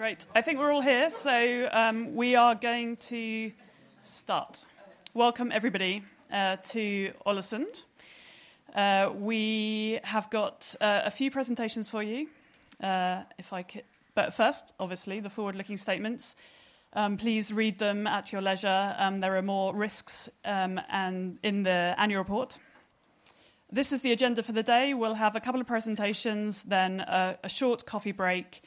Right, I think we're all here, so we are going to start. Welcome, everybody, to Ålesund. We have got a few presentations for you, if I could. But first, obviously, the forward-looking statements. Please read them at your leisure. There are more risks in the annual report. This is the agenda for the day. We'll have a couple of presentations, then a short coffee break.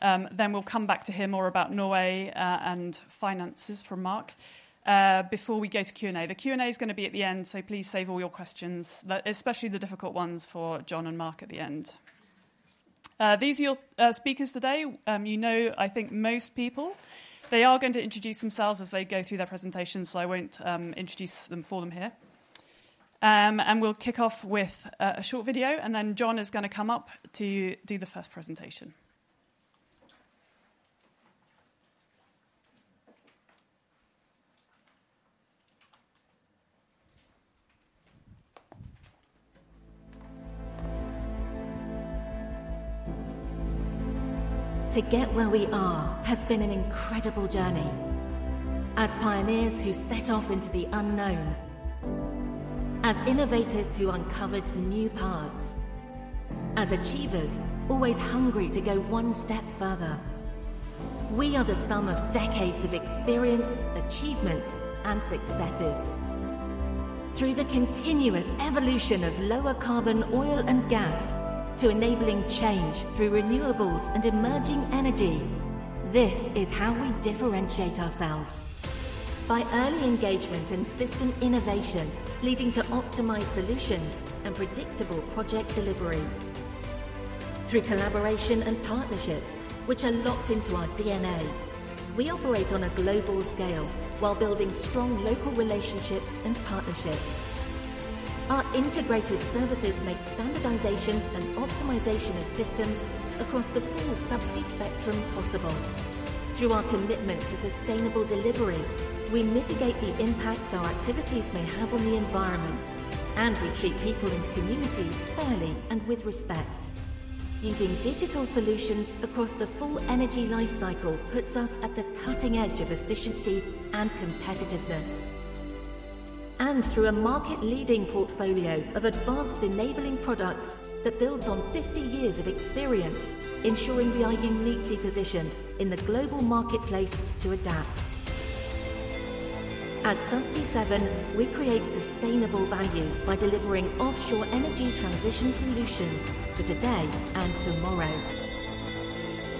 Then we'll come back to hear more about Norway and finances from Mark before we go to Q&A. The Q&A is going to be at the end, so please save all your questions, especially the difficult ones for John and Mark at the end. These are your speakers today. You know, I think, most people. They are going to introduce themselves as they go through their presentations, so I won't introduce them for them here. We'll kick off with a short video, and then John is going to come up to do the first presentation. To get where we are has been an incredible journey. As pioneers who set off into the unknown, as innovators who uncovered new paths, as achievers always hungry to go one step further, we are the sum of decades of experience, achievements, and successes. Through the continuous evolution of lower carbon oil and gas to enabling change through renewables and emerging energy, this is how we differentiate ourselves. By early engagement and system innovation leading to optimized solutions and predictable project delivery. Through collaboration and partnerships, which are locked into our DNA, we operate on a global scale while building strong local relationships and partnerships. Our integrated services make standardization and optimization of systems across the full subsea spectrum possible. Through our commitment to sustainable delivery, we mitigate the impacts our activities may have on the environment, and we treat people and communities fairly and with respect. Using digital solutions across the full energy life cycle puts us at the cutting edge of efficiency and competitiveness. Through a market-leading portfolio of advanced enabling products that builds on 50 years of experience, ensuring we are uniquely positioned in the global marketplace to adapt. At Subsea7, we create sustainable value by delivering offshore energy transition solutions for today and tomorrow.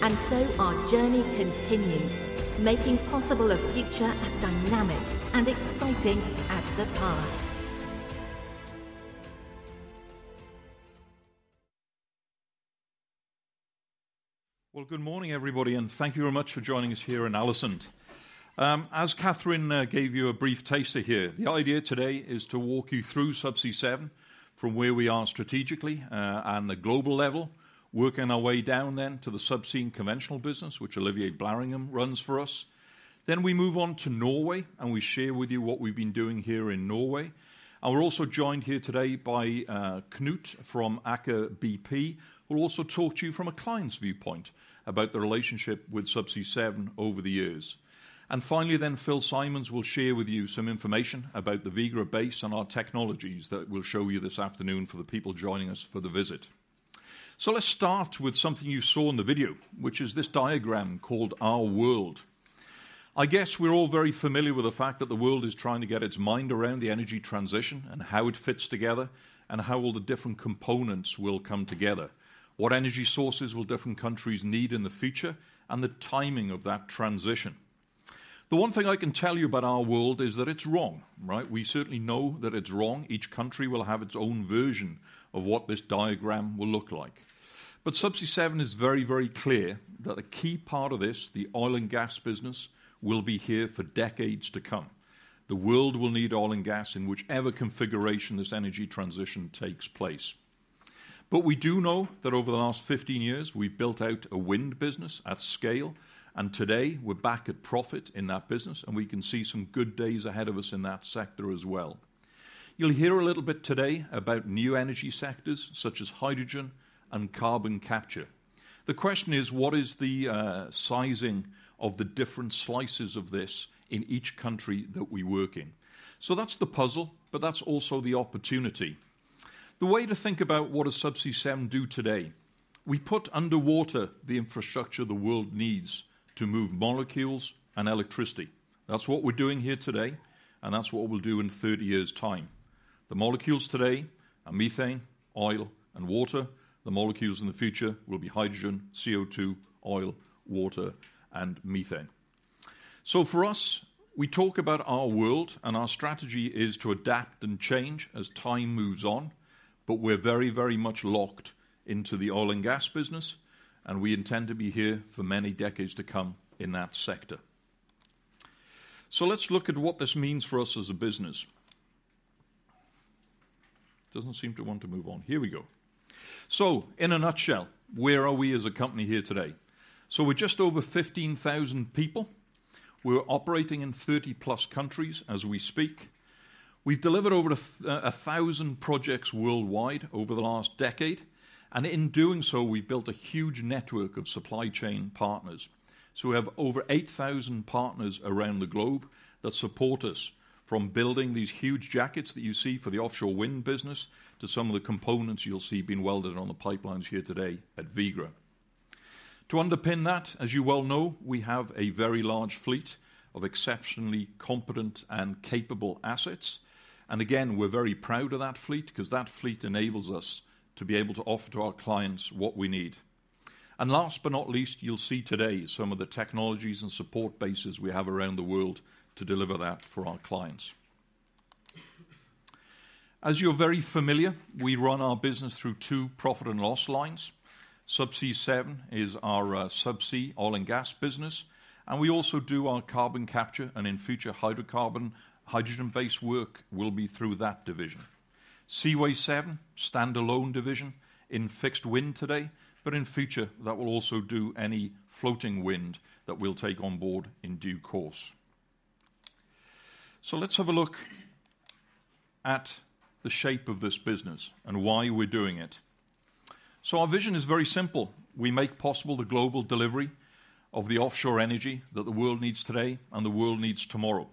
So our journey continues, making possible a future as dynamic and exciting as the past. Well, good morning, everybody, and thank you very much for joining us here in Ålesund. As Katherine gave you a brief taste of here, the idea today is to walk you through Subsea7 from where we are strategically and the global level, working our way down then to the Subsea and Conventional business, which Olivier Blaringhem runs for us. Then we move on to Norway, and we share with you what we've been doing here in Norway. And we're also joined here today by Knut from Aker BP, who will also talk to you from a client's viewpoint about the relationship with Subsea7 over the years. And finally then, Phil Simons will share with you some information about the Vigra base and our technologies that we'll show you this afternoon for the people joining us for the visit. So let's start with something you saw in the video, which is this diagram called Our World. I guess we're all very familiar with the fact that the world is trying to get its mind around the energy transition and how it fits together and how all the different components will come together. What energy sources will different countries need in the future and the timing of that transition? The one thing I can tell you about Our World is that it's wrong, right? We certainly know that it's wrong. Each country will have its own version of what this diagram will look like. But Subsea7 is very, very clear that a key part of this, the oil and gas business, will be here for decades to come. The world will need oil and gas in whichever configuration this energy transition takes place. But we do know that over the last 15 years, we've built out a wind business at scale, and today we're back at profit in that business, and we can see some good days ahead of us in that sector as well. You'll hear a little bit today about new energy sectors such as hydrogen and carbon capture. The question is, what is the sizing of the different slices of this in each country that we work in? So that's the puzzle, but that's also the opportunity. The way to think about what does Subsea7 do today? We put underwater the infrastructure the world needs to move molecules and electricity. That's what we're doing here today, and that's what we'll do in 30 years' time. The molecules today are methane, oil, and water. The molecules in the future will be hydrogen, CO2, oil, water, and methane. So for us, we talk about Our World, and our strategy is to adapt and change as time moves on, but we're very, very much locked into the oil and gas business, and we intend to be here for many decades to come in that sector. So let's look at what this means for us as a business. Doesn't seem to want to move on. Here we go. So in a nutshell, where are we as a company here today? So we're just over 15,000 people. We're operating in 30+ countries as we speak. We've delivered over 1,000 projects worldwide over the last decade, and in doing so, we've built a huge network of supply chain partners. So we have over 8,000 partners around the globe that support us from building these huge jackets that you see for the offshore wind business to some of the components you'll see being welded on the pipelines here today at Vigra. To underpin that, as you well know, we have a very large fleet of exceptionally competent and capable assets. And again, we're very proud of that fleet because that fleet enables us to be able to offer to our clients what we need. And last but not least, you'll see today some of the technologies and support bases we have around the world to deliver that for our clients. As you're very familiar, we run our business through two profit and loss lines. Subsea7 is our subsea oil and gas business, and we also do our carbon capture and in future, hydrocarbon and hydrogen-based work will be through that division. Seaway7, standalone division in fixed wind today, but in future, that will also do any floating wind that we'll take on board in due course. So let's have a look at the shape of this business and why we're doing it. So our vision is very simple. We make possible the global delivery of the offshore energy that the world needs today and the world needs tomorrow.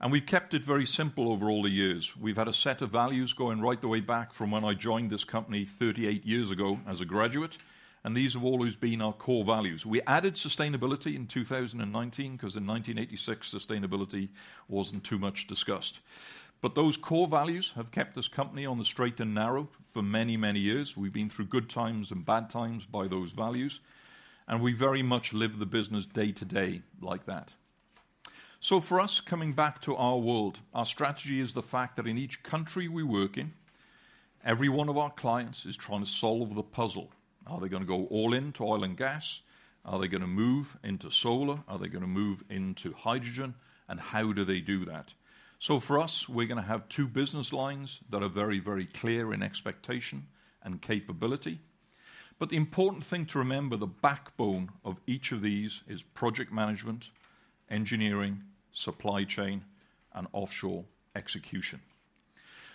And we've kept it very simple over all the years. We've had a set of values going right the way back from when I joined this company 38 years ago as a graduate, and these have always been our core values. We added sustainability in 2019 because in 1986, sustainability wasn't too much discussed. But those core values have kept this company on the straight and narrow for many, many years. We've been through good times and bad times by those values, and we very much live the business day to day like that. So for us, coming back to Our World, our strategy is the fact that in each country we work in, every one of our clients is trying to solve the puzzle. Are they going to go all into oil and gas? Are they going to move into solar? Are they going to move into hydrogen? And how do they do that? So for us, we're going to have two business lines that are very, very clear in expectation and capability. But the important thing to remember, the backbone of each of these is project management, engineering, supply chain, and offshore execution.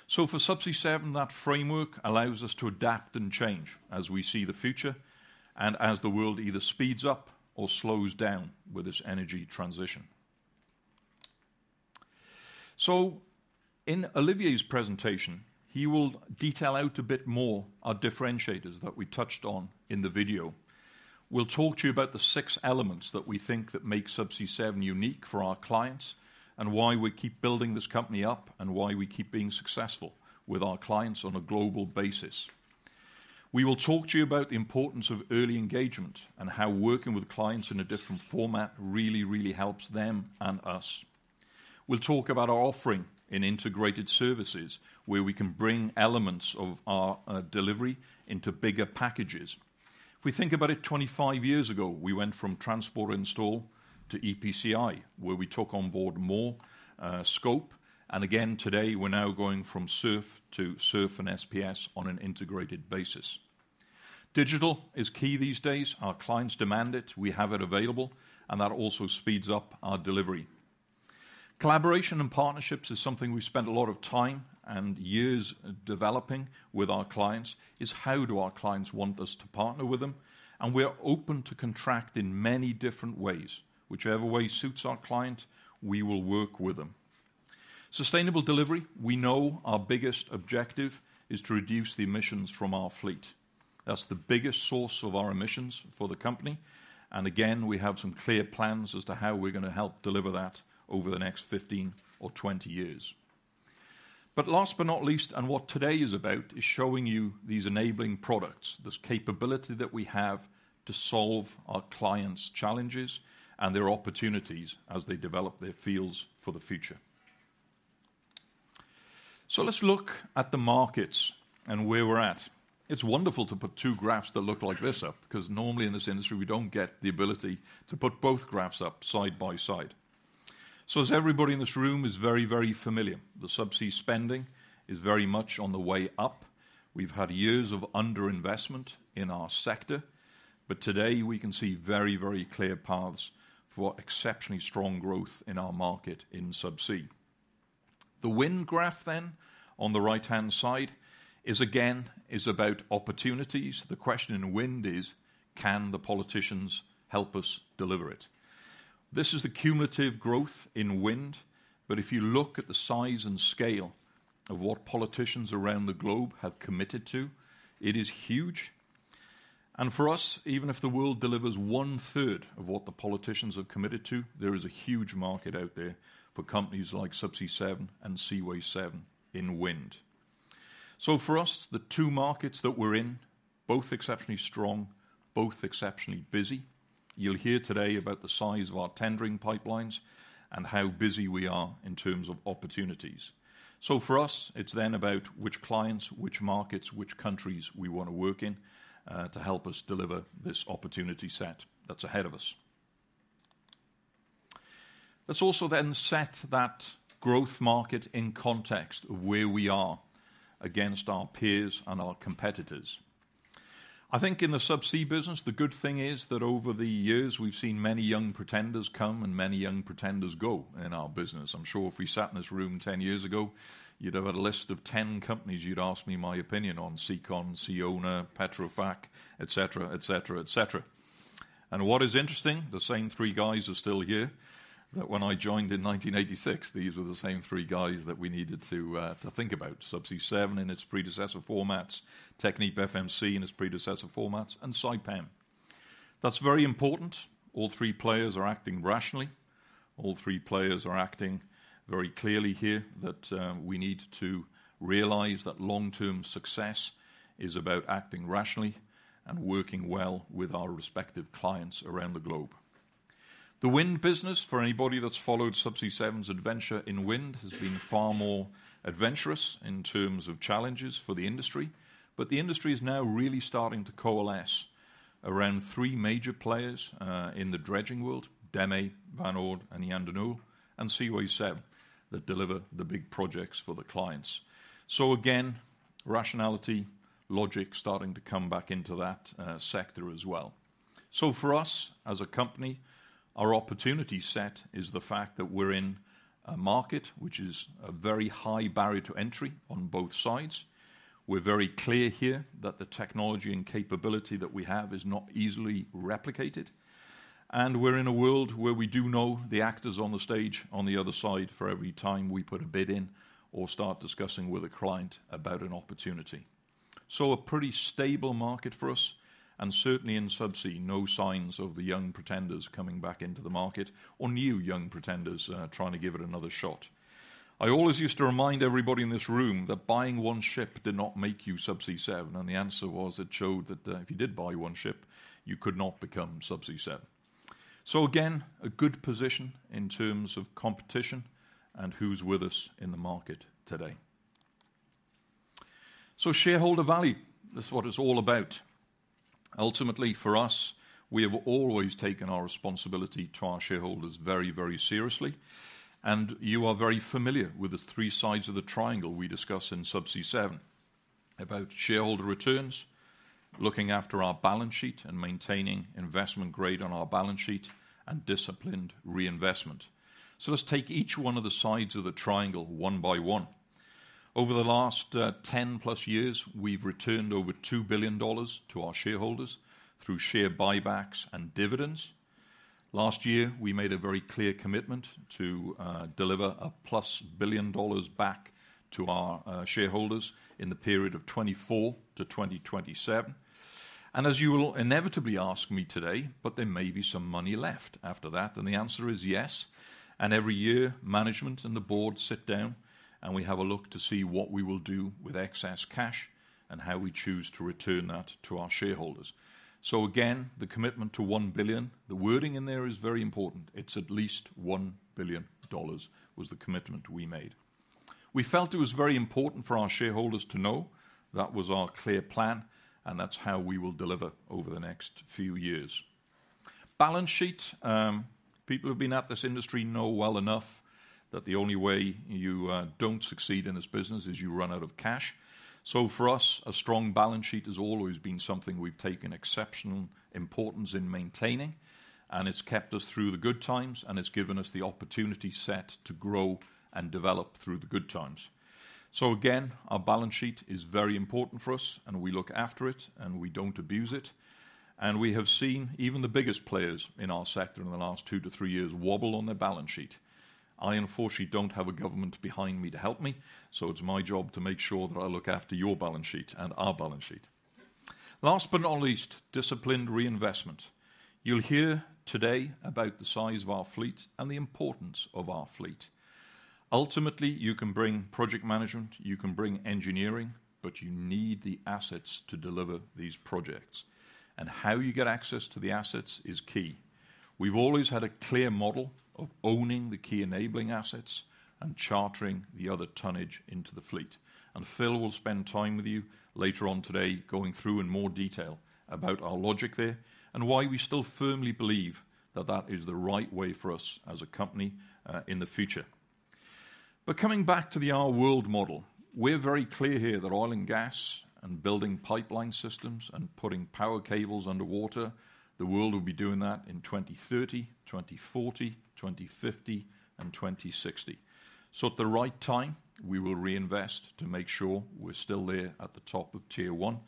So for Subsea7, that framework allows us to adapt and change as we see the future and as the world either speeds up or slows down with this energy transition. So in Olivier's presentation, he will detail out a bit more our differentiators that we touched on in the video. We'll talk to you about the six elements that we think that make Subsea7 unique for our clients and why we keep building this company up and why we keep being successful with our clients on a global basis. We will talk to you about the importance of early engagement and how working with clients in a different format really, really helps them and us. We'll talk about our offering in integrated services where we can bring elements of our delivery into bigger packages. If we think about it, 25 years ago, we went from transport install to EPCI, where we took on board more scope. Again, today, we're now going from SURF to SURF and SPS on an integrated basis. Digital is key these days. Our clients demand it. We have it available, and that also speeds up our delivery. Collaboration and partnerships is something we've spent a lot of time and years developing with our clients. It's how do our clients want us to partner with them, and we're open to contract in many different ways. Whichever way suits our client, we will work with them. Sustainable delivery, we know our biggest objective is to reduce the emissions from our fleet. That's the biggest source of our emissions for the company. And again, we have some clear plans as to how we're going to help deliver that over the next 15 or 20 years. But last but not least, and what today is about is showing you these enabling products, this capability that we have to solve our clients' challenges and their opportunities as they develop their fields for the future. So let's look at the markets and where we're at. It's wonderful to put two graphs that look like this up because normally in this industry, we don't get the ability to put both graphs up side by side. So as everybody in this room is very, very familiar, the subsea spending is very much on the way up. We've had years of underinvestment in our sector, but today we can see very, very clear paths for exceptionally strong growth in our market in subsea. The wind graph then on the right-hand side is again about opportunities. The question in wind is, can the politicians help us deliver it? This is the cumulative growth in wind, but if you look at the size and scale of what politicians around the globe have committed to, it is huge. For us, even if the world delivers one-third of what the politicians have committed to, there is a huge market out there for companies like Subsea7 and Seaway7 in wind. For us, the two markets that we're in, both exceptionally strong, both exceptionally busy. You'll hear today about the size of our tendering pipelines and how busy we are in terms of opportunities. For us, it's then about which clients, which markets, which countries we want to work in to help us deliver this opportunity set that's ahead of us. Let's also then set that growth market in context of where we are against our peers and our competitors. I think in the subsea business, the good thing is that over the years, we've seen many young pretenders come and many young pretenders go in our business. I'm sure if we sat in this room 10 years ago, you'd have had a list of 10 companies you'd ask me my opinion on: Cecon, Ceona, Petrofac, etc., etc., etc. What is interesting, the same three guys are still here that when I joined in 1986, these were the same three guys that we needed to think about: Subsea7 in its predecessor formats, TechnipFMC in its predecessor formats, and Saipem. That's very important. All three players are acting rationally. All three players are acting very clearly here that we need to realize that long-term success is about acting rationally and working well with our respective clients around the globe. The wind business, for anybody that's followed Subsea7's adventure in wind, has been far more adventurous in terms of challenges for the industry, but the industry is now really starting to coalesce around three major players in the dredging world: DEME, Van Oord, and Jan De Nul, and Seaway7 that deliver the big projects for the clients. So again, rationality, logic starting to come back into that sector as well. So for us as a company, our opportunity set is the fact that we're in a market which is a very high barrier to entry on both sides. We're very clear here that the technology and capability that we have is not easily replicated, and we're in a world where we do know the actors on the stage on the other side for every time we put a bid in or start discussing with a client about an opportunity. A pretty stable market for us, and certainly in subsea, no signs of the young pretenders coming back into the market or new young pretenders trying to give it another shot. I always used to remind everybody in this room that buying one ship did not make you Subsea7, and the answer was it showed that if you did buy one ship, you could not become Subsea7. Again, a good position in terms of competition and who's with us in the market today. Shareholder value, that's what it's all about. Ultimately, for us, we have always taken our responsibility to our shareholders very, very seriously, and you are very familiar with the three sides of the triangle we discuss in Subsea7 about shareholder returns, looking after our balance sheet and maintaining investment grade on our balance sheet, and disciplined reinvestment. So let's take each one of the sides of the triangle one by one. Over the last 10+ years, we've returned over $2 billion to our shareholders through share buybacks and dividends. Last year, we made a very clear commitment to deliver a $1+ billion back to our shareholders in the period of 2024 to 2027. As you will inevitably ask me today, but there may be some money left after that, and the answer is yes. Every year, management and the board sit down, and we have a look to see what we will do with excess cash and how we choose to return that to our shareholders. So again, the commitment to $1 billion, the wording in there is very important. It's at least $1 billion was the commitment we made. We felt it was very important for our shareholders to know that was our clear plan, and that's how we will deliver over the next few years. Balance sheet, people who've been at this industry know well enough that the only way you don't succeed in this business is you run out of cash. So for us, a strong balance sheet has always been something we've taken exceptional importance in maintaining, and it's kept us through the good times, and it's given us the opportunity set to grow and develop through the good times. So again, our balance sheet is very important for us, and we look after it, and we don't abuse it. And we have seen even the biggest players in our sector in the last 2-3 years wobble on their balance sheet. I, unfortunately, don't have a government behind me to help me, so it's my job to make sure that I look after your balance sheet and our balance sheet. Last but not least, disciplined reinvestment. You'll hear today about the size of our fleet and the importance of our fleet. Ultimately, you can bring project management, you can bring engineering, but you need the assets to deliver these projects, and how you get access to the assets is key. We've always had a clear model of owning the key enabling assets and chartering the other tonnage into the fleet. Phil will spend time with you later on today going through in more detail about our logic there and why we still firmly believe that that is the right way for us as a company in the future. Coming back to the Our World model, we're very clear here that oil and gas and building pipeline systems and putting power cables underwater, the world will be doing that in 2030, 2040, 2050, and 2060. So at the right time, we will reinvest to make sure we're still there at the top of tier one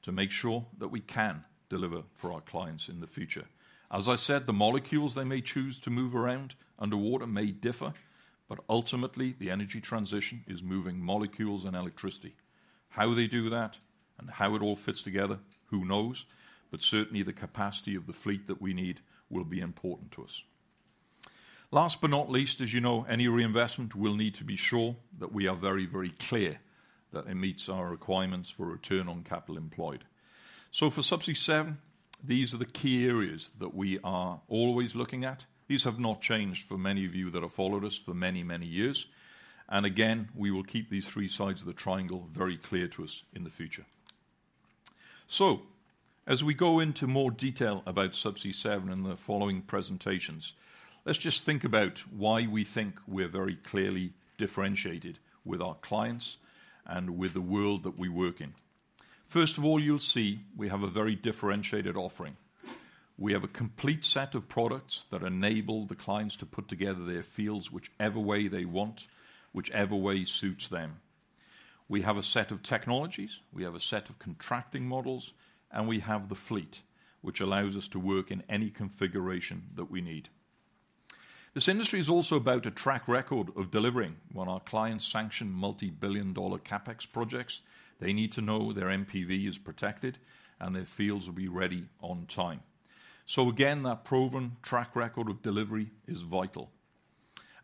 to make sure that we can deliver for our clients in the future. As I said, the molecules they may choose to move around underwater may differ, but ultimately, the energy transition is moving molecules and electricity. How they do that and how it all fits together, who knows, but certainly the capacity of the fleet that we need will be important to us. Last but not least, as you know, any reinvestment will need to be sure that we are very, very clear that it meets our requirements for return on capital employed. So for Subsea7, these are the key areas that we are always looking at. These have not changed for many of you that have followed us for many, many years. Again, we will keep these three sides of the triangle very clear to us in the future. So as we go into more detail about Subsea7 in the following presentations, let's just think about why we think we're very clearly differentiated with our clients and with the world that we work in. First of all, you'll see we have a very differentiated offering. We have a complete set of products that enable the clients to put together their fields whichever way they want, whichever way suits them. We have a set of technologies, we have a set of contracting models, and we have the fleet, which allows us to work in any configuration that we need. This industry is also about a track record of delivering. When our clients sanction multi-billion-dollar CapEx projects, they need to know their NPV is protected and their fields will be ready on time. So again, that proven track record of delivery is vital.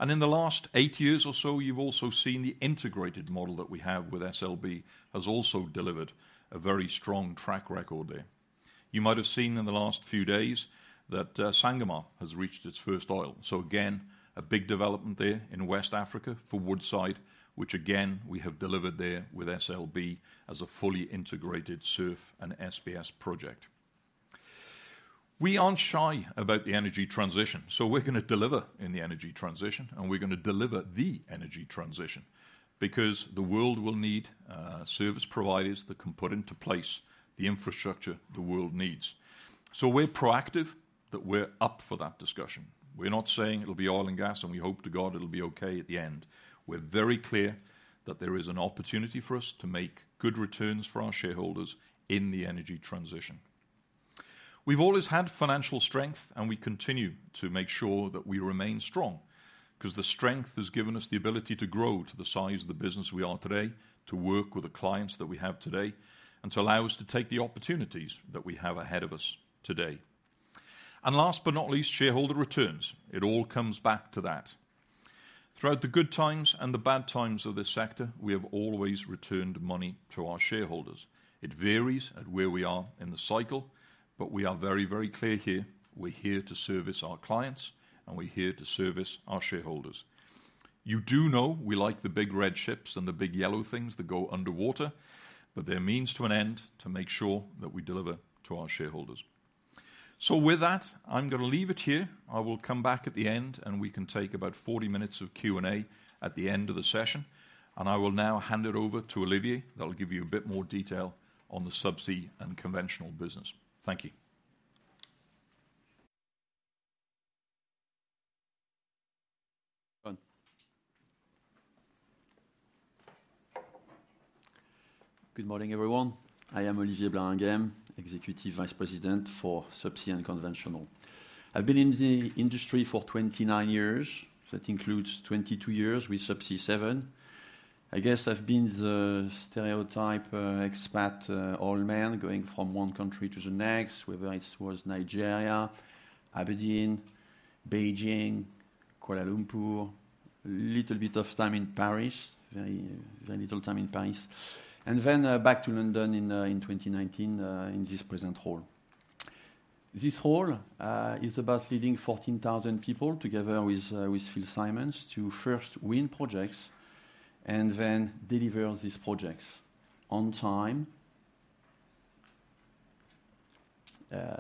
In the last eight years or so, you've also seen the integrated model that we have with SLB has also delivered a very strong track record there. You might have seen in the last few days that Sangamar has reached its first oil. So again, a big development there in West Africa for Woodside, which again, we have delivered there with SLB as a fully integrated SURF and SPS project. We aren't shy about the energy transition, so we're going to deliver in the energy transition, and we're going to deliver the energy transition because the world will need service providers that can put into place the infrastructure the world needs. So we're proactive that we're up for that discussion. We're not saying it'll be oil and gas, and we hope to God it'll be okay at the end. We're very clear that there is an opportunity for us to make good returns for our shareholders in the energy transition. We've always had financial strength, and we continue to make sure that we remain strong because the strength has given us the ability to grow to the size of the business we are today, to work with the clients that we have today, and to allow us to take the opportunities that we have ahead of us today. And last but not least, shareholder returns. It all comes back to that. Throughout the good times and the bad times of this sector, we have always returned money to our shareholders. It varies at where we are in the cycle, but we are very, very clear here. We're here to service our clients, and we're here to service our shareholders. You do know we like the big red ships and the big yellow things that go underwater, but they're means to an end to make sure that we deliver to our shareholders. So with that, I'm going to leave it here. I will come back at the end, and we can take about 40 minutes of Q&A at the end of the session, and I will now hand it over to Olivier that'll give you a bit more detail on the subsea and conventional business. Thank you. Good morning, everyone. I am Olivier Blaringhem, Executive Vice President for Subsea and Conventional. I've been in the industry for 29 years. That includes 22 years with Subsea7. I guess I've been the stereotype expat old man going from one country to the next, whether it was Nigeria, Aberdeen, Beijing, Kuala Lumpur, a little bit of time in Paris, very little time in Paris, and then back to London in 2019 in this present role. This role is about leading 14,000 people together with Phil Simons to first win projects and then deliver these projects on time,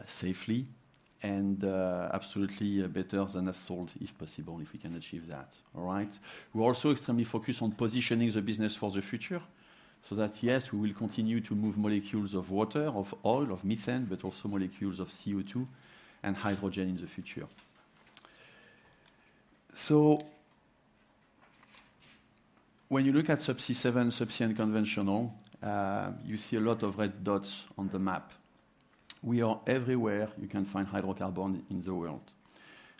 safely, and absolutely better than as sold if possible, if we can achieve that, all right? We're also extremely focused on positioning the business for the future so that, yes, we will continue to move molecules of water, of oil, of methane, but also molecules of CO2 and hydrogen in the future. So when you look at Subsea7, Subsea and Conventional, you see a lot of red dots on the map. We are everywhere you can find hydrocarbon in the world.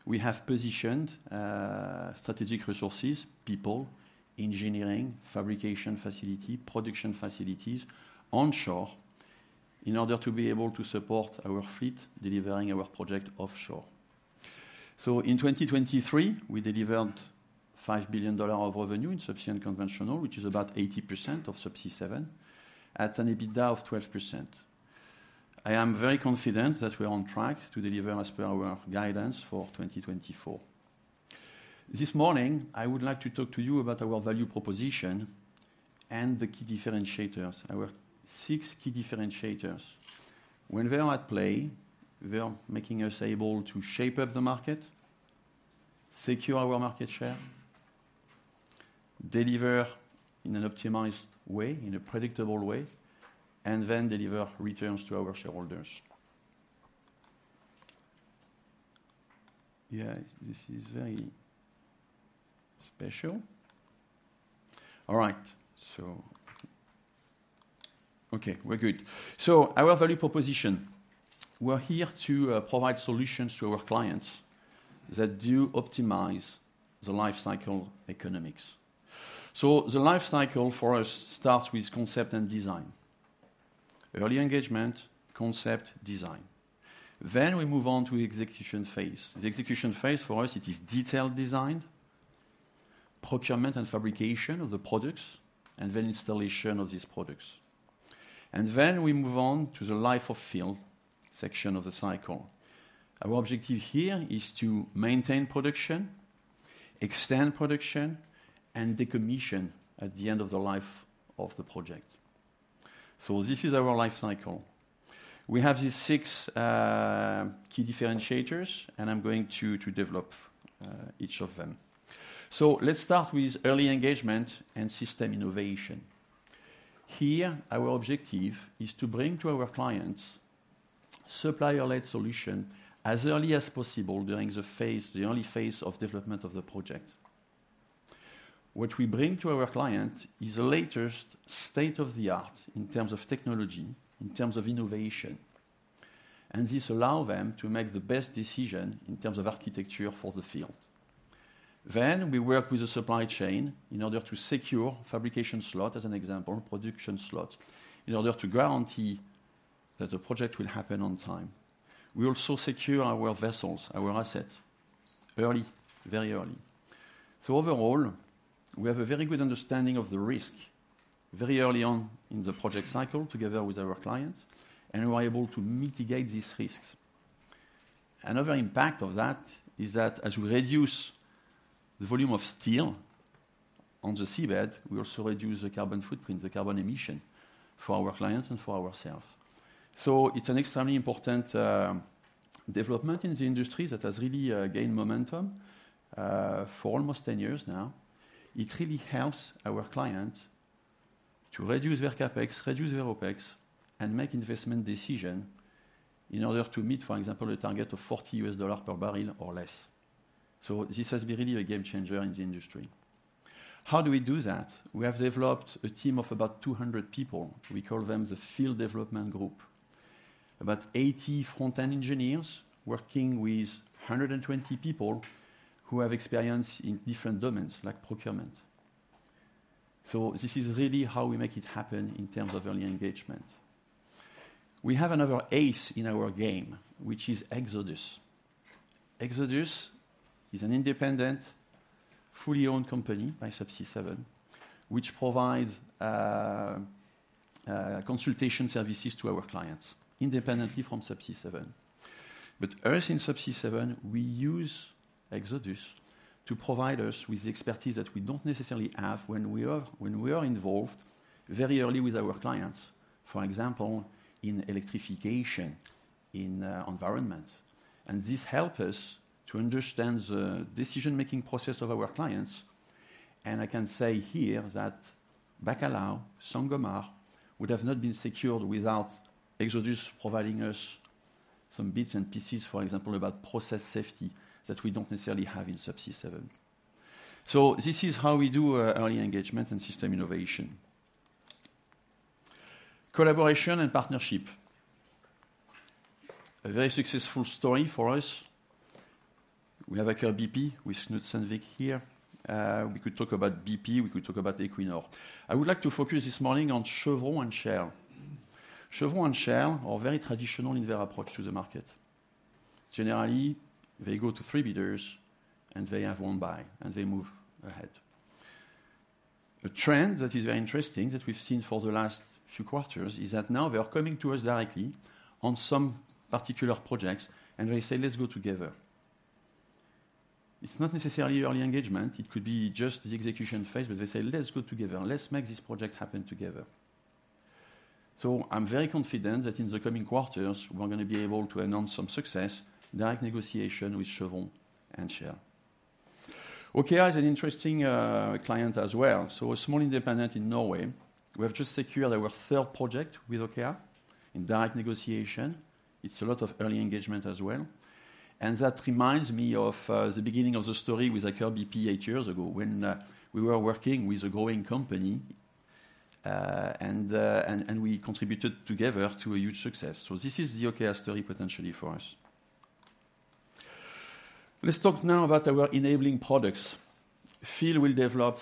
We have positioned strategic resources, people, engineering, fabrication facility, production facilities onshore in order to be able to support our fleet delivering our project offshore. So in 2023, we delivered $5 billion of revenue in Subsea and Conventional, which is about 80% of Subsea7 at an EBITDA of 12%. I am very confident that we are on track to deliver as per our guidance for 2024. This morning, I would like to talk to you about our value proposition and the key differentiators, our six key differentiators. When they are at play, they are making us able to shape up the market, secure our market share, deliver in an optimized way, in a predictable way, and then deliver returns to our shareholders. Yeah, this is very special. All right. So, okay, we're good. Our value proposition, we're here to provide solutions to our clients that do optimize the life cycle economics. The life cycle for us starts with concept and design, early engagement, concept, design. Then we move on to execution phase. The execution phase for us, it is detailed design, procurement and fabrication of the products, and then installation of these products. And then we move on to the Life of Field section of the cycle. Our objective here is to maintain production, extend production, and decommission at the end of the life of the project. This is our life cycle. We have these six key differentiators, and I'm going to develop each of them. Let's start with early engagement and system innovation. Here, our objective is to bring to our clients supplier-led solution as early as possible during the phase, the early phase of development of the project. What we bring to our client is the latest state of the art in terms of technology, in terms of innovation, and this allows them to make the best decision in terms of architecture for the field. Then we work with the supply chain in order to secure fabrication slot, as an example, production slot, in order to guarantee that the project will happen on time. We also secure our vessels, our assets, early, very early. So overall, we have a very good understanding of the risk very early on in the project cycle together with our clients, and we are able to mitigate these risks. Another impact of that is that as we reduce the volume of steel on the seabed, we also reduce the carbon footprint, the carbon emission for our clients and for ourselves. So it's an extremely important development in the industry that has really gained momentum for almost 10 years now. It really helps our clients to reduce their CapEx, reduce their OpEx, and make investment decisions in order to meet, for example, a target of $40 per barrel or less. So this has been really a game changer in the industry. How do we do that? We have developed a team of about 200 people. We call them the Field Development Group, about 80 front-end engineers working with 120 people who have experience in different domains like procurement. So this is really how we make it happen in terms of early engagement. We have another ace in our game, which is Xodus. Xodus is an independent, fully owned company by Subsea7, which provides consultation services to our clients independently from Subsea7. But us in Subsea7, we use Xodus to provide us with the expertise that we don't necessarily have when we are involved very early with our clients, for example, in electrification, in environments. And this helps us to understand the decision-making process of our clients. And I can say here that Bacalhau, Sangomar would have not been secured without Xodus providing us some bits and pieces, for example, about process safety that we don't necessarily have in Subsea7. So this is how we do early engagement and system innovation. Collaboration and partnership. A very successful story for us. We have a collab with Knut Sandvik here. We could talk about BP, we could talk about Equinor. I would like to focus this morning on Chevron and Shell. Chevron and Shell are very traditional in their approach to the market. Generally, they go to three bidders and they have one buy, and they move ahead. A trend that is very interesting that we've seen for the last few quarters is that now they are coming to us directly on some particular projects and they say, "Let's go together." It's not necessarily early engagement. It could be just the execution phase, but they say, "Let's go together. Let's make this project happen together." So I'm very confident that in the coming quarters, we're going to be able to announce some success, direct negotiation with Chevron and Shell. OKEA is an interesting client as well. So a small independent in Norway, we have just secured our third project with OKEA in direct negotiation. It's a lot of early engagement as well. That reminds me of the beginning of the story with Aker BP eight years ago when we were working with a growing company and we contributed together to a huge success. This is the OKEA story potentially for us. Let's talk now about our enabling products. Phil will develop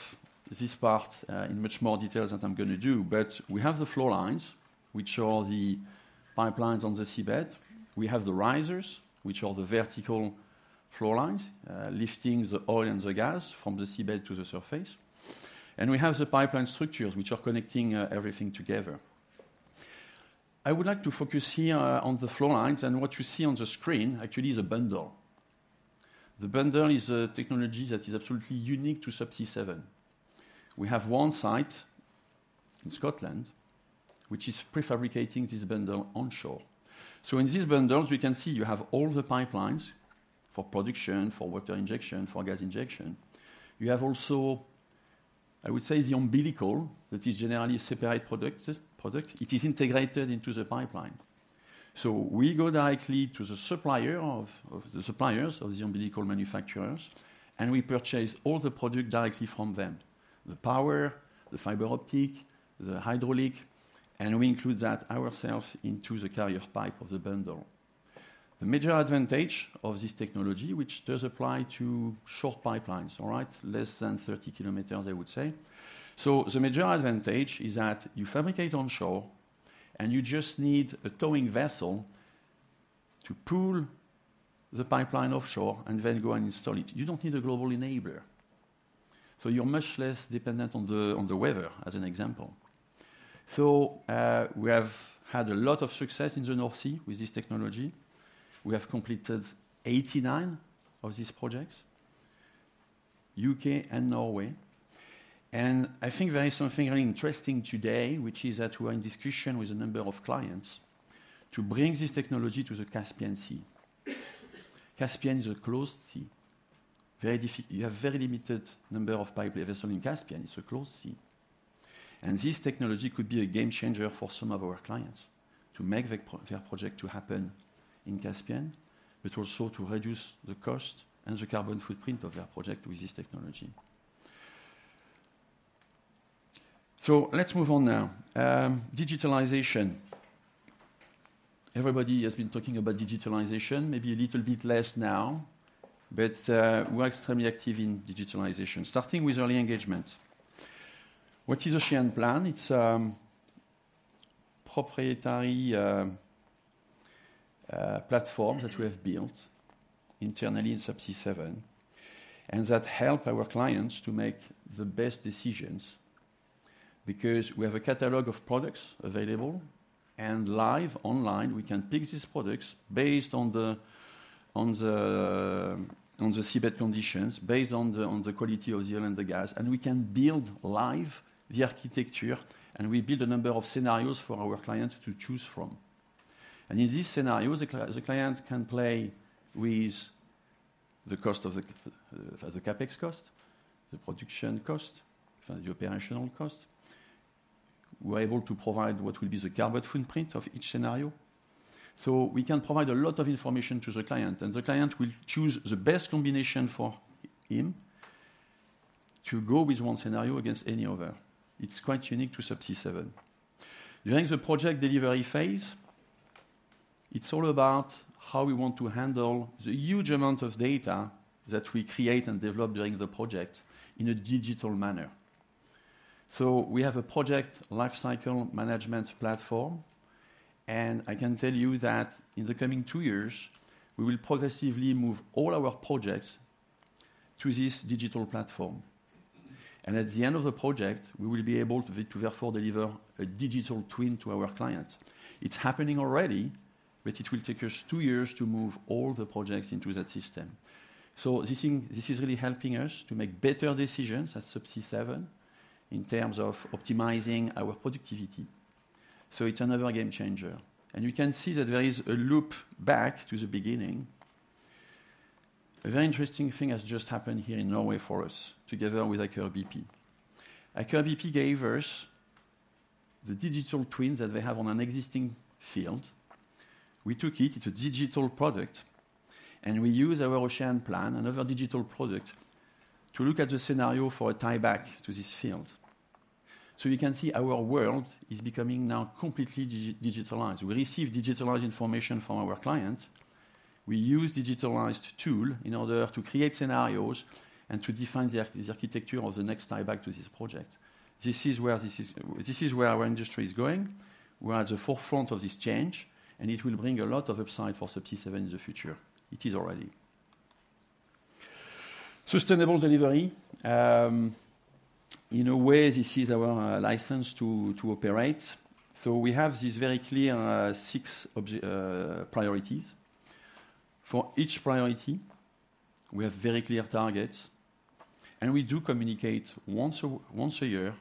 this part in much more detail than I'm going to do, but we have the flowlines, which are the pipelines on the seabed. We have the risers, which are the vertical flowlines lifting the oil and the gas from the seabed to the surface. And we have the pipeline structures, which are connecting everything together. I would like to focus here on the flowlines and what you see on the screen actually is a bundle. The bundle is a technology that is absolutely unique to Subsea7. We have one site in Scotland, which is prefabricating this bundle onshore. So in these bundles, we can see you have all the pipelines for production, for water injection, for gas injection. You have also, I would say, the umbilical that is generally a separate product. It is integrated into the pipeline. So we go directly to the suppliers of the umbilical manufacturers, and we purchase all the product directly from them, the power, the fiber optic, the hydraulic, and we include that ourselves into the carrier pipe of the bundle. The major advantage of this technology, which does apply to short pipelines, all right, less than 30 km, I would say. So the major advantage is that you fabricate onshore and you just need a towing vessel to pull the pipeline offshore and then go and install it. You don't need a global enabler. So you're much less dependent on the weather, as an example. So we have had a lot of success in the North Sea with this technology. We have completed 89 of these projects, U.K. and Norway. And I think there is something really interesting today, which is that we are in discussion with a number of clients to bring this technology to the Caspian Sea. Caspian is a closed sea. You have a very limited number of pipelines in Caspian. It's a closed sea. And this technology could be a game changer for some of our clients to make their project happen in Caspian, but also to reduce the cost and the carbon footprint of their project with this technology. So let's move on now. Digitalization. Everybody has been talking about digitalization, maybe a little bit less now, but we're extremely active in digitalization, starting with early engagement. What is OceanPlan? It's a proprietary platform that we have built internally in Subsea7 and that helps our clients to make the best decisions because we have a catalog of products available and live, online. We can pick these products based on the seabed conditions, based on the quality of the oil and the gas, and we can build live the architecture and we build a number of scenarios for our clients to choose from. In these scenarios, the client can play with the cost of the CapEx cost, the production cost, the operational cost. We're able to provide what would be the carbon footprint of each scenario. So we can provide a lot of information to the client, and the client will choose the best combination for him to go with one scenario against any other. It's quite unique to Subsea7. During the project delivery phase, it's all about how we want to handle the huge amount of data that we create and develop during the project in a digital manner. So we have a project life cycle management platform, and I can tell you that in the coming two years, we will progressively move all our projects to this digital platform. And at the end of the project, we will be able to therefore deliver a digital twin to our clients. It's happening already, but it will take us two years to move all the projects into that system. So this is really helping us to make better decisions at Subsea7 in terms of optimizing our productivity. So it's another game changer. And you can see that there is a loop back to the beginning. A very interesting thing has just happened here in Norway for us together with Aker BP. Aker BP gave us the digital twins that they have on an existing field. We took it, it's a digital product, and we use our OceanPlan and other digital products to look at the scenario for a tieback to this field. So you can see our world is becoming now completely digitalized. We receive digitalized information from our clients. We use digitalized tools in order to create scenarios and to define the architecture of the next tieback to this project. This is where our industry is going. We're at the forefront of this change, and it will bring a lot of upside for Subsea7 in the future. It is already. Sustainable delivery. In a way, this is our license to operate. So we have these very clear six priorities. For each priority, we have very clear targets, and we do communicate once a year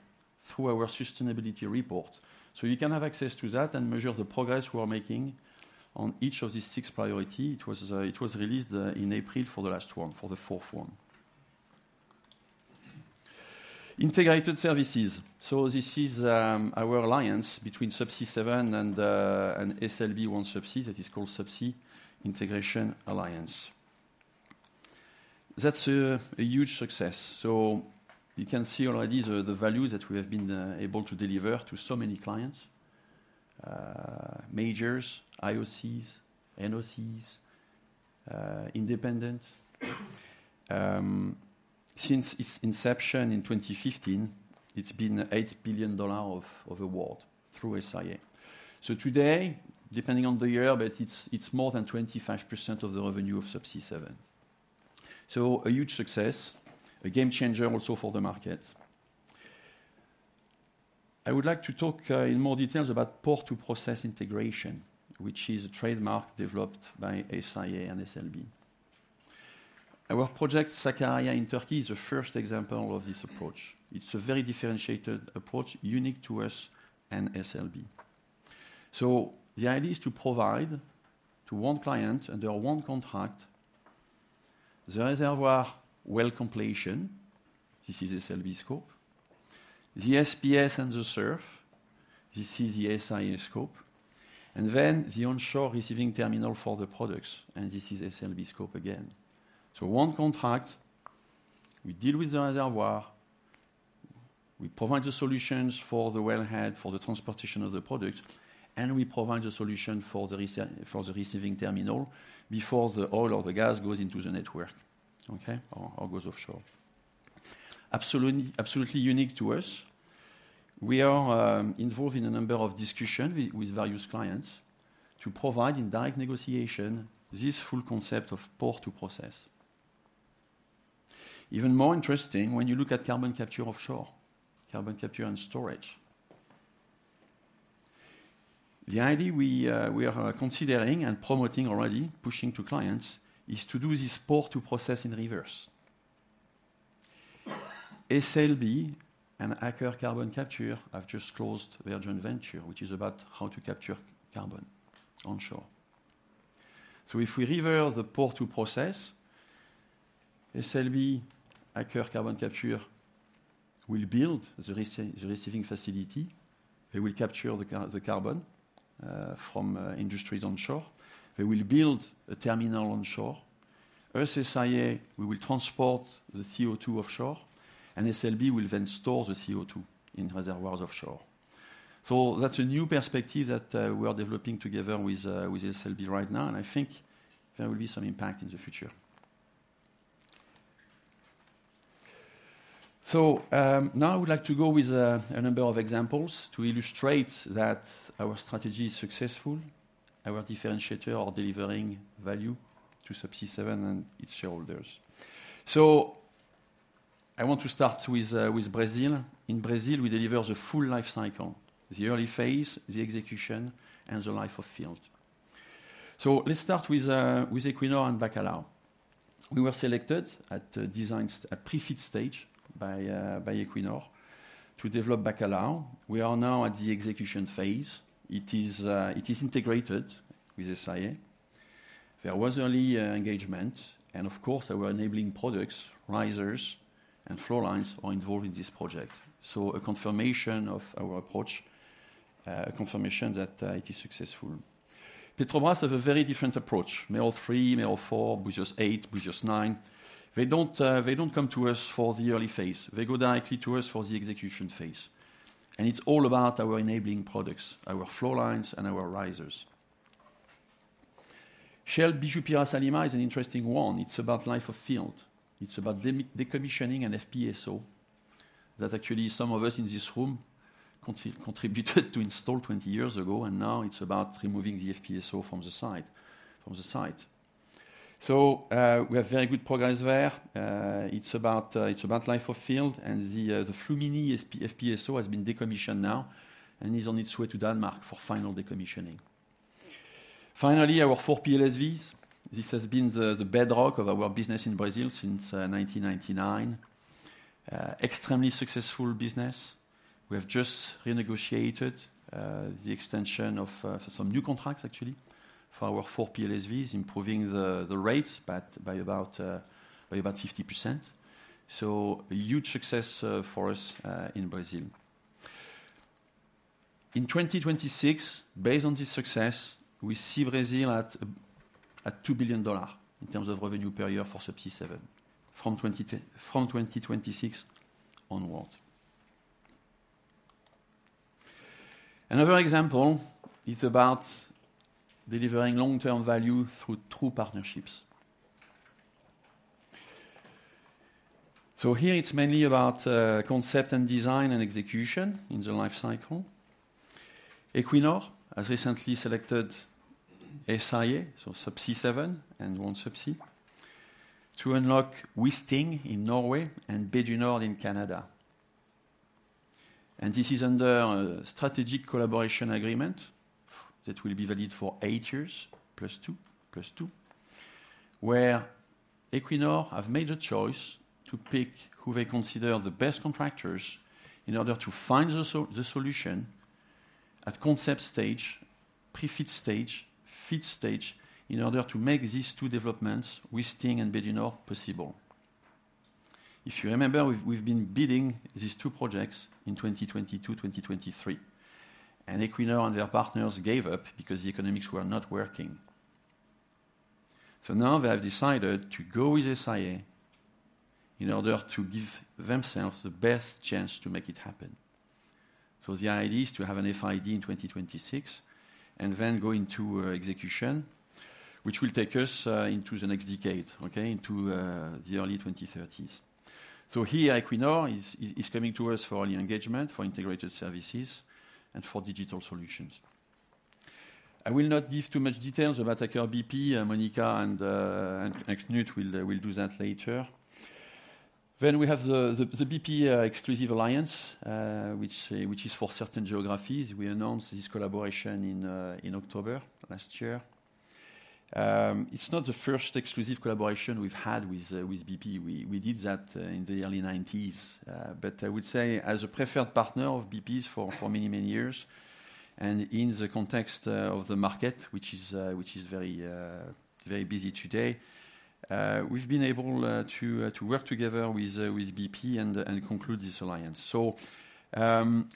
through our sustainability report. So you can have access to that and measure the progress we're making on each of these 6 priorities. It was released in April for the last one, for the fourth one. Integrated services. So this is our alliance between Subsea7 and SLB OneSubsea that is called Subsea Integration Alliance. That's a huge success. So you can see already the value that we have been able to deliver to so many clients, majors, IOCs, NOCs, independents. Since its inception in 2015, it's been $8 billion of award through SIA. So today, depending on the year, but it's more than 25% of the revenue of Subsea7. So a huge success, a game changer also for the market. I would like to talk in more Pore-to-Process integration, which is a trademark developed by SIA and SLB. Our project Sakarya in Turkey is a first example of this approach. It's a very differentiated approach, unique to us and SLB. So the idea is to provide to one client under one contract the reservoir well completion. This is SLB scope. The SPS and the SURF, this is the SIA scope. And then the onshore receiving terminal for the products, and this is SLB scope again. So one contract, we deal with the reservoir, we provide the solutions for the wellhead, for the transportation of the products, and we provide the solution for the receiving terminal before the oil or the gas goes into the network, okay, or goes offshore. Absolutely unique to us. We are involved in a number of discussions with various clients to provide in direct negotiation this full Pore-to-Process. Even more interesting when you look at carbon capture offshore, carbon capture and storage. The idea we are considering and promoting already, pushing to clients, is to Pore-to-Process in reverse. SLB and Aker Carbon Capture have just closed their joint venture, which is about how to capture carbon onshore. So if we Pore-to-Process, SLB, Aker Carbon Capture will build the receiving facility. They will capture the carbon from industries onshore. They will build a terminal onshore. Us SIA, we will transport the CO2 offshore, and SLB will then store the CO2 in reservoirs offshore. So that's a new perspective that we are developing together with SLB right now, and I think there will be some impact in the future. So now I would like to go with a number of examples to illustrate that our strategy is successful, our differentiator of delivering value to Subsea7 and its shareholders. So I want to start with Brazil. In Brazil, we deliver the full life cycle, the early phase, the execution, and the life of field. So let's start with Equinor and Bacalhau. We were selected at pre-FEED stage by Equinor to develop Bacalhau. We are now at the execution phase. It is integrated with SIA. There was early engagement, and of course, our enabling products, risers, and flowlines are involved in this project. So a confirmation of our approach, a confirmation that it is successful. Petrobras has a very different approach. Mero 3, Mero 4, Búzios 8, Búzios 9. They don't come to us for the early phase. They go directly to us for the execution phase. It's all about our enabling products, our flowlines, and our Shell Bijupirá-Salema is an interesting one. It's about Life of Field. It's about decommissioning an FPSO that actually some of us in this room contributed to install 20 years ago, and now it's about removing the FPSO from the site. So we have very good progress there. It's about Life of Field, and the Fluminense FPSO has been decommissioned now and is on its way to Denmark for final decommissioning. Finally, our four PLSVs. This has been the bedrock of our business in Brazil since 1999. Extremely successful business. We have just renegotiated the extension of some new contracts, actually, for our four PLSVs, improving the rates by about 50%. So a huge success for us in Brazil. In 2026, based on this success, we see Brazil at $2 billion in terms of revenue per year for Subsea7 from 2026 onward. Another example is about delivering long-term value through true partnerships. So here, it's mainly about concept and design and execution in the life cycle. Equinor has recently selected SIA, so Subsea7 and OneSubsea, to unlock Wisting in Norway and Bay du Nord in Canada. And this is under a strategic collaboration agreement that will be valid for eight years plus two, where Equinor has made a choice to pick who they consider the best contractors in order to find the solution at concept stage, pre-FEED stage, FEED stage in order to make these two developments, Wisting and Bay du Nord, possible. If you remember, we've been bidding these two projects in 2022, 2023, and Equinor and their partners gave up because the economics were not working. So now they have decided to go with SIA in order to give themselves the best chance to make it happen. So the idea is to have an FID in 2026 and then go into execution, which will take us into the next decade, okay, into the early 2030s. So here, Equinor is coming to us for early engagement, for integrated services, and for digital solutions. I will not give too much details about Aker BP. Monica and Knut will do that later. Then we have the BP Exclusive Alliance, which is for certain geographies. We announced this collaboration in October last year. It's not the first exclusive collaboration we've had with BP. We did that in the early 1990s, but I would say as a preferred partner of BP for many, many years. In the context of the market, which is very busy today, we've been able to work together with BP and conclude this alliance. So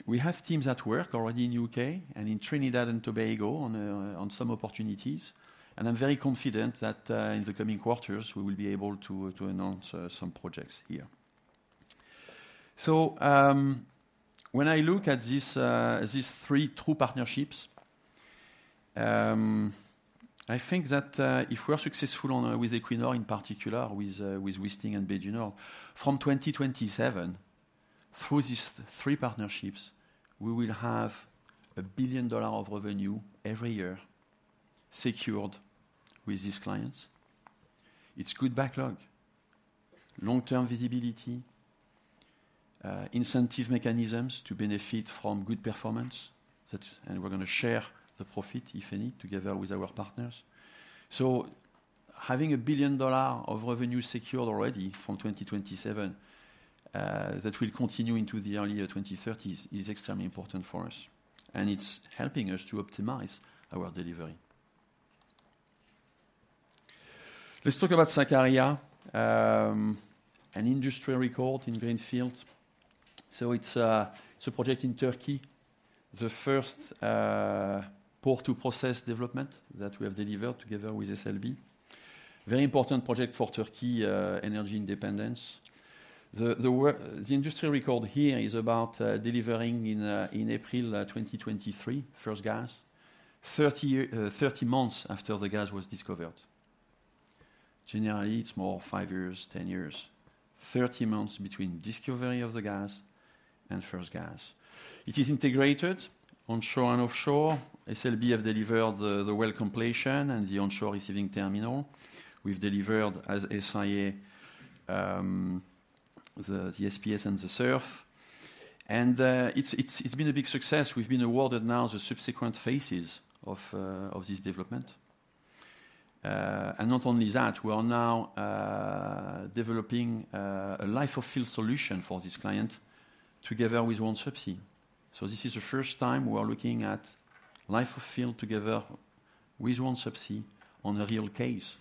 we have teams at work already in the U.K. and in Trinidad and Tobago on some opportunities. And I'm very confident that in the coming quarters, we will be able to announce some projects here. So when I look at these three true partnerships, I think that if we're successful with Equinor in particular, with Wisting and Bay du Nord, from 2027, through these three partnerships, we will have $1 billion of revenue every year secured with these clients. It's good backlog, long-term visibility, incentive mechanisms to benefit from good performance. And we're going to share the profit, if any, together with our partners. So having $1 billion of revenue secured already from 2027 that will continue into the early 2030s is extremely important for us. And it's helping us to optimize our delivery. Let's talk about Sakarya, an industry record in Greenfield. So it's a project in Turkey, Pore-to-Process development that we have delivered together with SLB. Very important project for Turkey energy independence. The industry record here is about delivering in April 2023 first gas, 30 months after the gas was discovered. Generally, it's more five years, 10 years, 30 months between discovery of the gas and first gas. It is integrated onshore and offshore. SLB have delivered the well completion and the onshore receiving terminal. We've delivered as SIA the SPS and the SURF. And it's been a big success. We've been awarded now the subsequent phases of this development. And not only that, we are now developing a Life of Field solution for this client together with OneSubsea. So this is the first time we are looking at Life of Field together with OneSubsea on a real case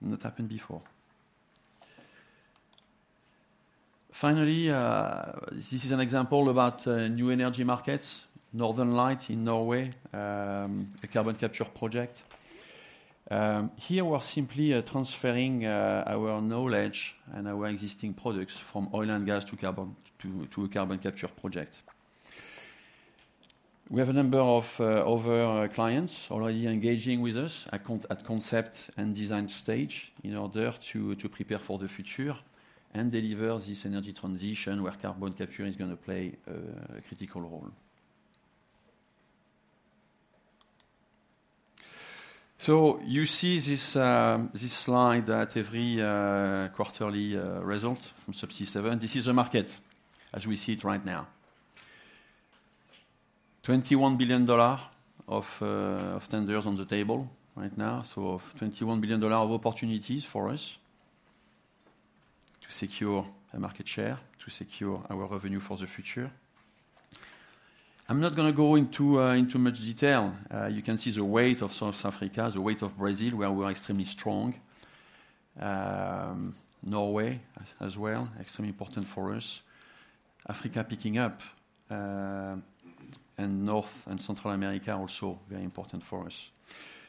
that happened before. Finally, this is an example about new energy markets, Northern Lights in Norway, a carbon capture project. Here, we're simply transferring our knowledge and our existing products from oil and gas to a carbon capture project. We have a number of other clients already engaging with us at concept and design stage in order to prepare for the future and deliver this energy transition where carbon capture is going to play a critical role. So you see this slide that every quarterly result from Subsea7. This is a market as we see it right now. $21 billion of tenders on the table right now, so $21 billion of opportunities for us to secure a market share, to secure our revenue for the future. I'm not going to go into much detail. You can see the weight of South Africa, the weight of Brazil, where we're extremely strong. Norway as well, extremely important for us. Africa picking up and North and Central America also very important for us.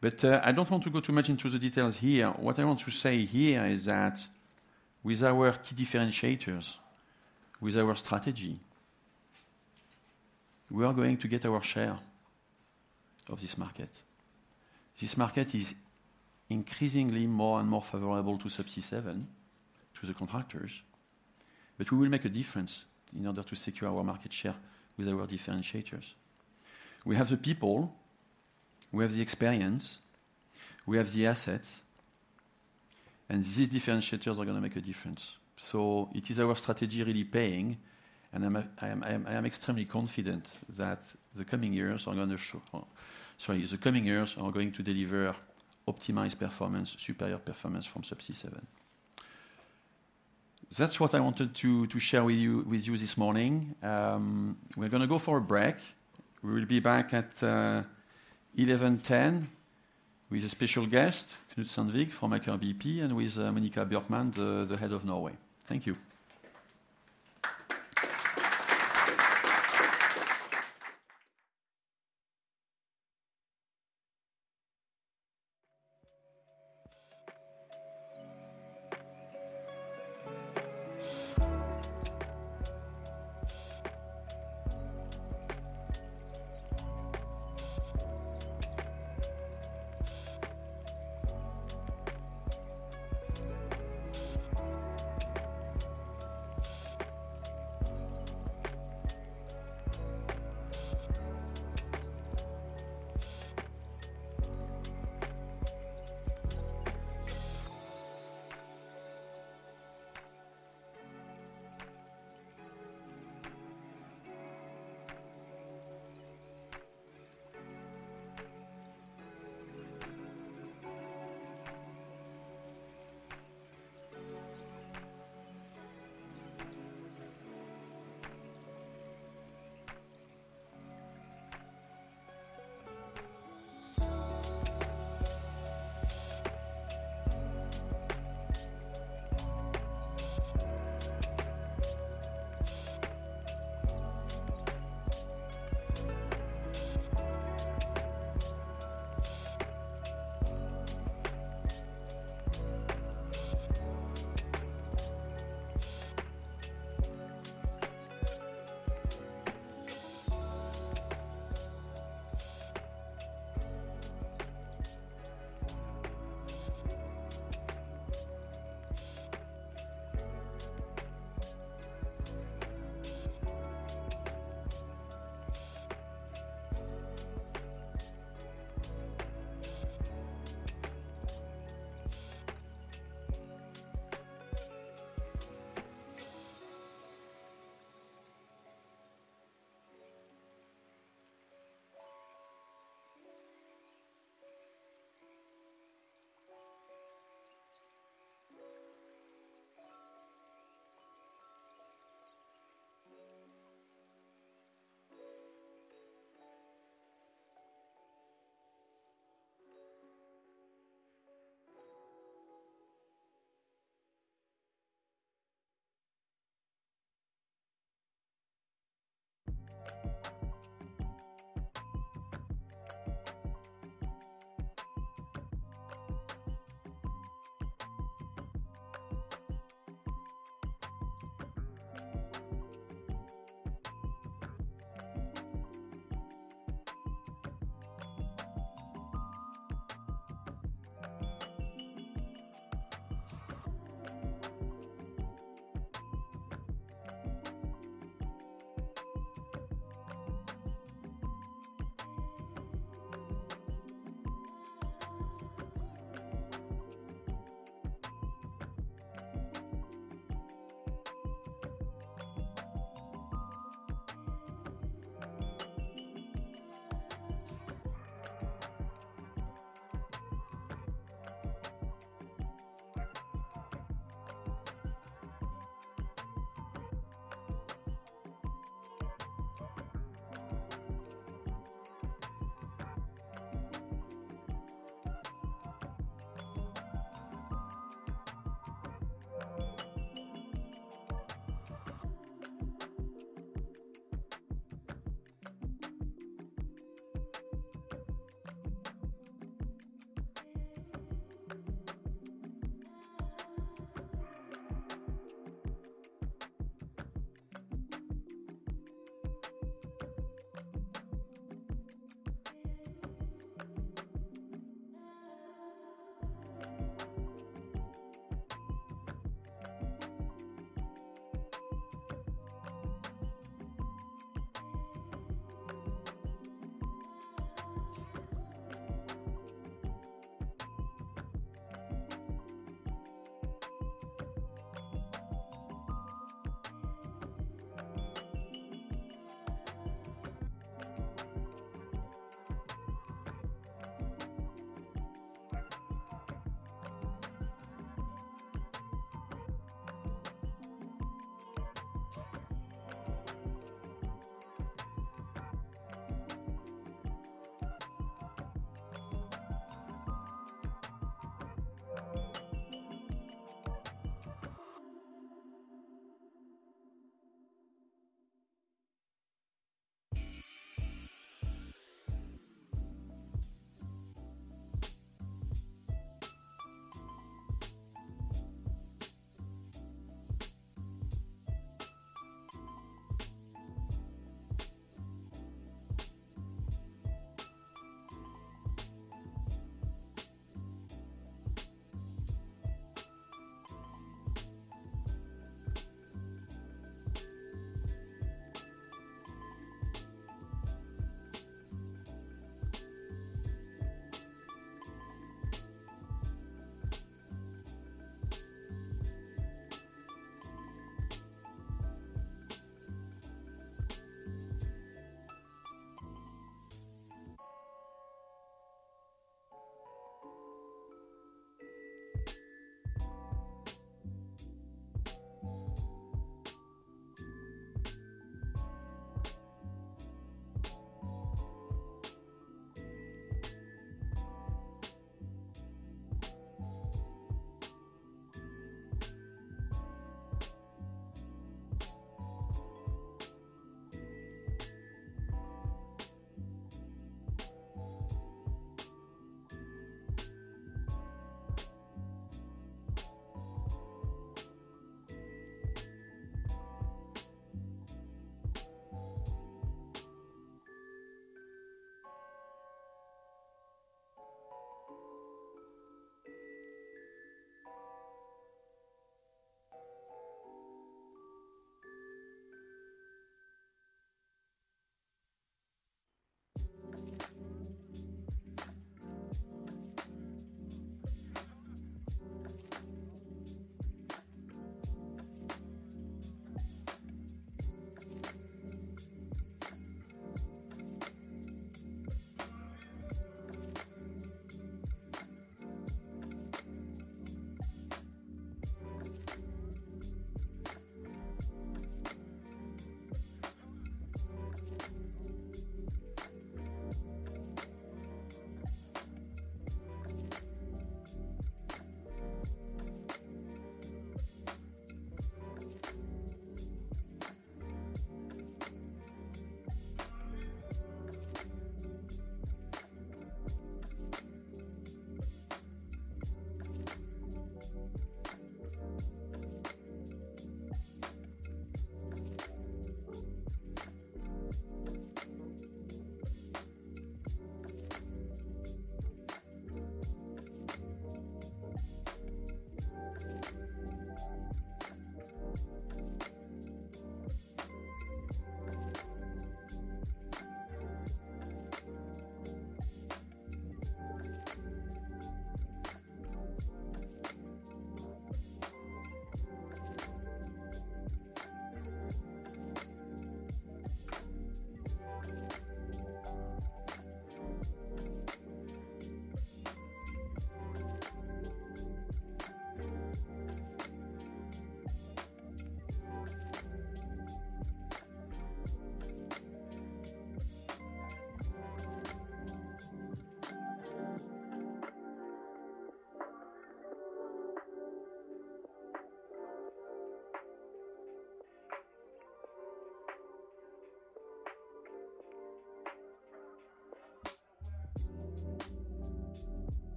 But I don't want to go too much into the details here. What I want to say here is that with our key differentiators, with our strategy, we are going to get our share of this market. This market is increasingly more and more favorable to Subsea7, to the contractors, but we will make a difference in order to secure our market share with our differentiators. We have the people, we have the experience, we have the assets, and these differentiators are going to make a difference. So it is our strategy really paying, and I am extremely confident that the coming years are going to show, sorry, the coming years are going to deliver optimized performance, superior performance from Subsea7. That's what I wanted to share with you this morning. We're going to go for a break. We will be back at 11:10 A.M. with a special guest, Knut Sandvik from Aker BP, and with Monica Bjørkmann, the head of Norway. Thank you.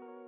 It's okay.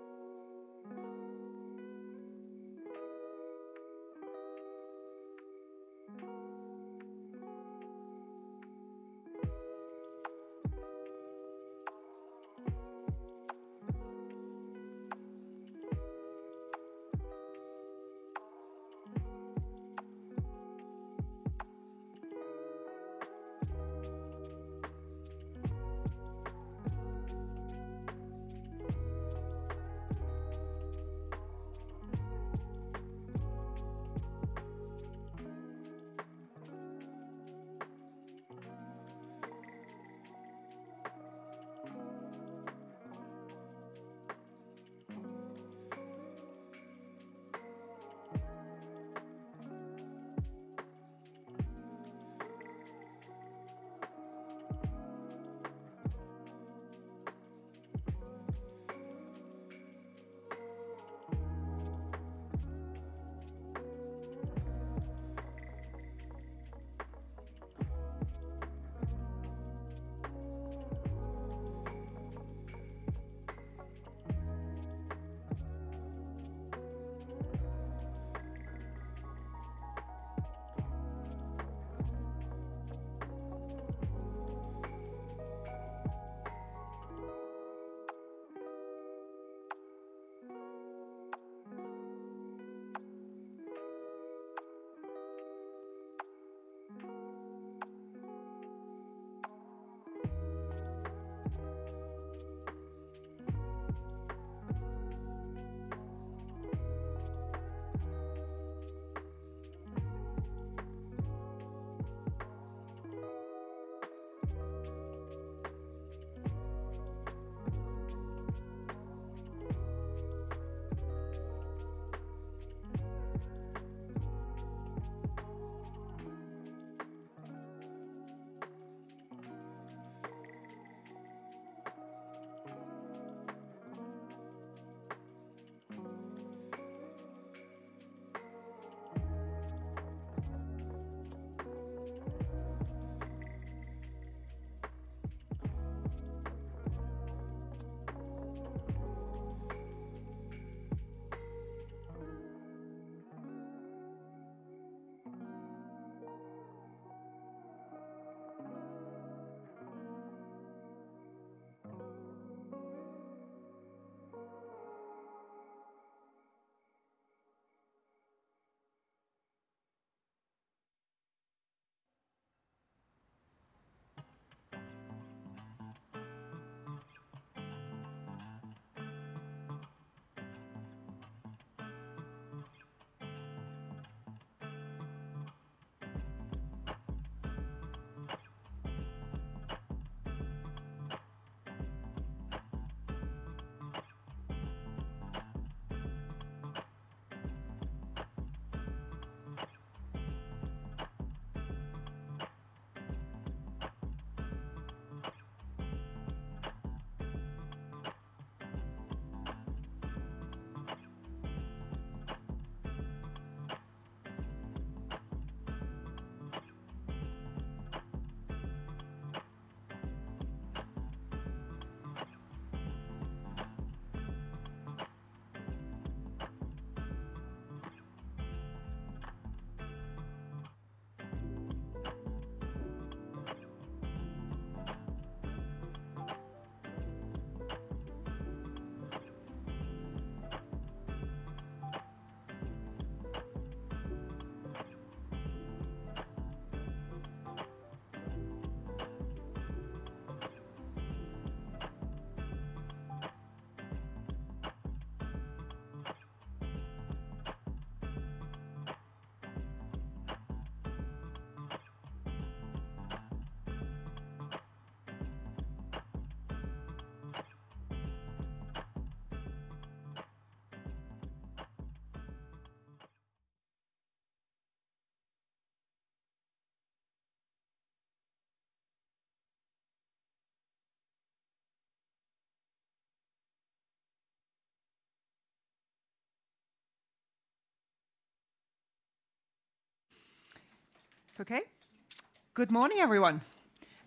Good morning, everyone,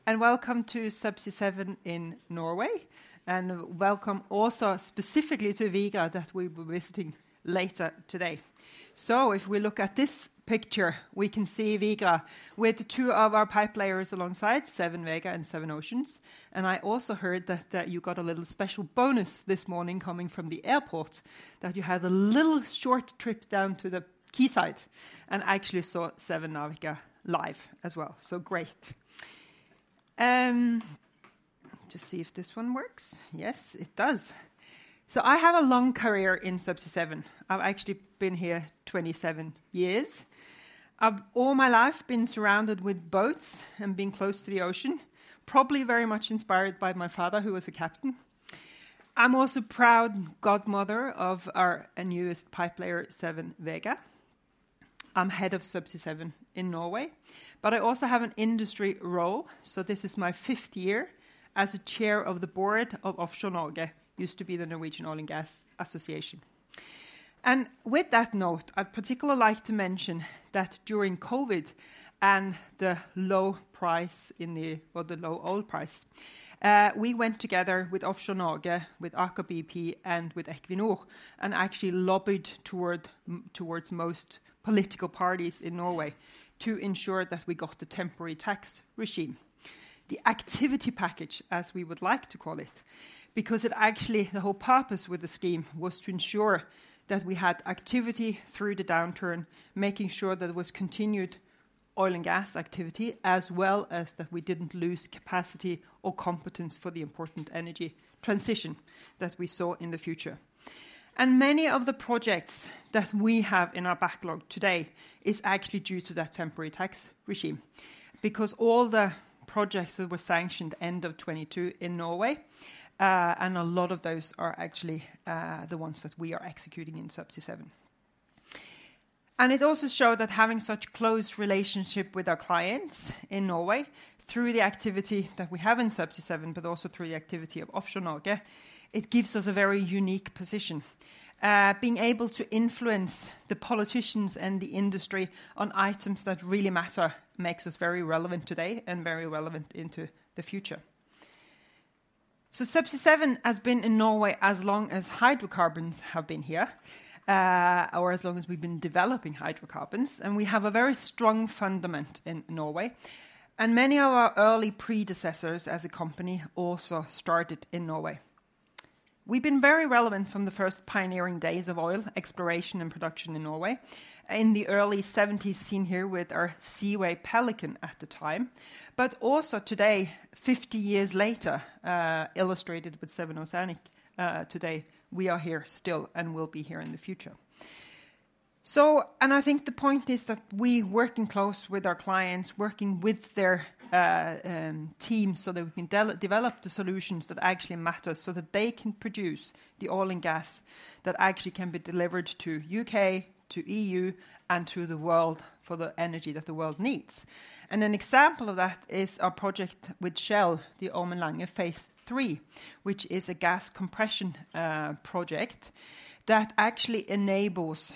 and welcome to Subsea7 in Norway, and welcome also specifically to Vigra that we will be visiting later today. So if we look at this picture, we can see Vigra with two of our pipe layers alongside, Seven Vega and Seven Oceans. I also heard that you got a little special bonus this morning coming from the airport, that you had a little short trip down to the quayside and actually saw Seven Navica live as well. So great. And to see if this one works. Yes, it does. So I have a long career in Subsea7. I've actually been here 27 years. I've all my life been surrounded with boats and been close to the ocean, probably very much inspired by my father, who was a captain. I'm also proud godmother of our newest pipe layer, Seven Vega. I'm head of Subsea7 in Norway, but I also have an industry role. So this is my fifth year as a chair of the board of Offshore Norge, used to be the Norwegian Oil and Gas Association. With that note, I'd particularly like to mention that during COVID and the low price in the, or the low oil price, we went together with Offshore Norge, with Aker BP and with Equinor, and actually lobbied towards most political parties in Norway to ensure that we got the temporary tax regime, the Activity Package, as we would like to call it, because it actually, the whole purpose with the scheme was to ensure that we had activity through the downturn, making sure that it was continued oil and gas activity, as well as that we didn't lose capacity or competence for the important energy transition that we saw in the future. Many of the projects that we have in our backlog today is actually due to that temporary tax regime, because all the projects that were sanctioned end of 2022 in Norway, and a lot of those are actually the ones that we are executing in Subsea7. It also showed that having such a close relationship with our clients in Norway through the activity that we have in Subsea7, but also through the activity of Offshore Norge, it gives us a very unique position. Being able to influence the politicians and the industry on items that really matter makes us very relevant today and very relevant into the future. So Subsea7 has been in Norway as long as hydrocarbons have been here, or as long as we've been developing hydrocarbons, and we have a very strong fundament in Norway. Many of our early predecessors as a company also started in Norway. We've been very relevant from the first pioneering days of oil exploration and production in Norway, in the early 1970s seen here with our Seaway Falcon at the time, but also today, 50 years later, illustrated with Seven Oceanic today, we are here still and will be here in the future. I think the point is that we're working close with our clients, working with their teams so that we can develop the solutions that actually matter so that they can produce the oil and gas that actually can be delivered to the U.K., to the E.U., and to the world for the energy that the world needs. An example of that is our project with Shell, the Ormen Lange Phase III, which is a gas compression project that actually enables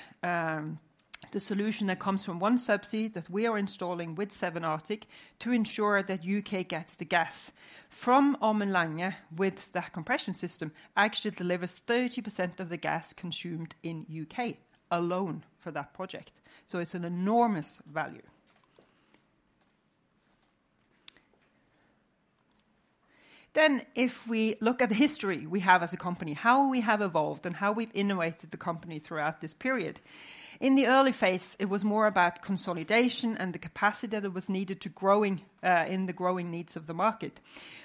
the solution that comes from OneSubsea that we are installing with Seven Arctic to ensure that the U.K. gets the gas from Ormen Lange with that compression system, actually delivers 30% of the gas consumed in the U.K. alone for that project. So it's an enormous value. If we look at the history we have as a company, how we have evolved and how we've innovated the company throughout this period. In the early phase, it was more about consolidation and the capacity that was needed to grow in the growing needs of the market.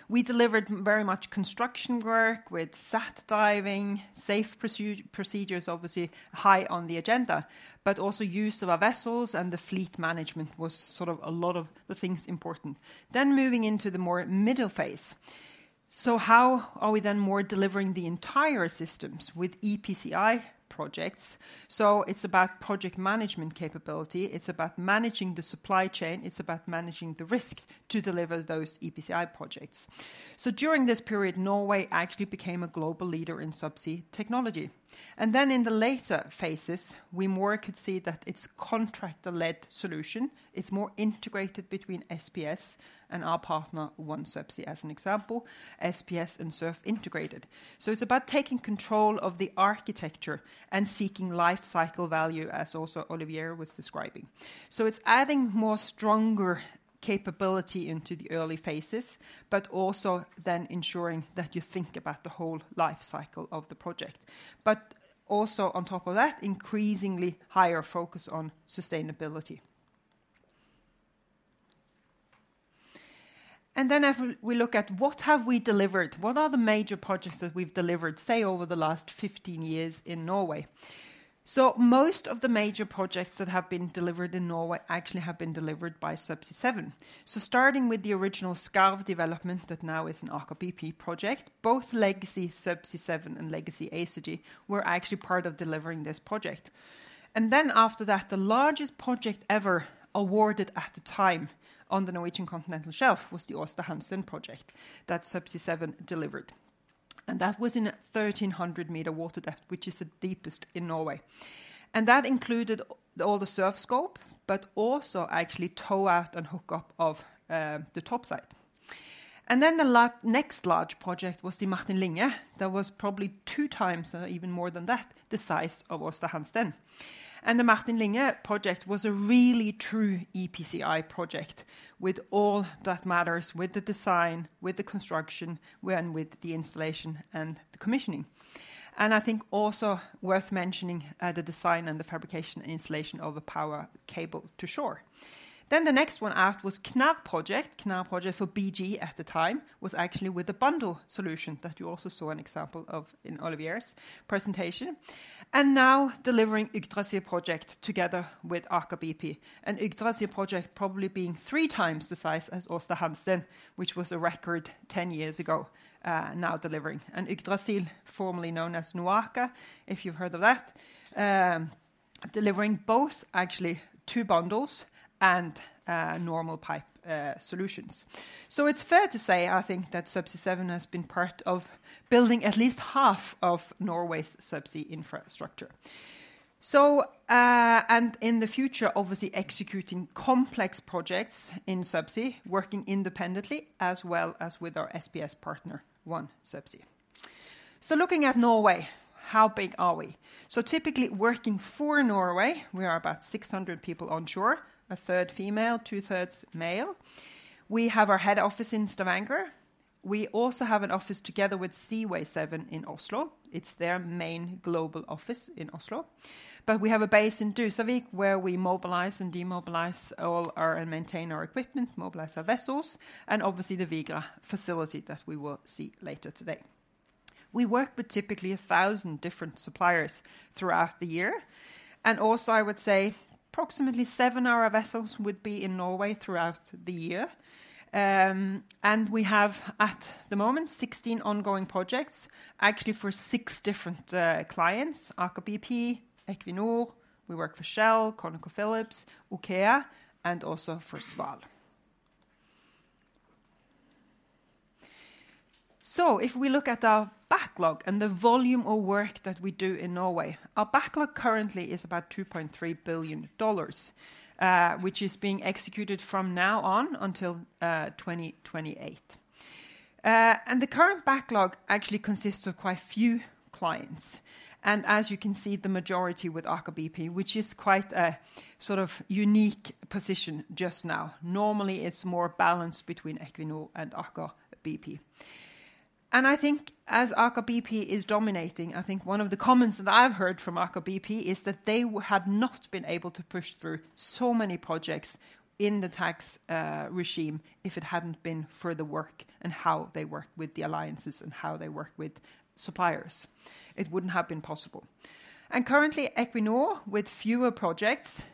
We delivered very much construction work with Sat diving, safe procedures obviously high on the agenda, but also use of our vessels and the fleet management was sort of a lot of the things important. Then moving into the more middle phase. So how are we then more delivering the entire systems with EPCI projects? So it's about project management capability. It's about managing the supply chain. It's about managing the risk to deliver those EPCI projects. So during this period, Norway actually became a global leader in subsea technology. And then in the later phases, we more could see that it's a contractor-led solution. It's more integrated between SPS and our partner, OneSubsea as an example, SPS and SURF Integrated. So it's about taking control of the architecture and seeking life cycle value, as also Olivier was describing. So it's adding more stronger capability into the early phases, but also then ensuring that you think about the whole life cycle of the project. But also on top of that, increasingly higher focus on sustainability. And then if we look at what have we delivered, what are the major projects that we've delivered, say, over the last 15 years in Norway? So most of the major projects that have been delivered in Norway actually have been delivered by Subsea7. So starting with the original Skarv development that now is an Aker BP project, both Legacy Subsea7 and Legacy Acergy were actually part of delivering this project. And then after that, the largest project ever awarded at the time on the Norwegian continental shelf was the Aasta Hansteen project that Subsea7 delivered. And that was in a 1,300-meter water depth, which is the deepest in Norway. And that included all the SURF scope, but also actually tow out and hook up of the topside. And then the next large project was the Martin Linge. That was probably two times or even more than that, the size of Aasta Hansteen. And the Martin Linge project was a really true EPCI project with all that matters with the design, with the construction, and with the installation and the commissioning. And I think also worth mentioning the design and the fabrication and installation of a power cable to shore. Then the next one out was Knarr project. Knarr project for BG at the time was actually with a bundle solution that you also saw an example of in Olivier's presentation. And now delivering Yggdrasil project together with Aker BP. The Yggdrasil project probably being three times the size as Aasta Hansteen, which was a record 10 years ago, now delivering. Yggdrasil, formerly known as NOAKA, if you've heard of that, delivering both actually two bundles and normal pipe solutions. So it's fair to say, I think, that Subsea7 has been part of building at least half of Norway's subsea infrastructure. In the future, obviously executing complex projects in subsea, working independently as well as with our SPS partner, OneSubsea. Looking at Norway, how big are we? Typically working for Norway, we are about 600 people onshore, a third female, two thirds male. We have our head office in Stavanger. We also have an office together with Seaway7 in Oslo. It's their main global office in Oslo. But we have a base in Dusavik where we mobilize and demobilize all our and maintain our equipment, mobilize our vessels, and obviously the Vigra facility that we will see later today. We work with typically 1,000 different suppliers throughout the year. And also I would say approximately 7 of our vessels would be in Norway throughout the year. And we have at the moment 16 ongoing projects, actually for 6 different clients, Aker BP, Equinor, we work for Shell, ConocoPhillips, OKEA, and also for Sval Energi. So if we look at our backlog and the volume of work that we do in Norway, our backlog currently is about $2.3 billion, which is being executed from now on until 2028. And the current backlog actually consists of quite a few clients. As you can see, the majority with Aker BP, which is quite a sort of unique position just now. Normally it's more balanced between Equinor and Aker BP. I think as Aker BP is dominating, I think one of the comments that I've heard from Aker BP is that they had not been able to push through so many projects in the tax regime if it hadn't been for the work and how they work with the alliances and how they work with suppliers. It wouldn't have been possible. Currently Equinor with fewer projects,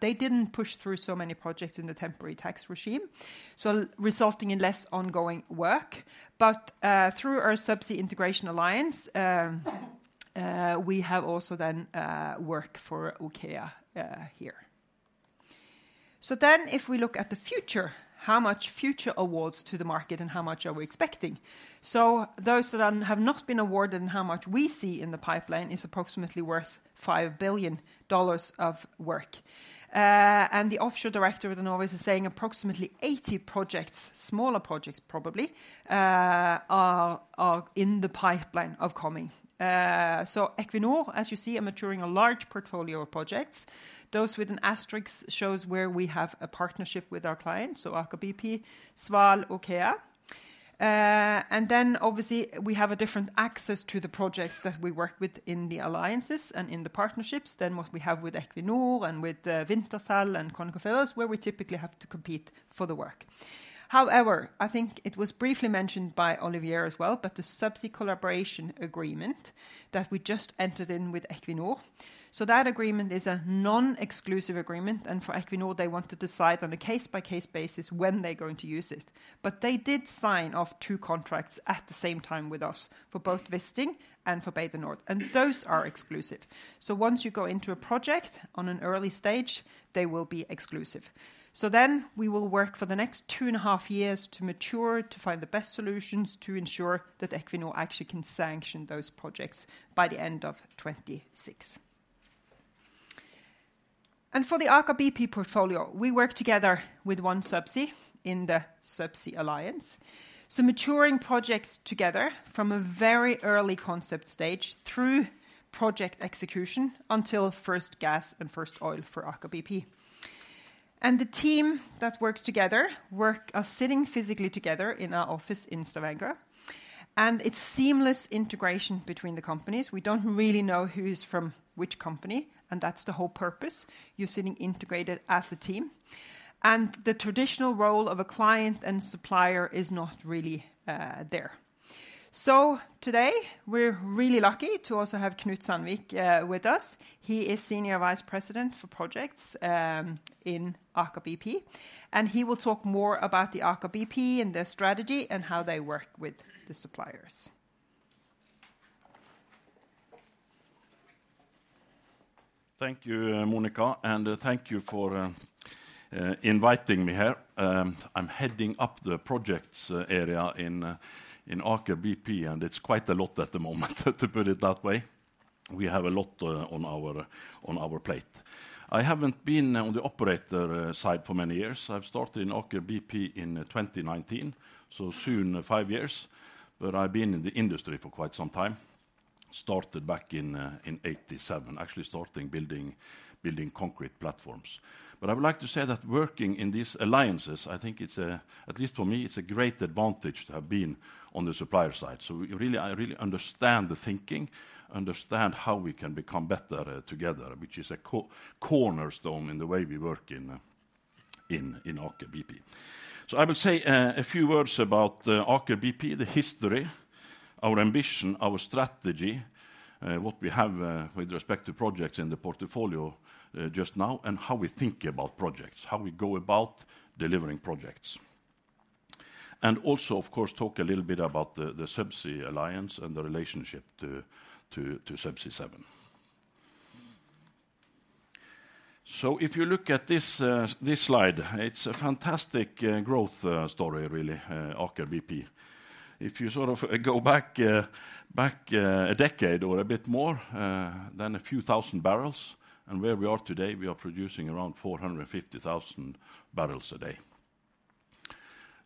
they didn't push through so many projects in the temporary tax regime, so resulting in less ongoing work. But through our Subsea Integration Alliance, we have also then work for OKEA here. So then if we look at the future, how much future awards to the market and how much are we expecting? So those that have not been awarded and how much we see in the pipeline is approximately worth $5 billion of work. The offshore director of Norway is saying approximately 80 projects, smaller projects probably, are in the pipeline of coming. Equinor, as you see, are maturing a large portfolio of projects. Those with an asterisk shows where we have a partnership with our clients, so Aker BP, Sval, OKEA. Then obviously we have a different access to the projects that we work with in the alliances and in the partnerships than what we have with Equinor and with Wintershall and ConocoPhillips, where we typically have to compete for the work. However, I think it was briefly mentioned by Olivier as well, but the subsea collaboration agreement that we just entered in with Equinor. So that agreement is a non-exclusive agreement, and for Equinor, they want to decide on a case-by-case basis when they're going to use it. But they did sign off two contracts at the same time with us for both Visund and for Bay du Nord, and those are exclusive. So once you go into a project on an early stage, they will be exclusive. So then we will work for the next 2.5 years to mature, to find the best solutions to ensure that Equinor actually can sanction those projects by the end of 2026. And for the Aker BP portfolio, we work together with OneSubsea in the Subsea Alliance. So maturing projects together from a very early concept stage through project execution until first gas and first oil for Aker BP. The team that works together are sitting physically together in our office in Stavanger, and it's seamless integration between the companies. We don't really know who's from which company, and that's the whole purpose. You're sitting integrated as a team, and the traditional role of a client and supplier is not really there. So today we're really lucky to also have Knut Sandvik with us. He is senior vice president for projects in Aker BP, and he will talk more about the Aker BP and their strategy and how they work with the suppliers. Thank you, Monica, and thank you for inviting me here. I'm heading up the projects area in Aker BP, and it's quite a lot at the moment, to put it that way. We have a lot on our plate. I haven't been on the operator side for many years. I've started in Aker BP in 2019, so soon five years, but I've been in the industry for quite some time. Started back in 1987, actually starting building concrete platforms. But I would like to say that working in these alliances, I think it's a, at least for me, it's a great advantage to have been on the supplier side. So I really understand the thinking, understand how we can become better together, which is a cornerstone in the way we work in Aker BP. So I will say a few words about Aker BP, the history, our ambition, our strategy, what we have with respect to projects in the portfolio just now, and how we think about projects, how we go about delivering projects. And also, of course, talk a little bit about the Subsea Alliance and the relationship to Subsea7. So if you look at this slide, it's a fantastic growth story, really, Aker BP. If you sort of go back a decade or a bit more, then a few thousand barrels, and where we are today, we are producing around 450,000 barrels a day.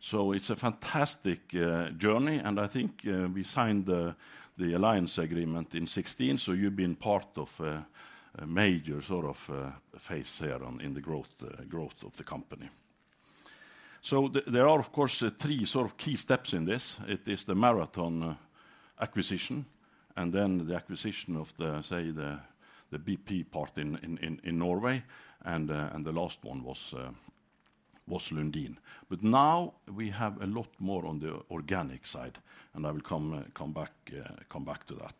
So it's a fantastic journey, and I think we signed the alliance agreement in 2016, so you've been part of a major sort of phase here in the growth of the company. So there are, of course, three sort of key steps in this. It is the Marathon acquisition, and then the acquisition of the, say, the BP part in Norway, and the last one was Lundin. But now we have a lot more on the organic side, and I will come back to that.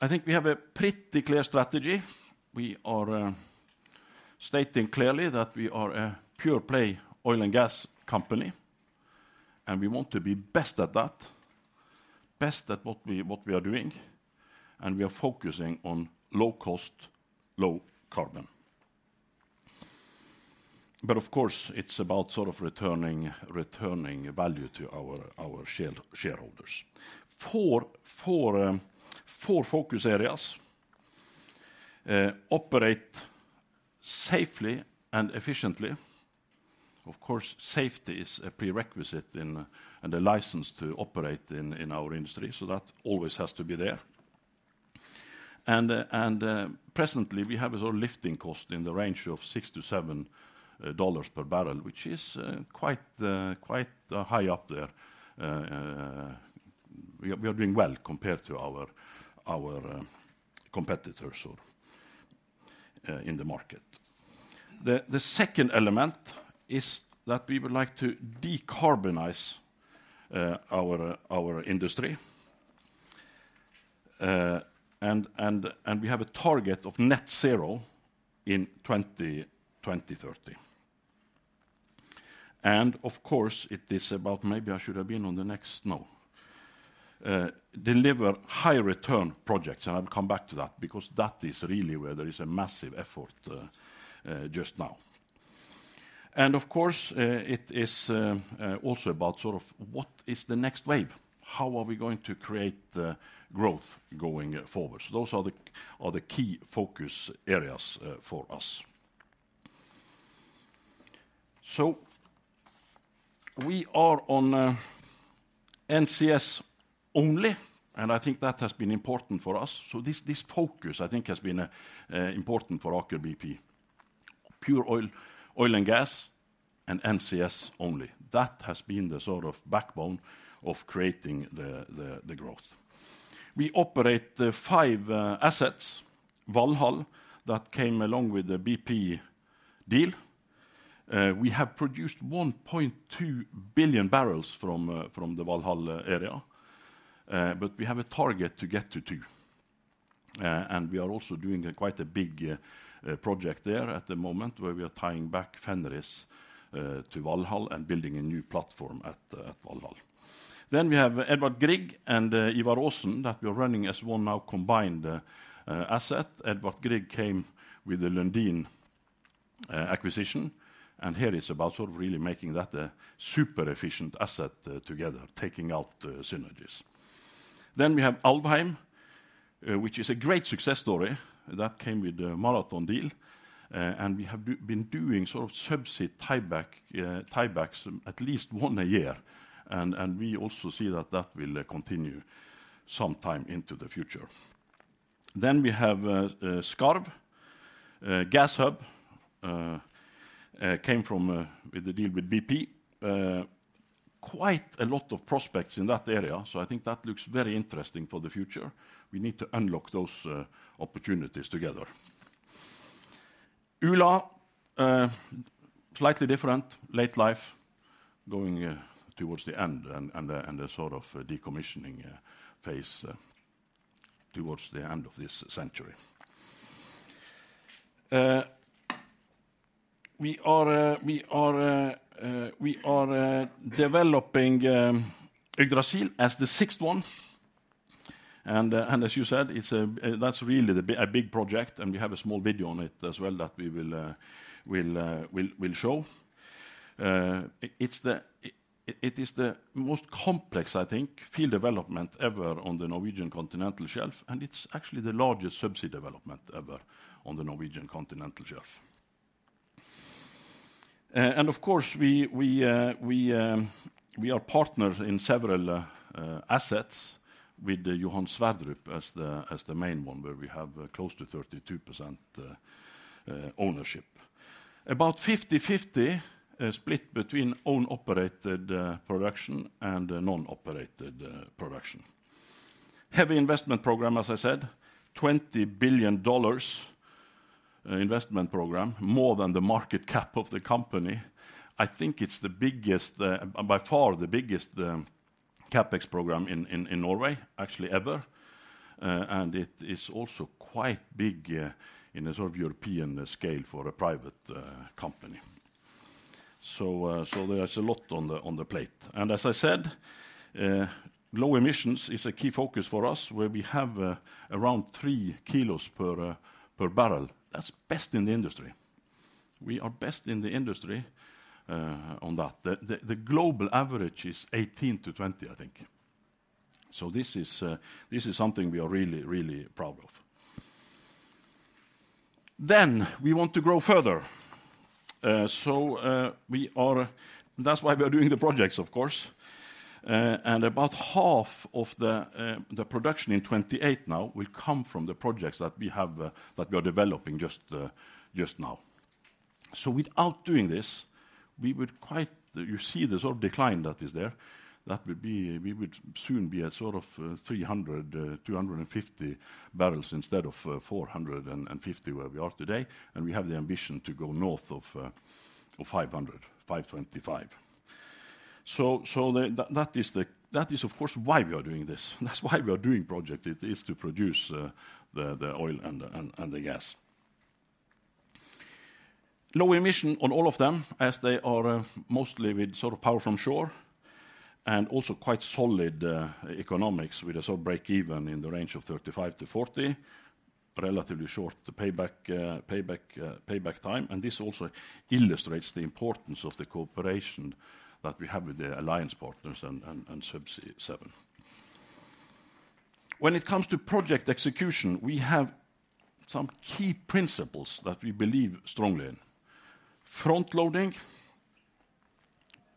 I think we have a pretty clear strategy. We are stating clearly that we are a pure play oil and gas company, and we want to be best at that, best at what we are doing, and we are focusing on low cost, low carbon. But of course, it's about sort of returning value to our shareholders. Four focus areas: operate safely and efficiently. Of course, safety is a prerequisite and a license to operate in our industry, so that always has to be there. Presently, we have a lifting cost in the range of $6-$7 per barrel, which is quite high up there. We are doing well compared to our competitors in the market. The second element is that we would like to decarbonize our industry, and we have a target of net zero in 2030. And of course, it is about deliver high return projects, and I'll come back to that because that is really where there is a massive effort just now. And of course, it is also about sort of what is the next wave? How are we going to create growth going forward? So those are the key focus areas for us. So we are on NCS only, and I think that has been important for us. So this focus, I think, has been important for Aker BP. Pure oil and gas and NCS only. That has been the sort of backbone of creating the growth. We operate five assets, Valhall, that came along with the BP deal. We have produced 1.2 billion bbl from the Valhall area, but we have a target to get to two. We are also doing quite a big project there at the moment where we are tying back Fenris to Valhall and building a new platform at Valhall. Then we have Edvard Grieg and Ivar Aasen that we are running as one now combined asset. Edvard Grieg came with the Lundin acquisition, and here it's about sort of really making that a super efficient asset together, taking out synergies. Then we have Alvheim, which is a great success story that came with the Marathon deal, and we have been doing sort of subsea tiebacks at least one a year, and we also see that that will continue sometime into the future. Then we have Skarv, gas hub, came with the deal with BP. Quite a lot of prospects in that area, so I think that looks very interesting for the future. We need to unlock those opportunities together. Ula, slightly different, late life, going towards the end and the sort of decommissioning phase towards the end of this century. We are developing Yggdrasil as the sixth one, and as you said, that's really a big project, and we have a small video on it as well that we will show. It is the most complex, I think, field development ever on the Norwegian continental shelf, and it's actually the largest subsea development ever on the Norwegian continental shelf. Of course, we are partners in several assets with Johan Sverdrup as the main one, where we have close to 32% ownership. About 50/50 split between own operated production and non-operated production. Heavy investment program, as I said, $20 billion investment program, more than the market cap of the company. I think it's the biggest, by far the biggest CapEx program in Norway, actually ever, and it is also quite big in a sort of European scale for a private company. So there is a lot on the plate. And as I said, low emissions is a key focus for us, where we have around 3 kilos per barrel. That's best in the industry. We are best in the industry on that. The global average is 18-20, I think. So this is something we are really, really proud of. Then we want to grow further. So that's why we are doing the projects, of course. And about half of the production in 2028 now will come from the projects that we are developing just now. So without doing this, we would quite, you see the sort of decline that is there, that we would soon be at sort of 300, 250 bbl instead of 450 where we are today, and we have the ambition to go north of 500, 525. So that is, of course, why we are doing this. That's why we are doing projects. It is to produce the oil and the gas. Low emission on all of them as they are mostly with sort of power from shore and also quite solid economics with a sort of break-even in the range of $35-$40, relatively short payback time, and this also illustrates the importance of the cooperation that we have with the alliance partners and Subsea7. When it comes to project execution, we have some key principles that we believe strongly in. Front loading,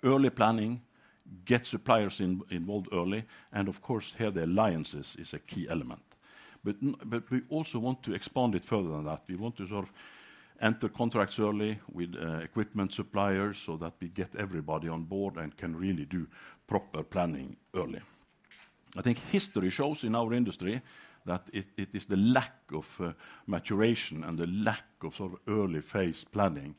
early planning, get suppliers involved early, and of course, here the alliances is a key element. But we also want to expand it further than that. We want to sort of enter contracts early with equipment suppliers so that we get everybody on board and can really do proper planning early. I think history shows in our industry that it is the lack of maturation and the lack of sort of early phase planning.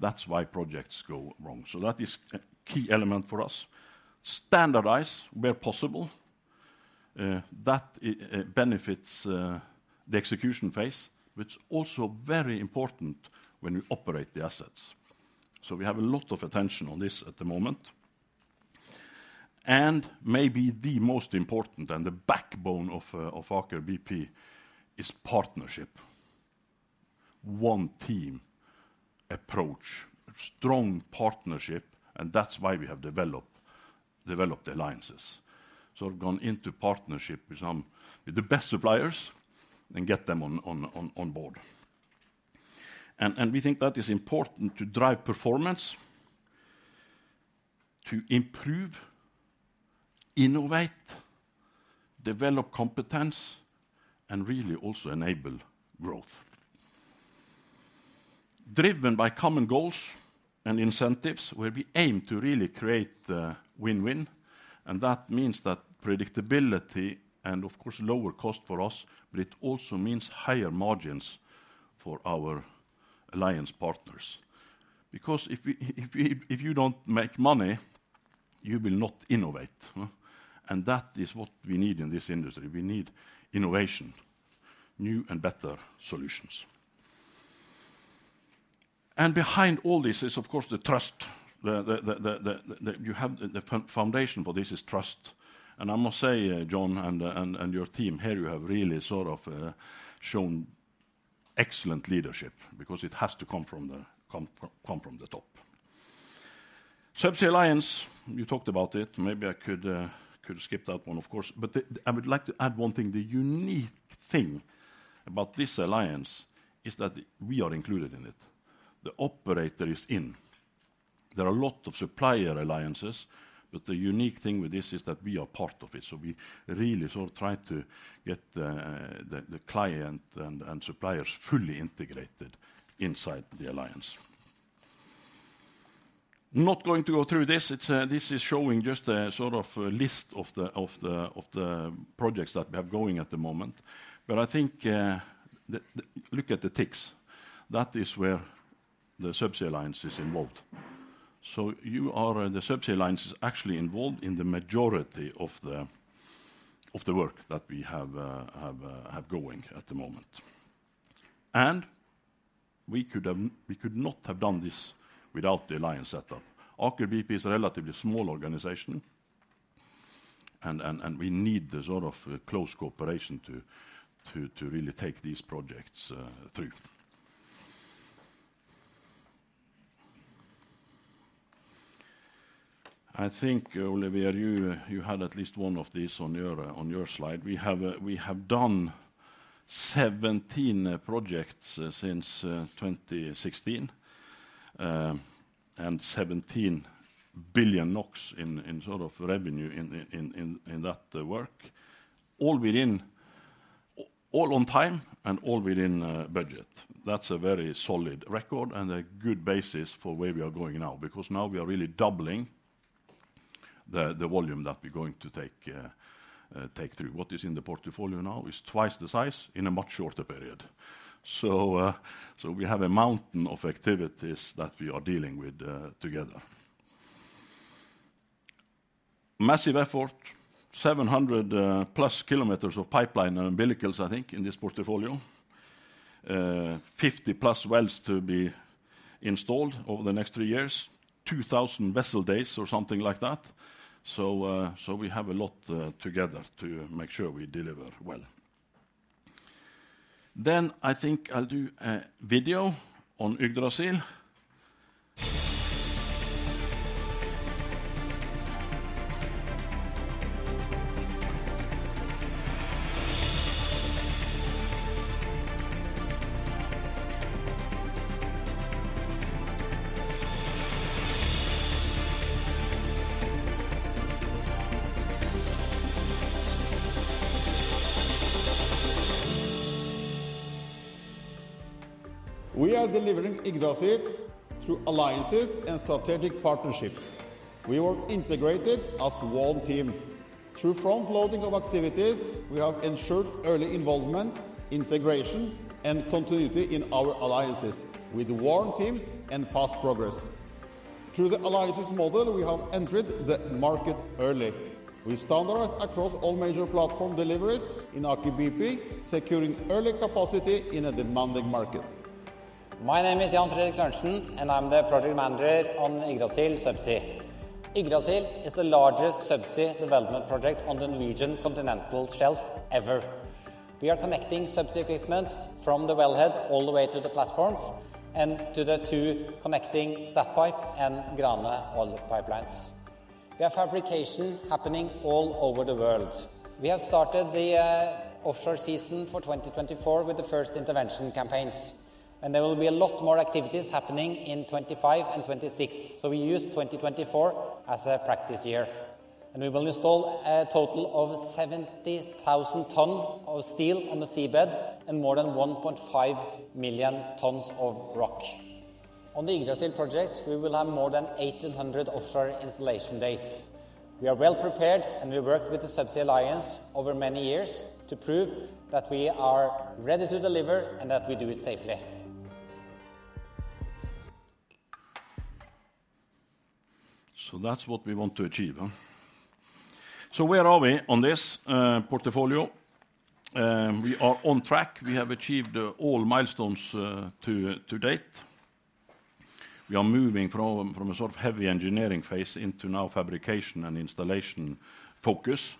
That's why projects go wrong. So that is a key element for us. Standardize where possible. That benefits the execution phase, which is also very important when we operate the assets. So we have a lot of attention on this at the moment. Maybe the most important and the backbone of Aker BP is partnership. One team approach, strong partnership, and that's why we have developed alliances. So we've gone into partnership with the best suppliers and get them on board. We think that is important to drive performance, to improve, innovate, develop competence, and really also enable growth. Driven by common goals and incentives where we aim to really create win-win, and that means that predictability and, of course, lower cost for us, but it also means higher margins for our alliance partners. Because if you don't make money, you will not innovate, and that is what we need in this industry. We need innovation, new and better solutions. And behind all this is, of course, the trust. You have the foundation for this is trust, and I must say, John, and your team here, you have really sort of shown excellent leadership because it has to come from the top. Subsea Alliance, you talked about it. Maybe I could skip that one, of course, but I would like to add one thing. The unique thing about this alliance is that we are included in it. The operator is in. There are a lot of supplier alliances, but the unique thing with this is that we are part of it. So we really sort of try to get the client and suppliers fully integrated inside the alliance. Not going to go through this. This is showing just a sort of list of the projects that we have going at the moment, but I think look at the ticks. That is where the Subsea Alliance is involved. So the Subsea Alliance is actually involved in the majority of the work that we have going at the moment. And we could not have done this without the alliance setup. Aker BP is a relatively small organization, and we need the sort of close cooperation to really take these projects through. I think, Olivier, you had at least one of these on your slide. We have done 17 projects since 2016 and 17 billion NOK in sort of revenue in that work, all within all on time and all within budget. That's a very solid record and a good basis for where we are going now because now we are really doubling the volume that we're going to take through. What is in the portfolio now is twice the size in a much shorter period. So we have a mountain of activities that we are dealing with together. Massive effort, 700+ km of pipeline and umbilicals, I think, in this portfolio. 50+ wells to be installed over the next three years, 2,000 vessel days or something like that. So we have a lot together to make sure we deliver well. Then I think I'll do a video on Yggdrasil. We are delivering Yggdrasil through alliances and strategic partnerships. We work integrated as one team. Through front loading of activities, we have ensured early involvement, integration, and continuity in our alliances with work teams and fast progress. Through the alliances model, we have entered the market early. We standardize across all major platform deliveries in Aker BP, securing early capacity in a demanding market. My name is Jan Fredrik Sørensen, and I'm the project manager on Yggdrasil Subsea. Yggdrasil is the largest subsea development project on the Norwegian continental shelf ever. We are connecting subsea equipment from the wellhead all the way to the platforms and to the two connecting Statpipe and Grane oil pipelines. We have fabrication happening all over the world. We have started the offshore season for 2024 with the first intervention campaigns, and there will be a lot more activities happening in 2025 and 2026. So we use 2024 as a practice year, and we will install a total of 70,000 tonnes of steel on the seabed and more than 1.5 million tonnes of rock. On the Yggdrasil project, we will have more than 1,800 offshore installation days. We are well prepared, and we worked with the Subsea Alliance over many years to prove that we are ready to deliver and that we do it safely. So that's what we want to achieve. So where are we on this portfolio? We are on track. We have achieved all milestones to date. We are moving from a sort of heavy engineering phase into now fabrication and installation focus.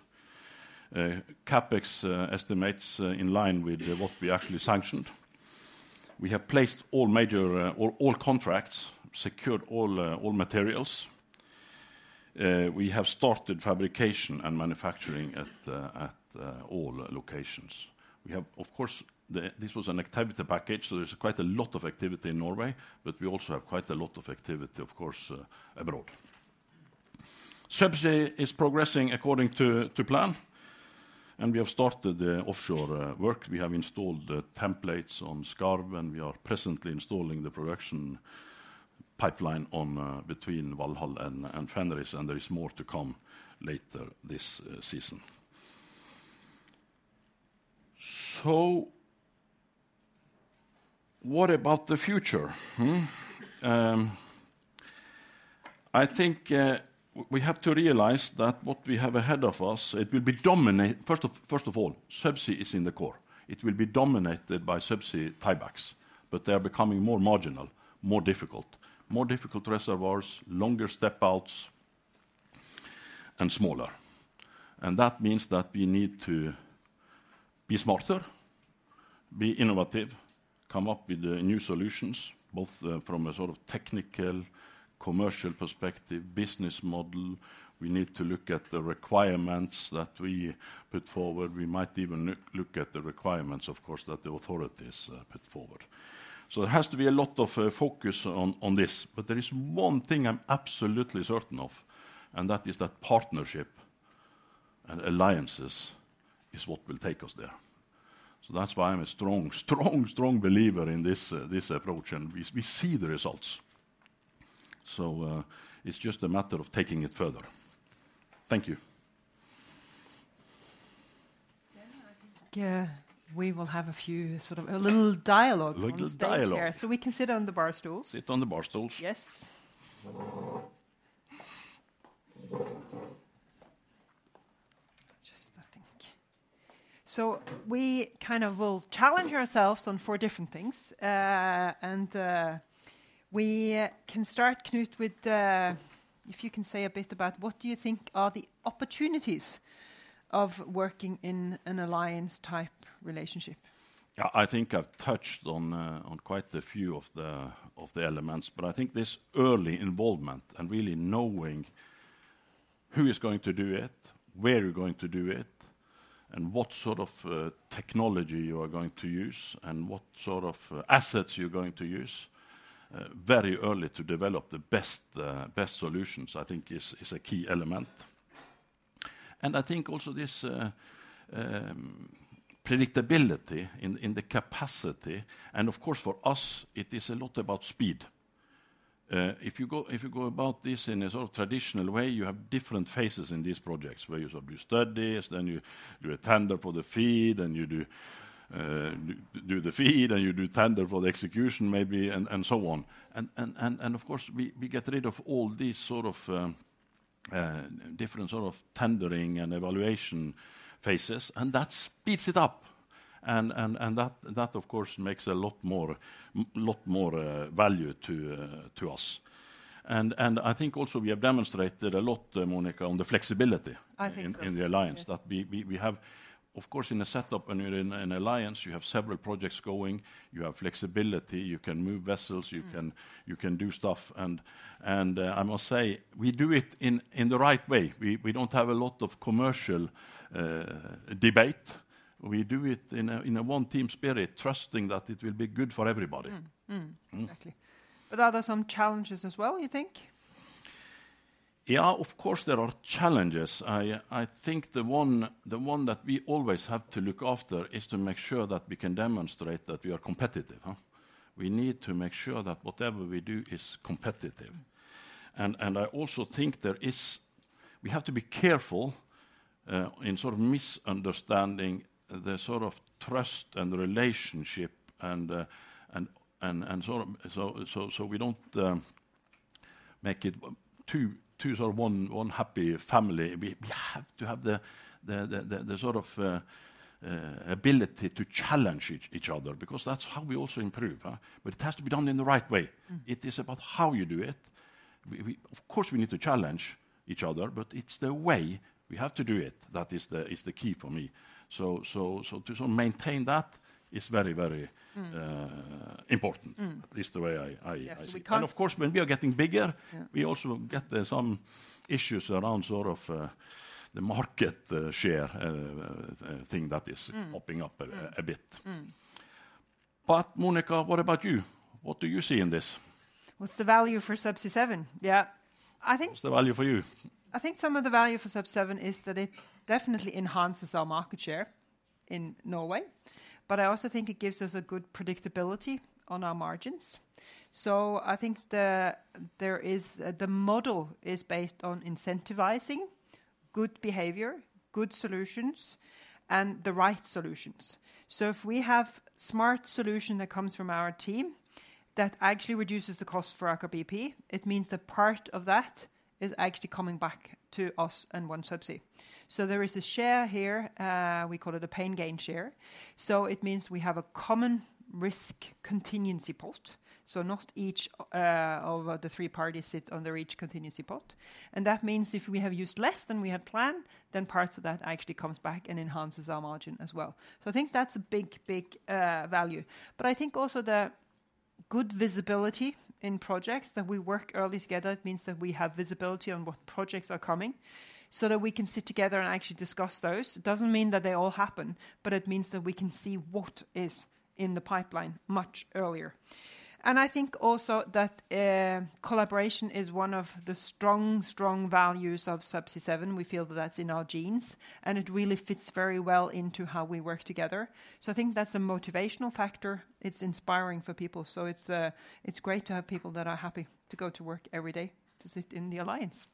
CapEx estimates in line with what we actually sanctioned. We have placed all major contracts, secured all materials. We have started fabrication and manufacturing at all locations. We have, of course, this was an Activity Package, so there's quite a lot of activity in Norway, but we also have quite a lot of activity, of course, abroad. Subsea is progressing according to plan, and we have started the offshore work. We have installed templates on Skarv, and we are presently installing the production pipeline between Valhall and Fenris, and there is more to come later this season. So what about the future? I think we have to realize that what we have ahead of us, it will be dominated, first of all, Subsea is in the core. It will be dominated by subsea tie-backs, but they are becoming more marginal, more difficult, more difficult reservoirs, longer step-outs, and smaller. And that means that we need to be smarter, be innovative, come up with new solutions, both from a sort of technical, commercial perspective, business model. We need to look at the requirements that we put forward. We might even look at the requirements, of course, that the authorities put forward. So there has to be a lot of focus on this, but there is one thing I'm absolutely certain of, and that is that partnership and alliances is what will take us there. So that's why I'm a strong, strong, strong believer in this approach, and we see the results. So it's just a matter of taking it further. Thank you. Thank you. We will have a few sort of a little dialogue. A little dialogue. So we can sit on the bar stools. Sit on the bar stools. Yes. Just, I think. So we kind of will challenge ourselves on four different things, and we can start, Knut, with if you can say a bit about what do you think are the opportunities of working in an alliance-type relationship. Yeah, I think I've touched on quite a few of the elements, but I think this early involvement and really knowing who is going to do it, where you're going to do it, and what sort of technology you are going to use and what sort of assets you're going to use very early to develop the best solutions, I think, is a key element. And I think also this predictability in the capacity, and of course, for us, it is a lot about speed. If you go about this in a sort of traditional way, you have different phases in these projects where you sort of do studies, then you do a tender for the feed, and you do the feed, and you do tender for the execution maybe, and so on. And of course, we get rid of all these sort of different sort of tendering and evaluation phases, and that speeds it up. And that, of course, makes a lot more value to us. And I think also we have demonstrated a lot, Monica, on the flexibility in the alliance that we have, of course, in a setup when you're in an alliance, you have several projects going, you have flexibility, you can move vessels, you can do stuff. And I must say, we do it in the right way. We don't have a lot of commercial debate. We do it in a one-team spirit, trusting that it will be good for everybody. Exactly. But are there some challenges as well, you think? Yeah, of course, there are challenges. I think the one that we always have to look after is to make sure that we can demonstrate that we are competitive. We need to make sure that whatever we do is competitive. And I also think there is we have to be careful in sort of misunderstanding the sort of trust and relationship and sort of so we don't make it too sort of one happy family. We have to have the sort of ability to challenge each other because that's how we also improve. But it has to be done in the right way. It is about how you do it. Of course, we need to challenge each other, but it's the way we have to do it that is the key for me. So to maintain that is very, very important, at least the way I see it. And of course, when we are getting bigger, we also get some issues around sort of the market share thing that is popping up a bit. But Monica, what about you? What do you see in this? What's the value for Subsea7? Yeah. What's the value for you? I think some of the value for Subsea7 is that it definitely enhances our market share in Norway, but I also think it gives us a good predictability on our margins. So I think the model is based on incentivizing good behavior, good solutions, and the right solutions. So if we have a smart solution that comes from our team that actually reduces the cost for Aker BP, it means that part of that is actually coming back to us and OneSubsea. So there is a share here, we call it a pain gain share. So it means we have a common risk contingency pot. So not each of the three parties sit under each contingency pot. And that means if we have used less than we had planned, then parts of that actually come back and enhance our margin as well. So I think that's a big, big value. But I think also the good visibility in projects that we work early together, it means that we have visibility on what projects are coming so that we can sit together and actually discuss those. It doesn't mean that they all happen, but it means that we can see what is in the pipeline much earlier. I think also that collaboration is one of the strong, strong values of Subsea7. We feel that that's in our genes, and it really fits very well into how we work together. So I think that's a motivational factor. It's inspiring for people. So it's great to have people that are happy to go to work every day to sit in the alliance.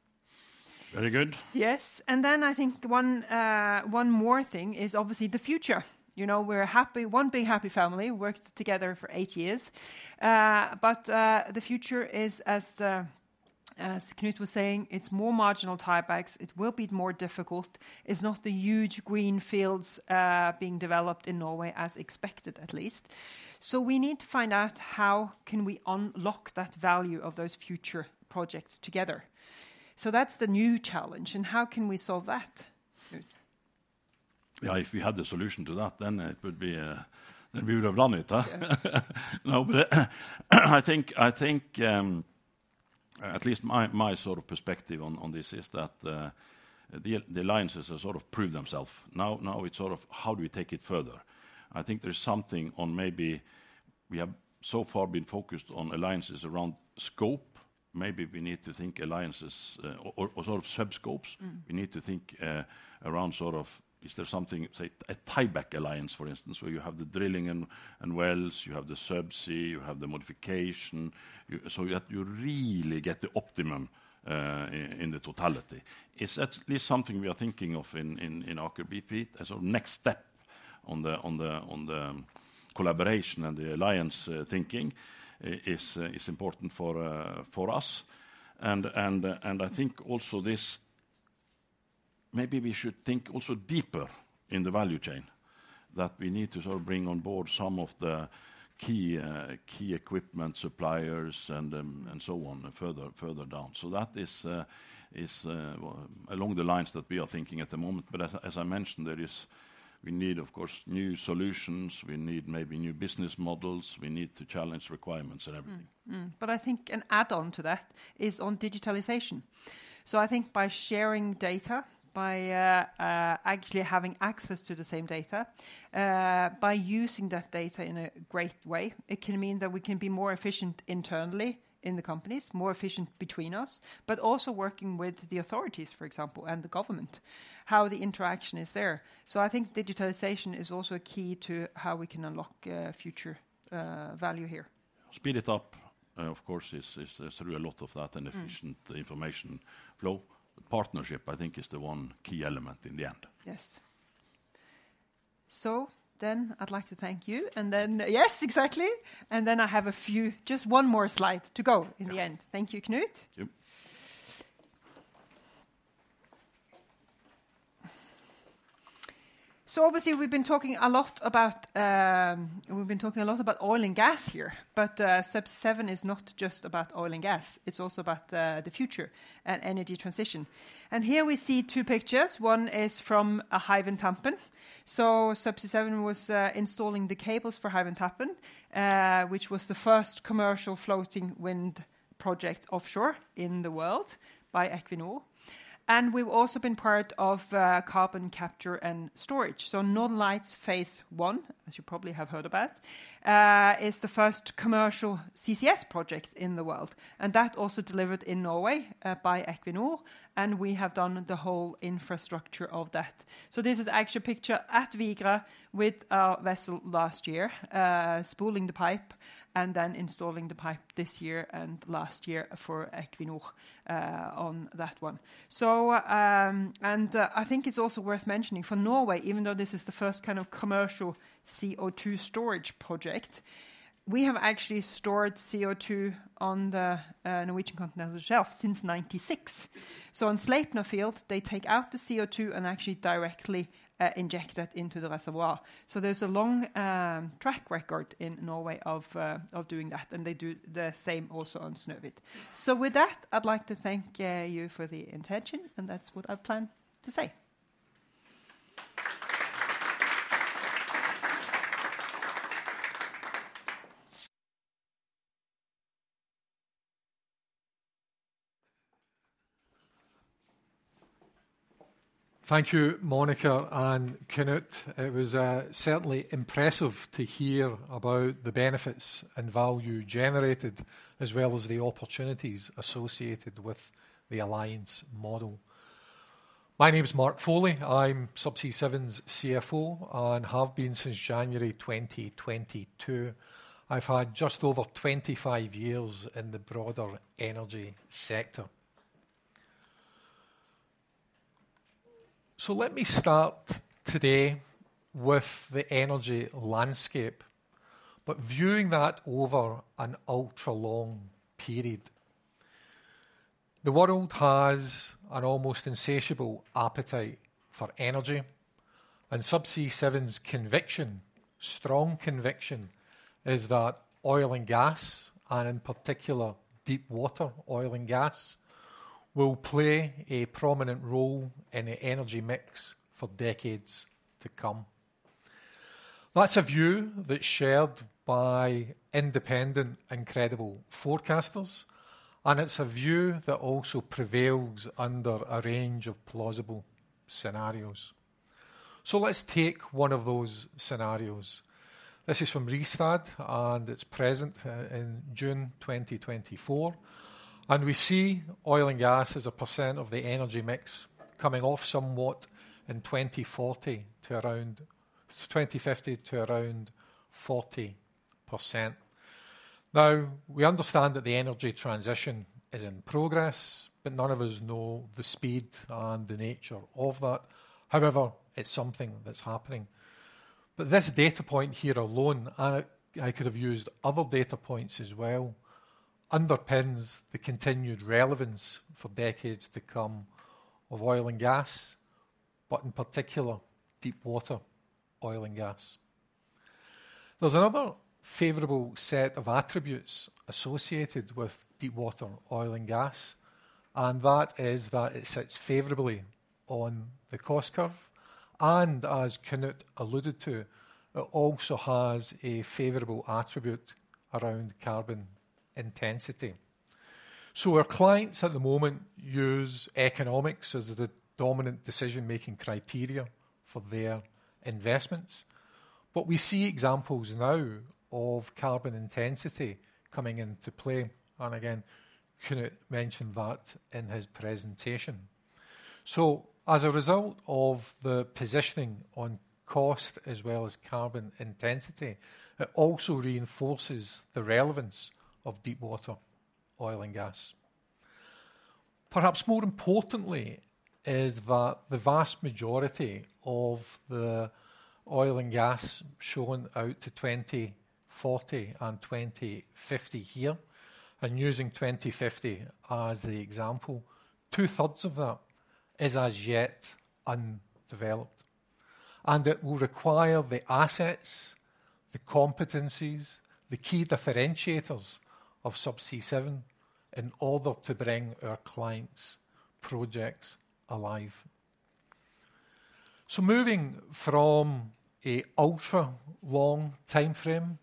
Very good. Yes. Then I think one more thing is obviously the future. We're one big happy family, worked together for eight years. But the future is, as Knut was saying, it's more marginal tie backs. It will be more difficult. It's not the huge green fields being developed in Norway as expected, at least. So we need to find out how can we unlock that value of those future projects together. So that's the new challenge. And how can we solve that? Yeah, if we had the solution to that, then it would be we would have done it. No, but I think at least my sort of perspective on this is that the alliances have sort of proved themselves. Now it's sort of how do we take it further? I think there's something on maybe we have so far been focused on alliances around scope. Maybe we need to think alliances or sort of sub-scopes. We need to think around sort of is there something, say, a tie-back alliance, for instance, where you have the drilling and wells, you have the subsea, you have the modification, so that you really get the optimum in the totality. It's at least something we are thinking of in Aker BP. So next step on the collaboration and the alliance thinking is important for us. And I think also this maybe we should think also deeper in the value chain that we need to sort of bring on board some of the key equipment suppliers and so on further down. So that is along the lines that we are thinking at the moment. But as I mentioned, there is we need, of course, new solutions. We need maybe new business models. We need to challenge requirements and everything. But I think an add-on to that is on digitalization. So I think by sharing data, by actually having access to the same data, by using that data in a great way, it can mean that we can be more efficient internally in the companies, more efficient between us, but also working with the authorities, for example, and the government, how the interaction is there. So I think digitalization is also a key to how we can unlock future value here. Speed it up, of course, is through a lot of that and efficient information flow. Partnership, I think, is the one key element in the end. Yes. So then I'd like to thank you. And then, yes, exactly. And then I have a few, just one more slide to go in the end. Thank you, Knut. Thank you. So obviously, we've been talking a lot about oil and gas here, but Subsea7 is not just about oil and gas. It's also about the future and energy transition. And here we see two pictures. One is from Hywind Tampen. So Subsea7 was installing the cables for Hywind Tampen, which was the first commercial floating wind project offshore in the world by Equinor. And we've also been part of carbon capture and storage. So Northern Lights Phase I, as you probably have heard about, is the first commercial CCS project in the world. And that also delivered in Norway by Equinor. And we have done the whole infrastructure of that. So this is actually a picture at Vigra with our vessel last year, spooling the pipe and then installing the pipe this year and last year for Equinor on that one. And I think it's also worth mentioning for Norway, even though this is the first kind of commercial CO2 storage project, we have actually stored CO2 on the Norwegian continental shelf since 1996. So on Sleipner Field, they take out the CO2 and actually directly inject that into the reservoir. So there's a long track record in Norway of doing that, and they do the same also on Snøvit. So with that, I'd like to thank you for the attention, and that's what I plan to say. Thank you, Monica and Knut. It was certainly impressive to hear about the benefits and value generated as well as the opportunities associated with the alliance model. My name is Mark Foley. I'm Subsea7's CFO and have been since January 2022. I've had just over 25 years in the broader energy sector. So let me start today with the energy landscape, but viewing that over an ultra-long period. The world has an almost insatiable appetite for energy, and Subsea7's conviction, strong conviction, is that oil and gas, and in particular, deepwater oil and gas, will play a prominent role in the energy mix for decades to come. That's a view that's shared by independent, incredible forecasters, and it's a view that also prevails under a range of plausible scenarios. So let's take one of those scenarios. This is from Rystad, and it's present in June 2024. We see oil and gas as a percent of the energy mix coming off somewhat in 2040 to around 2050 to around 40%. Now, we understand that the energy transition is in progress, but none of us know the speed and the nature of that. However, it's something that's happening. But this data point here alone, and I could have used other data points as well, underpins the continued relevance for decades to come of oil and gas, but in particular, deepwater oil and gas. There's another favorable set of attributes associated with deepwater oil and gas, and that is that it sits favorably on the cost curve. And as Knut alluded to, it also has a favorable attribute around carbon intensity. So our clients at the moment use economics as the dominant decision-making criteria for their investments. But we see examples now of carbon intensity coming into play. And again, Knut mentioned that in his presentation. As a result of the positioning on cost as well as carbon intensity, it also reinforces the relevance of deepwater oil and gas. Perhaps more importantly is that the vast majority of the oil and gas shown out to 2040 and 2050 here, and using 2050 as the example, two-thirds of that is as yet undeveloped. It will require the assets, the competencies, the key differentiators of Subsea7 in order to bring our clients' projects alive. Moving from an ultra-long time frame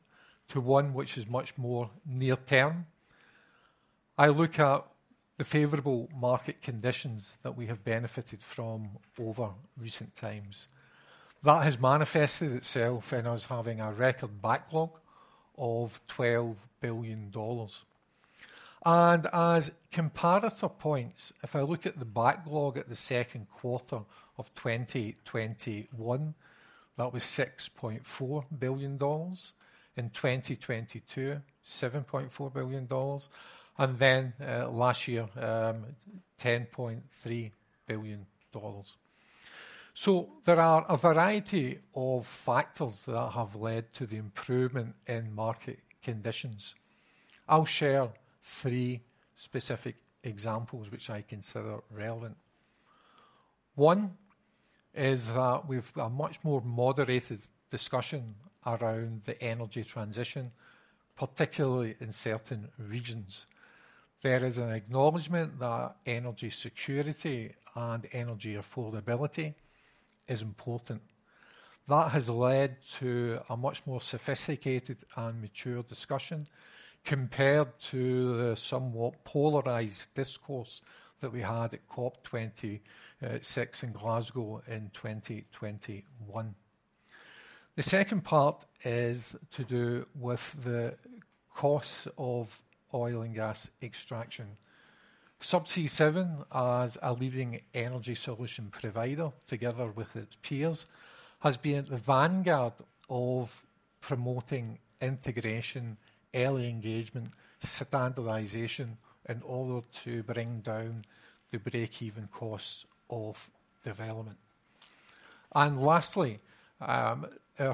to one which is much more near term, I look at the favorable market conditions that we have benefited from over recent times. That has manifested itself in us having a record backlog of $12 billion. As comparative points, if I look at the backlog at the second quarter of 2021, that was $6.4 billion. In 2022, $7.4 billion. And then last year, $10.3 billion. So there are a variety of factors that have led to the improvement in market conditions. I'll share three specific examples which I consider relevant. One is that we've a much more moderated discussion around the energy transition, particularly in certain regions. There is an acknowledgment that energy security and energy affordability is important. That has led to a much more sophisticated and mature discussion compared to the somewhat polarized discourse that we had at COP26 in Glasgow in 2021. The second part is to do with the cost of oil and gas extraction. Subsea7, as a leading energy solution provider together with its peers, has been at the vanguard of promoting integration, early engagement, standardization, in order to bring down the break-even costs of development. And lastly, our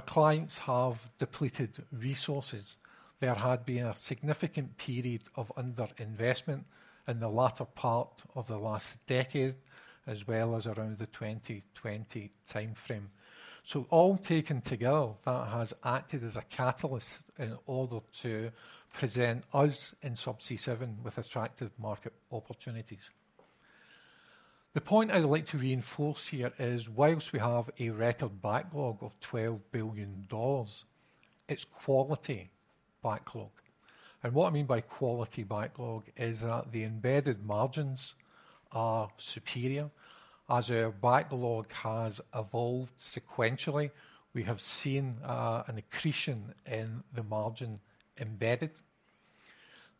clients have depleted resources. There had been a significant period of underinvestment in the latter part of the last decade, as well as around the 2020 time frame. So all taken together, that has acted as a catalyst in order to present us in Subsea7 with attractive market opportunities. The point I'd like to reinforce here is, while we have a record backlog of $12 billion, it's quality backlog. And what I mean by quality backlog is that the embedded margins are superior. As our backlog has evolved sequentially, we have seen an accretion in the margin embedded.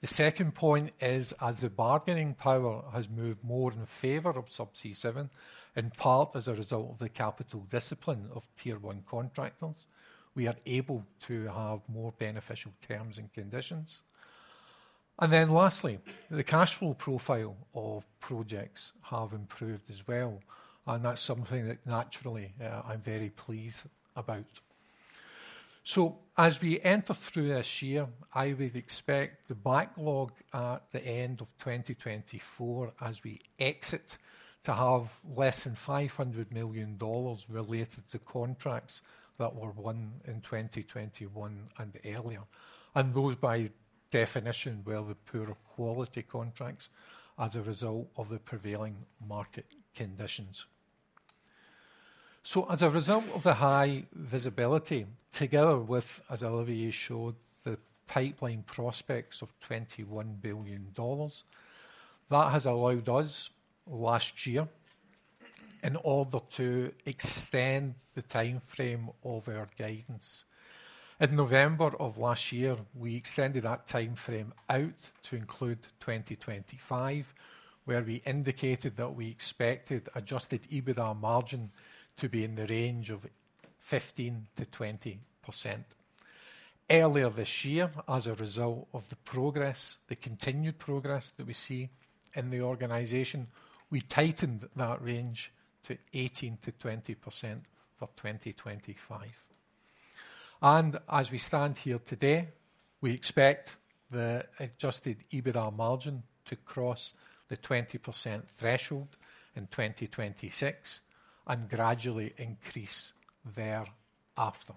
The second point is, as the bargaining power has moved more in favor of Subsea7, in part as a result of the capital discipline of tier-one contractors, we are able to have more beneficial terms and conditions. And then lastly, the cash flow profile of projects has improved as well. That's something that naturally I'm very pleased about. As we enter through this year, I would expect the backlog at the end of 2024, as we exit, to have less than $500 million related to contracts that were won in 2021 and earlier. Those, by definition, were the poor quality contracts as a result of the prevailing market conditions. As a result of the high visibility, together with, as Olivier showed, the pipeline prospects of $21 billion, that has allowed us last year, in order to extend the time frame of our guidance. In November of last year, we extended that time frame out to include 2025, where we indicated that we expected Adjusted EBITDA margin to be in the range of 15%-20%. Earlier this year, as a result of the progress, the continued progress that we see in the organization, we tightened that range to 18%-20% for 2025. As we stand here today, we expect the Adjusted EBITDA margin to cross the 20% threshold in 2026 and gradually increase thereafter.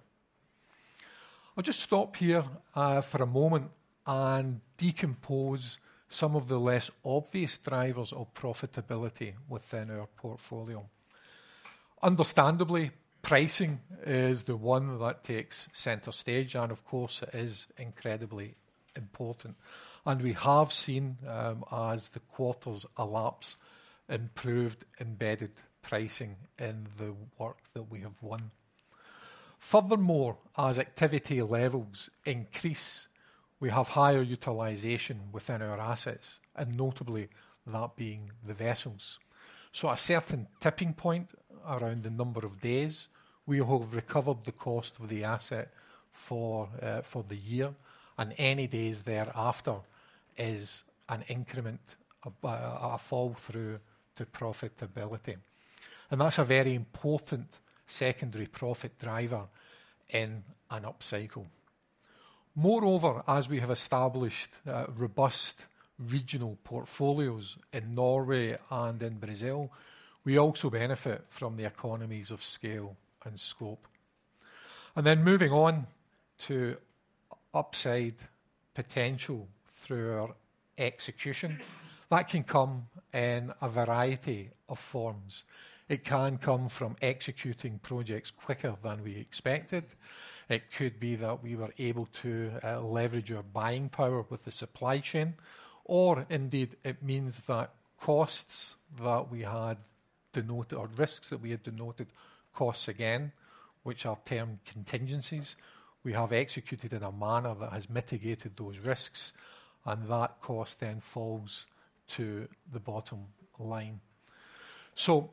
I'll just stop here for a moment and decompose some of the less obvious drivers of profitability within our portfolio. Understandably, pricing is the one that takes center stage, and of course, it is incredibly important. We have seen, as the quarters elapse, improved embedded pricing in the work that we have won. Furthermore, as activity levels increase, we have higher utilization within our assets, and notably that being the vessels. At a certain tipping point around the number of days, we have recovered the cost of the asset for the year, and any days thereafter is an increment, a fall through to profitability. That's a very important secondary profit driver in an upcycle. Moreover, as we have established robust regional portfolios in Norway and in Brazil, we also benefit from the economies of scale and scope. Moving on to upside potential through our execution, that can come in a variety of forms. It can come from executing projects quicker than we expected. It could be that we were able to leverage our buying power with the supply chain. Or indeed, it means that costs that we had denoted or risks that we had denoted costs again, which are termed contingencies, we have executed in a manner that has mitigated those risks, and that cost then falls to the bottom line. So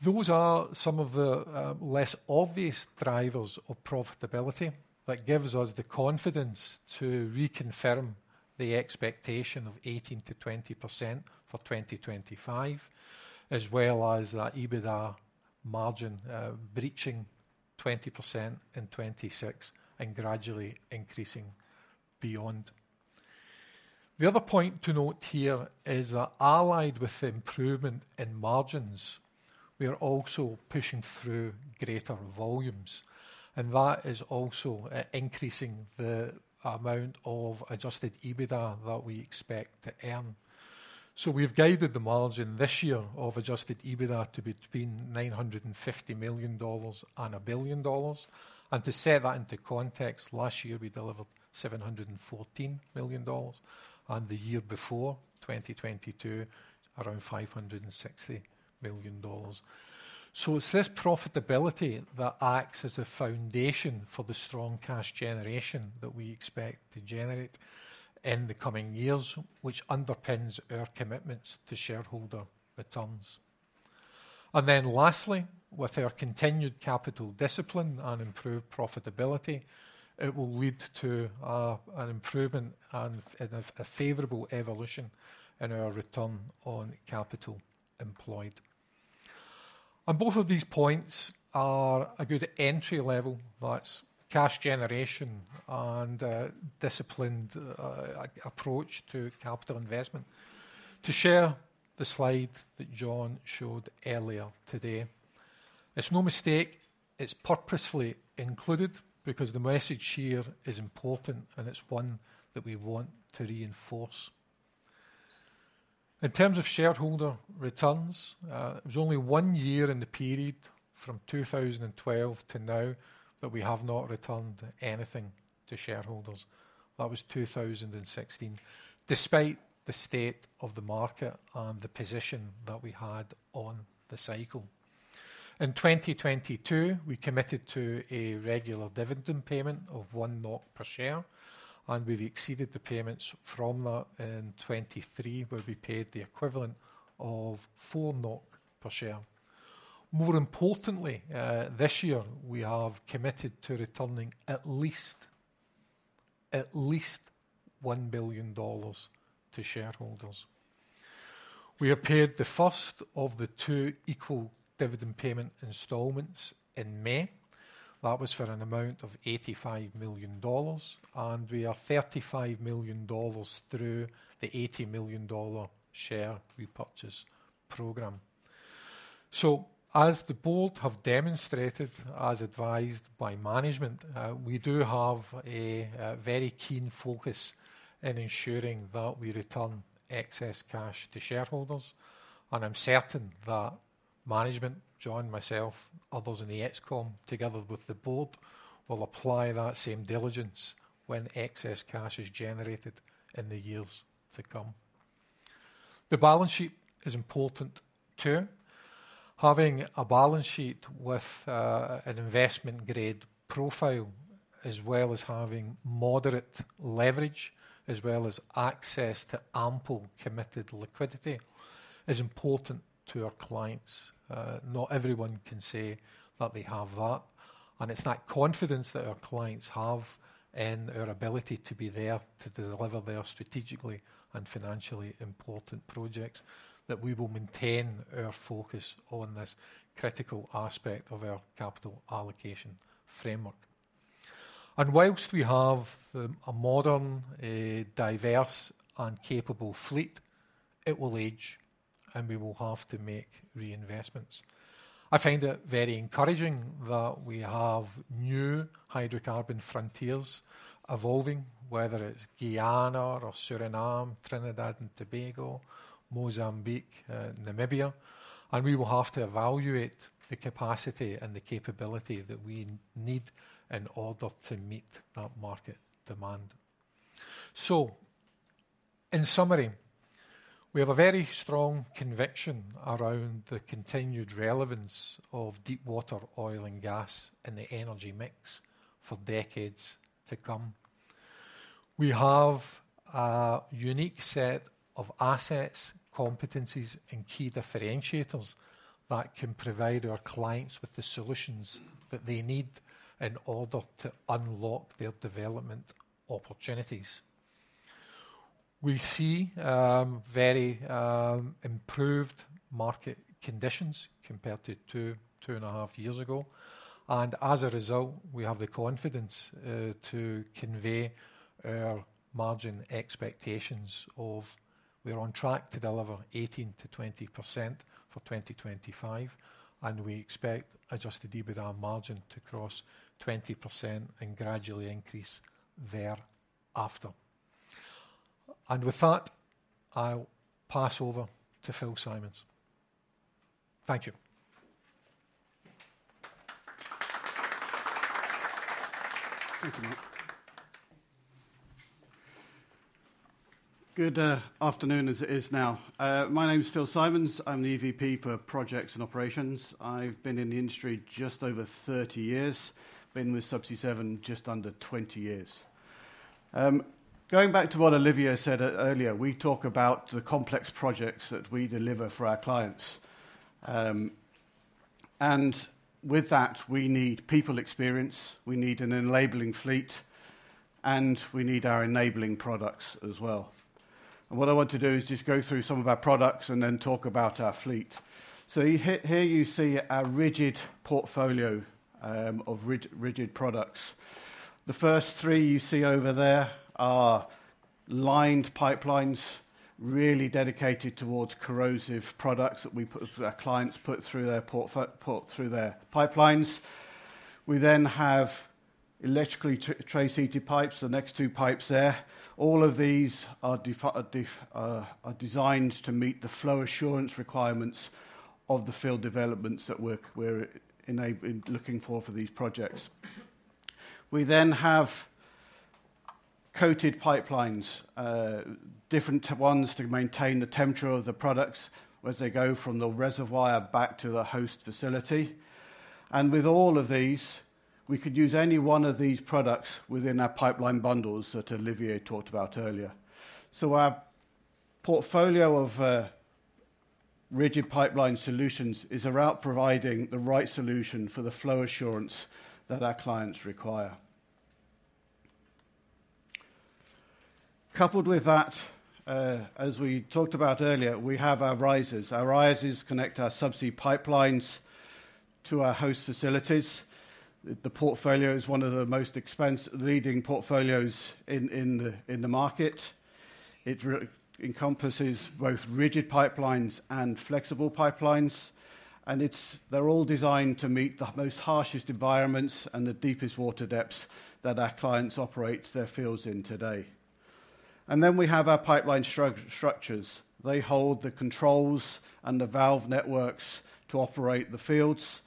those are some of the less obvious drivers of profitability that gives us the confidence to reconfirm the expectation of 18%-20% for 2025, as well as that EBITDA margin breaching 20% in 2026 and gradually increasing beyond. The other point to note here is that allied with improvement in margins, we are also pushing through greater volumes. And that is also increasing the amount of Adjusted EBITDA that we expect to earn. So we've guided the margin this year of Adjusted EBITDA to between $950 million-$1 billion. To set that into context, last year we delivered $714 million, and the year before, 2022, around $560 million. It's this profitability that acts as the foundation for the strong cash generation that we expect to generate in the coming years, which underpins our commitments to shareholder returns. Then lastly, with our continued capital discipline and improved profitability, it will lead to an improvement and a favorable evolution in our return on capital employed. Both of these points are a good entry level, that's cash generation and a disciplined approach to capital investment. To share the slide that John showed earlier today, it's no mistake, it's purposefully included because the message here is important and it's one that we want to reinforce. In terms of shareholder returns, there's only one year in the period from 2012 to now that we have not returned anything to shareholders. That was 2016, despite the state of the market and the position that we had on the cycle. In 2022, we committed to a regular dividend payment of 1 NOK per share, and we've exceeded the payments from that in 2023, where we paid the equivalent of 4 NOK per share. More importantly, this year, we have committed to returning at least $1 billion to shareholders. We have paid the first of the 2 equal dividend payment installments in May. That was for an amount of $85 million, and we are $35 million through the $80 million share repurchase program. So as the board have demonstrated, as advised by management, we do have a very keen focus in ensuring that we return excess cash to shareholders. I'm certain that management, John, myself, others in the ExCom, together with the board, will apply that same diligence when excess cash is generated in the years to come. The balance sheet is important too. Having a balance sheet with an investment-grade profile, as well as having moderate leverage, as well as access to ample committed liquidity, is important to our clients. Not everyone can say that they have that. It's that confidence that our clients have in our ability to be there to deliver their strategically and financially important projects that we will maintain our focus on this critical aspect of our capital allocation framework. While we have a modern, diverse, and capable fleet, it will age and we will have to make reinvestments. I find it very encouraging that we have new hydrocarbon frontiers evolving, whether it's Guyana or Suriname, Trinidad and Tobago, Mozambique, Namibia. We will have to evaluate the capacity and the capability that we need in order to meet that market demand. So in summary, we have a very strong conviction around the continued relevance of deepwater oil and gas in the energy mix for decades to come. We have a unique set of assets, competencies, and key differentiators that can provide our clients with the solutions that they need in order to unlock their development opportunities. We see very improved market conditions compared to two and a half years ago. As a result, we have the confidence to convey our margin expectations of we're on track to deliver 18%-20% for 2025. And we expect Adjusted EBITDA margin to cross 20% and gradually increase thereafter. And with that, I'll pass over to Phil Simons. Thank you. Good afternoon as it is now. My name is Phil Simons. I'm the EVP for Projects and Operations. I've been in the industry just over 30 years. I've been with Subsea7 just under 20 years. Going back to what Olivier said earlier, we talk about the complex projects that we deliver for our clients. And with that, we need people experience, we need an enabling fleet, and we need our enabling products as well. And what I want to do is just go through some of our products and then talk about our fleet. So here you see a rigid portfolio of rigid products. The first three you see over there are lined pipelines, really dedicated towards corrosive products that our clients put through their pipelines. We then have electrically trace heated pipes, the next two pipes there. All of these are designed to meet the flow assurance requirements of the field developments that we're looking for for these projects. We then have coated pipelines, different ones to maintain the temperature of the products as they go from the reservoir back to the host facility. And with all of these, we could use any one of these products within our pipeline bundles that Olivier talked about earlier. So our portfolio of rigid pipeline solutions is about providing the right solution for the flow assurance that our clients require. Coupled with that, as we talked about earlier, we have our risers. Our risers connect our subsea pipelines to our host facilities. The portfolio is one of the most leading portfolios in the market. It encompasses both rigid pipelines and flexible pipelines. And they're all designed to meet the most harshest environments and the deepest water depths that our clients operate their fields in today. And then we have our pipeline structures. They hold the controls and the valve networks to operate the fields.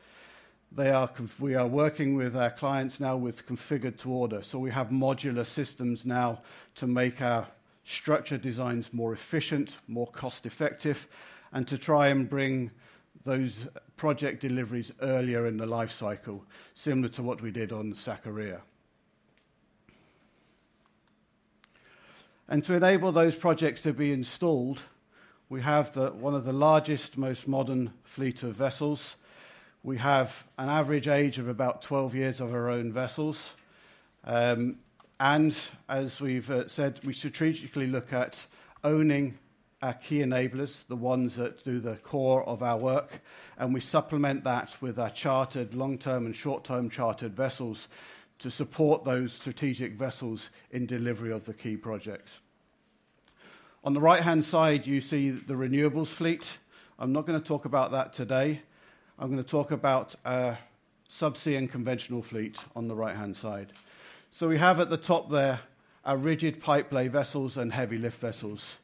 We are working with our clients now with configured to order. So we have modular systems now to make our structure designs more efficient, more cost-effective, and to try and bring those project deliveries earlier in the life cycle, similar to what we did on Sakarya. To enable those projects to be installed, we have one of the largest, most modern fleet of vessels. We have an average age of about 12 years of our own vessels. As we've said, we strategically look at owning our key enablers, the ones that do the core of our work. We supplement that with our chartered long-term and short-term chartered vessels to support those strategic vessels in delivery of the key projects. On the right-hand side, you see the renewables fleet. I'm not going to talk about that today. I'm going to talk about our subsea and conventional fleet on the right-hand side. So we have at the top there our rigid pipelay vessels and heavy lift vessels,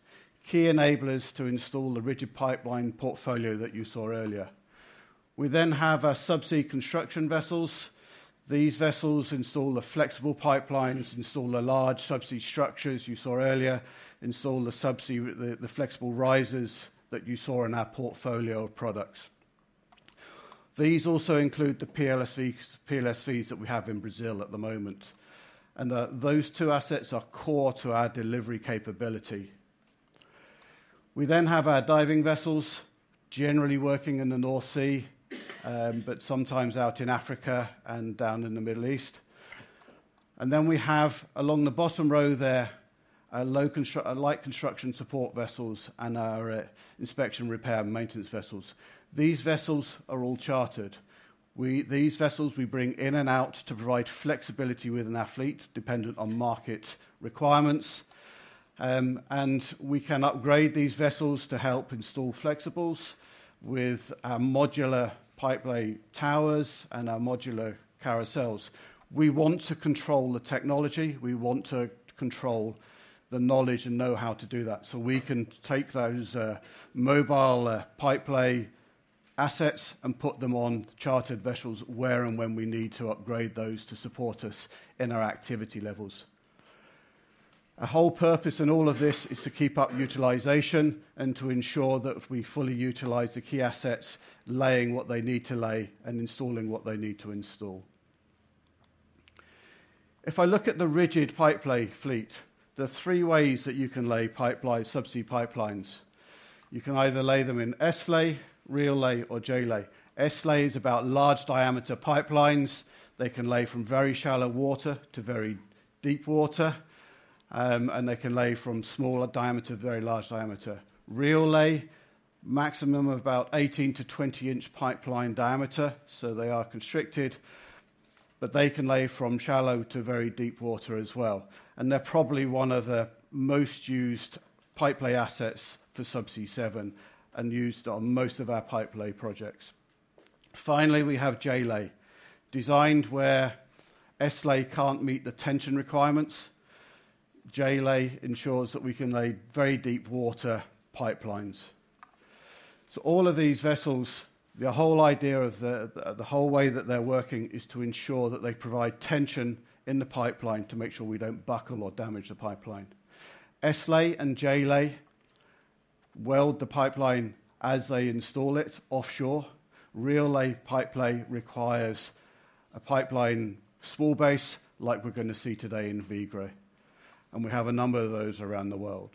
key enablers to install the rigid pipeline portfolio that you saw earlier. We then have our subsea construction vessels. These vessels install the flexible pipelines, install the large subsea structures you saw earlier, install the flexible risers that you saw in our portfolio of products. These also include the PLSVs that we have in Brazil at the moment. And those two assets are core to our delivery capability. We then have our diving vessels generally working in the North Sea, but sometimes out in Africa and down in the Middle East. And then we have along the bottom row there our light construction support vessels and our inspection, repair, and maintenance vessels. These vessels are all chartered. These vessels we bring in and out to provide flexibility within our fleet dependent on market requirements. We can upgrade these vessels to help install flexibles with our modular pipelay towers and our modular carousels. We want to control the technology. We want to control the knowledge and know how to do that. We can take those mobile pipelay assets and put them on chartered vessels where and when we need to upgrade those to support us in our activity levels. Our whole purpose in all of this is to keep up utilization and to ensure that we fully utilize the key assets, laying what they need to lay and installing what they need to install. If I look at the rigid pipelay fleet, there are three ways that you can lay subsea pipelines. You can either lay them in S-lay, reel-lay, or J-lay. S-lay is about large diameter pipelines. They can lay from very shallow water to very deepwater. And they can lay from smaller diameter to very large diameter. Reel lay, maximum of about 18-20 in pipeline diameter. So they are constricted, but they can lay from shallow to very deepwater as well. And they're probably one of the most used pipelay assets for Subsea7 and used on most of our pipelay projects. Finally, we have J-lay. Designed where S-lay can't meet the tension requirements, J-lay ensures that we can lay very deepwater pipelines. So all of these vessels, the whole idea of the whole way that they're working is to ensure that they provide tension in the pipeline to make sure we don't buckle or damage the pipeline. S-lay and J-lay weld the pipeline as they install it offshore. Reel-lay pipelay requires a pipeline spoolbase like we're going to see today in Vigra. We have a number of those around the world.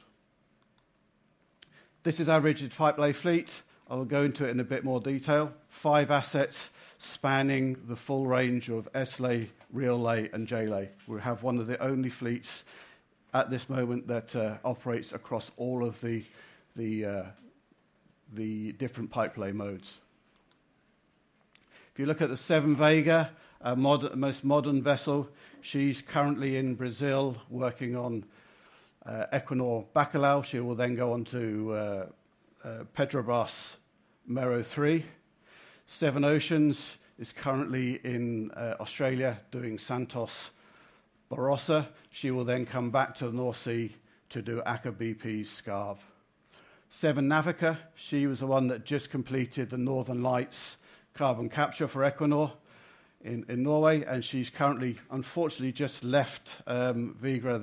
This is our rigid pipelay fleet. I'll go into it in a bit more detail. 5 assets spanning the full range of S-lay, reel-lay, and J-lay. We have one of the only fleets at this moment that operates across all of the different pipelay modes. If you look at the Seven Vega, our most modern vessel, she's currently in Brazil working on Equinor Bacalhau. She will then go on to Petrobras, Mero III. Seven Oceans is currently in Australia doing Santos Barossa. She will then come back to the North Sea to do Aker BP's Skarv. Seven Navica, she was the one that just completed the Northern Lights carbon capture for Equinor in Norway. She's currently, unfortunately, just left Vigra,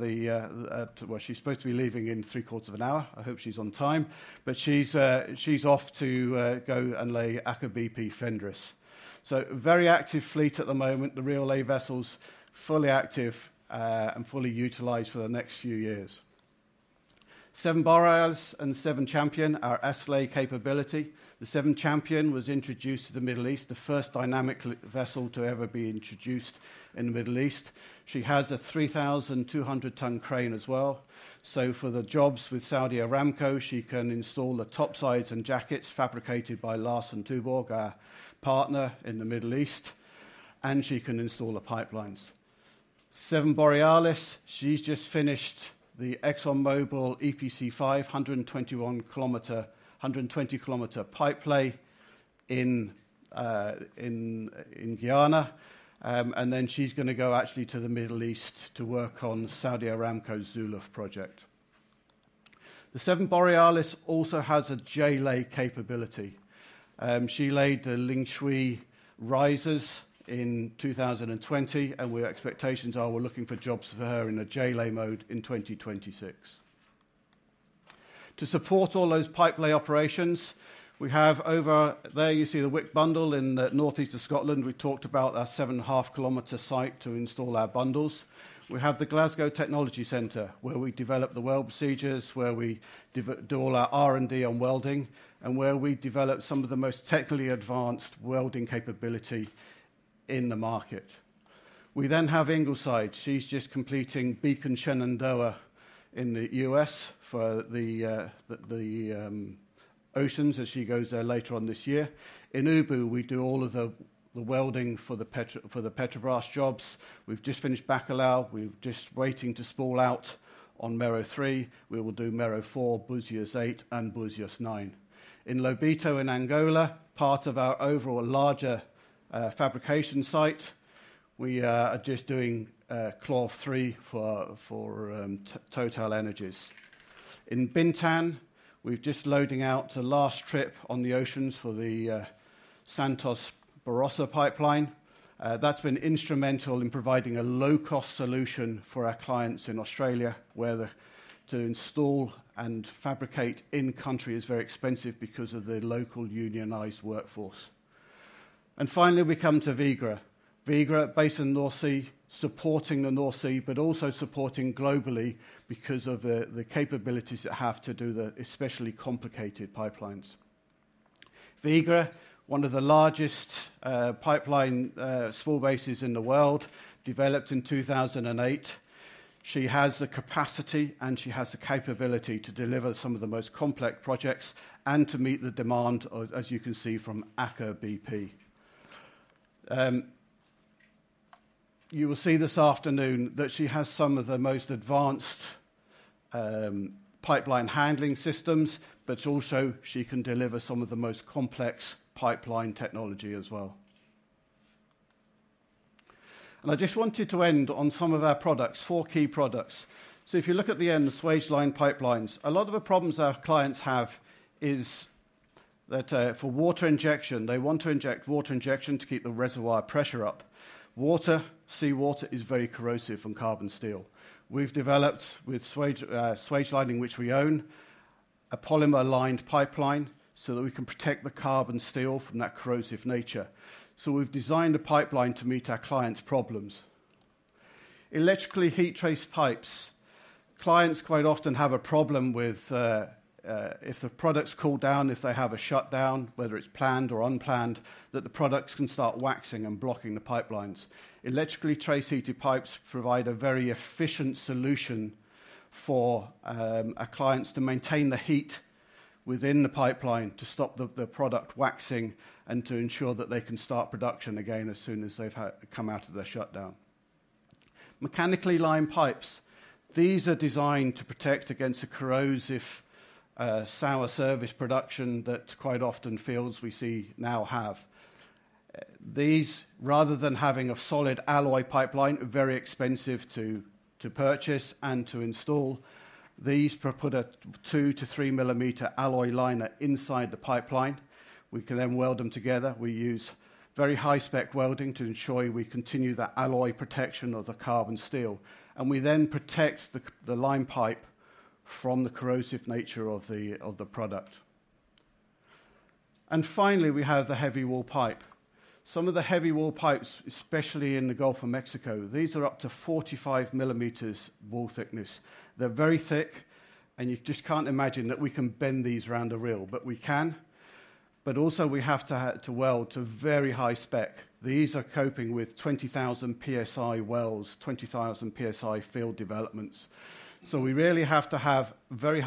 where she's supposed to be leaving in three quarters of an hour. I hope she's on time. But she's off to go and lay Aker BP Fenris. So very active fleet at the moment, the reel-lay vessels fully active and fully utilized for the next few years. Seven Borealis and Seven Champion are S-lay capability. The Seven Champion was introduced to the Middle East, the first dynamic vessel to ever be introduced in the Middle East. She has a 3,200-ton crane as well. So for the jobs with Saudi Aramco, she can install the topsides and jackets fabricated by Larsen & Toubro, our partner in the Middle East. And she can install the pipelines. Seven Borealis, she's just finished the ExxonMobil EPC 5, 120 km pipelay in Guyana. Then she's going to go actually to the Middle East to work on Saudi Aramco's Zuluf project. The Seven Borealis also has a J-lay capability. She laid the Lingshui risers in 2020. And where expectations are, we're looking for jobs for her in a J-lay mode in 2026. To support all those pipelay operations, we have over there you see the Wick bundle in the northeast of Scotland. We talked about our 7.5 km site to install our bundles. We have the Glasgow Technology Center where we develop the weld procedures, where we do all our R&D on welding, and where we develop some of the most technically advanced welding capability in the market. We then have Ingleside. She's just completing Beacon Shenandoah in the U.S. for the Seven Oceans as she goes there later on this year. In Ubu, we do all of the welding for the Petrobras jobs. We've just finished Bacalhau. We're just waiting to spool out on Mero III. We will do Mero IV, Búzios VIII, and Búzios IX. In Lobito in Angola, part of our overall larger fabrication site, we are just doing CLOV III for TotalEnergies. In Bintan, we're just loading out the last trip on the Seven Oceans for the Santos Barossa pipeline. That's been instrumental in providing a low-cost solution for our clients in Australia where to install and fabricate in-country is very expensive because of the local unionized workforce. And finally, we come to Vigra. Vigra, based in the North Sea, supporting the North Sea, but also supporting globally because of the capabilities it has to do the especially complicated pipelines. Vigra, one of the largest pipeline spoolbases in the world, developed in 2008. She has the capacity and she has the capability to deliver some of the most complex projects and to meet the demand, as you can see, from Aker BP. You will see this afternoon that she has some of the most advanced pipeline handling systems, but also she can deliver some of the most complex pipeline technology as well. And I just wanted to end on some of our products, four key products. So if you look at the end, the Swagelining pipelines, a lot of the problems our clients have is that for water injection, they want to inject water injection to keep the reservoir pressure up. Water, seawater is very corrosive to carbon steel. We've developed with Swagelining, which we own, a polymer-lined pipeline so that we can protect the carbon steel from that corrosive nature. So we've designed a pipeline to meet our clients' problems. Electrically heat-traced pipes—clients quite often have a problem with if the products cool down, if they have a shutdown, whether it's planned or unplanned, that the products can start waxing and blocking the pipelines. Electrically trace heated pipes provide a very efficient solution for our clients to maintain the heat within the pipeline to stop the product waxing and to ensure that they can start production again as soon as they've come out of their shutdown. Mechanically lined pipes—these are designed to protect against a corrosive sour service production that quite often the fields we see now have. These, rather than having a solid alloy pipeline, are very expensive to purchase and to install. These put a 2-3 millimeter alloy liner inside the pipeline. We can then weld them together. We use very high-spec welding to ensure we continue the alloy protection of the carbon steel. And we then protect the line pipe from the corrosive nature of the product. And finally, we have the heavy wall pipe. Some of the heavy wall pipes, especially in the Gulf of Mexico, these are up to 45 millimeters wall thickness. They're very thick, and you just can't imagine that we can bend these round a reel, but we can. But also we have to weld to very high spec. These are coping with 20,000 PSI wells, 20,000 PSI field developments. So we really have to have very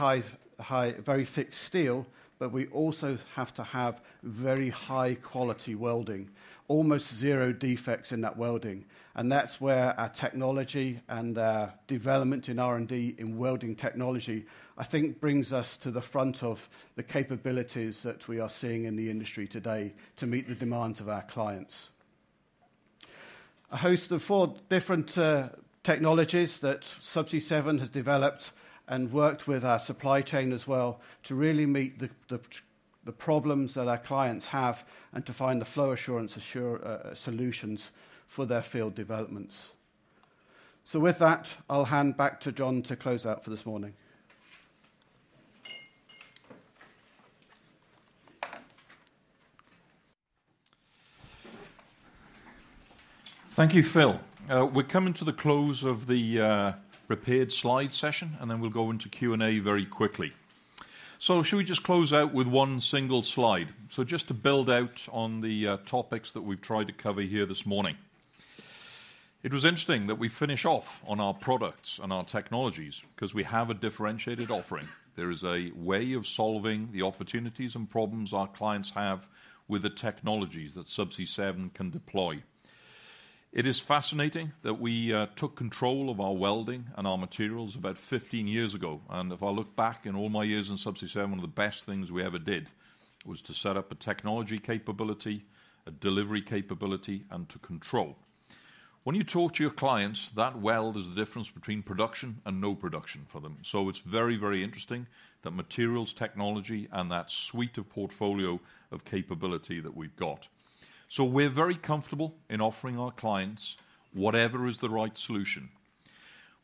thick steel, but we also have to have very high-quality welding, almost zero defects in that welding. And that's where our technology and our development in R&D in welding technology, I think, brings us to the front of the capabilities that we are seeing in the industry today to meet the demands of our clients. A host of four different technologies that Subsea7 has developed and worked with our supply chain as well to really meet the problems that our clients have and to find the flow assurance solutions for their field developments. So with that, I'll hand back to John to close out for this morning. Thank you, Phil. We're coming to the close of the prepared slide session, and then we'll go into Q&A very quickly. So should we just close out with one single slide? So just to build out on the topics that we've tried to cover here this morning, it was interesting that we finish off on our products and our technologies because we have a differentiated offering. There is a way of solving the opportunities and problems our clients have with the technologies that Subsea7 can deploy. It is fascinating that we took control of our welding and our materials about 15 years ago. And if I look back in all my years in Subsea7, one of the best things we ever did was to set up a technology capability, a delivery capability, and to control. When you talk to your clients, that weld is the difference between production and no production for them. It's very, very interesting that materials, technology, and that suite of portfolio of capability that we've got. We're very comfortable in offering our clients whatever is the right solution.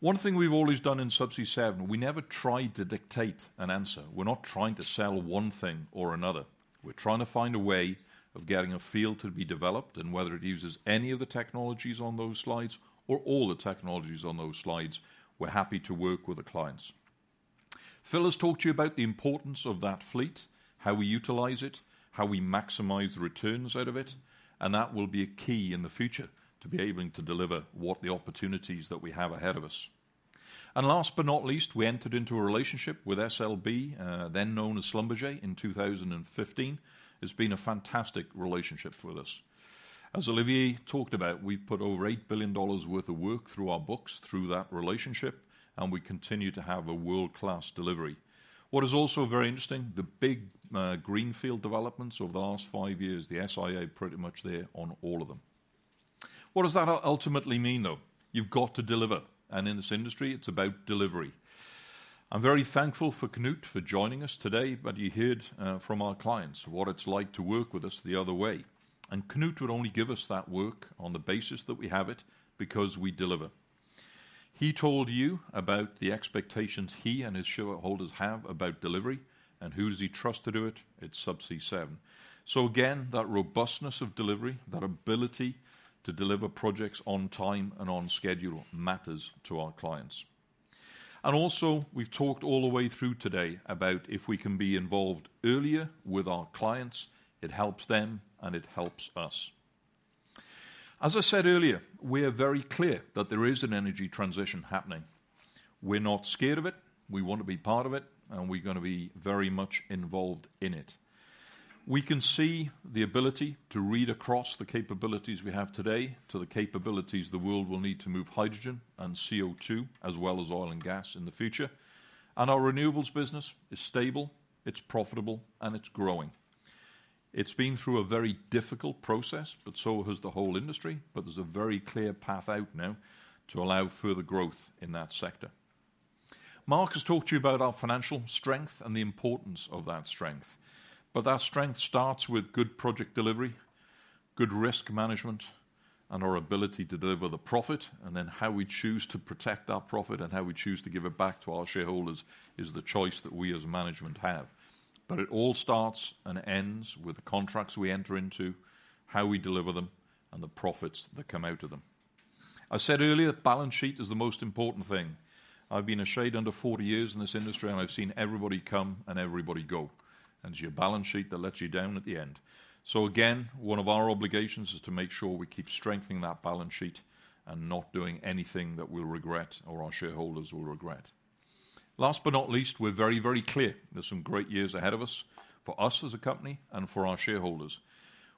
One thing we've always done in Subsea7, we never tried to dictate an answer. We're not trying to sell one thing or another. We're trying to find a way of getting a field to be developed. Whether it uses any of the technologies on those slides or all the technologies on those slides, we're happy to work with the clients. Phil has talked to you about the importance of that fleet, how we utilize it, how we maximize returns out of it. That will be a key in the future to be able to deliver what the opportunities that we have ahead of us. And last but not least, we entered into a relationship with SLB, then known as Schlumberger, in 2015. It's been a fantastic relationship with us. As Olivier talked about, we've put over $8 billion worth of work through our books through that relationship, and we continue to have a world-class delivery. What is also very interesting, the big greenfield developments over the last five years, the SIA pretty much there on all of them. What does that ultimately mean, though? You've got to deliver. And in this industry, it's about delivery. I'm very thankful for Knut for joining us today, but you heard from our clients what it's like to work with us the other way. Knut would only give us that work on the basis that we have it because we deliver. He told you about the expectations he and his shareholders have about delivery and who he trusts to do it, it's Subsea7. So again, that robustness of delivery, that ability to deliver projects on time and on schedule matters to our clients. And also, we've talked all the way through today about if we can be involved earlier with our clients, it helps them and it helps us. As I said earlier, we are very clear that there is an energy transition happening. We're not scared of it. We want to be part of it, and we're going to be very much involved in it. We can see the ability to read across the capabilities we have today to the capabilities the world will need to move hydrogen and CO2, as well as oil and gas in the future. Our renewables business is stable. It's profitable, and it's growing. It's been through a very very difficult process, but so has the whole industry. There's a very clear path out now to allow further growth in that sector. Mark has talked to you about our financial strength and the importance of that strength. That strength starts with good project delivery, good risk management, and our ability to deliver the profit. Then how we choose to protect our profit and how we choose to give it back to our shareholders is the choice that we as management have. But it all starts and ends with the contracts we enter into, how we deliver them, and the profits that come out of them. I said earlier, balance sheet is the most important thing. I've been a shade under 40 years in this industry, and I've seen everybody come and everybody go. And it's your balance sheet that lets you down at the end. So again, one of our obligations is to make sure we keep strengthening that balance sheet and not doing anything that we'll regret or our shareholders will regret. Last but not least, we're very, very clear. There's some great years ahead of us for us as a company and for our shareholders.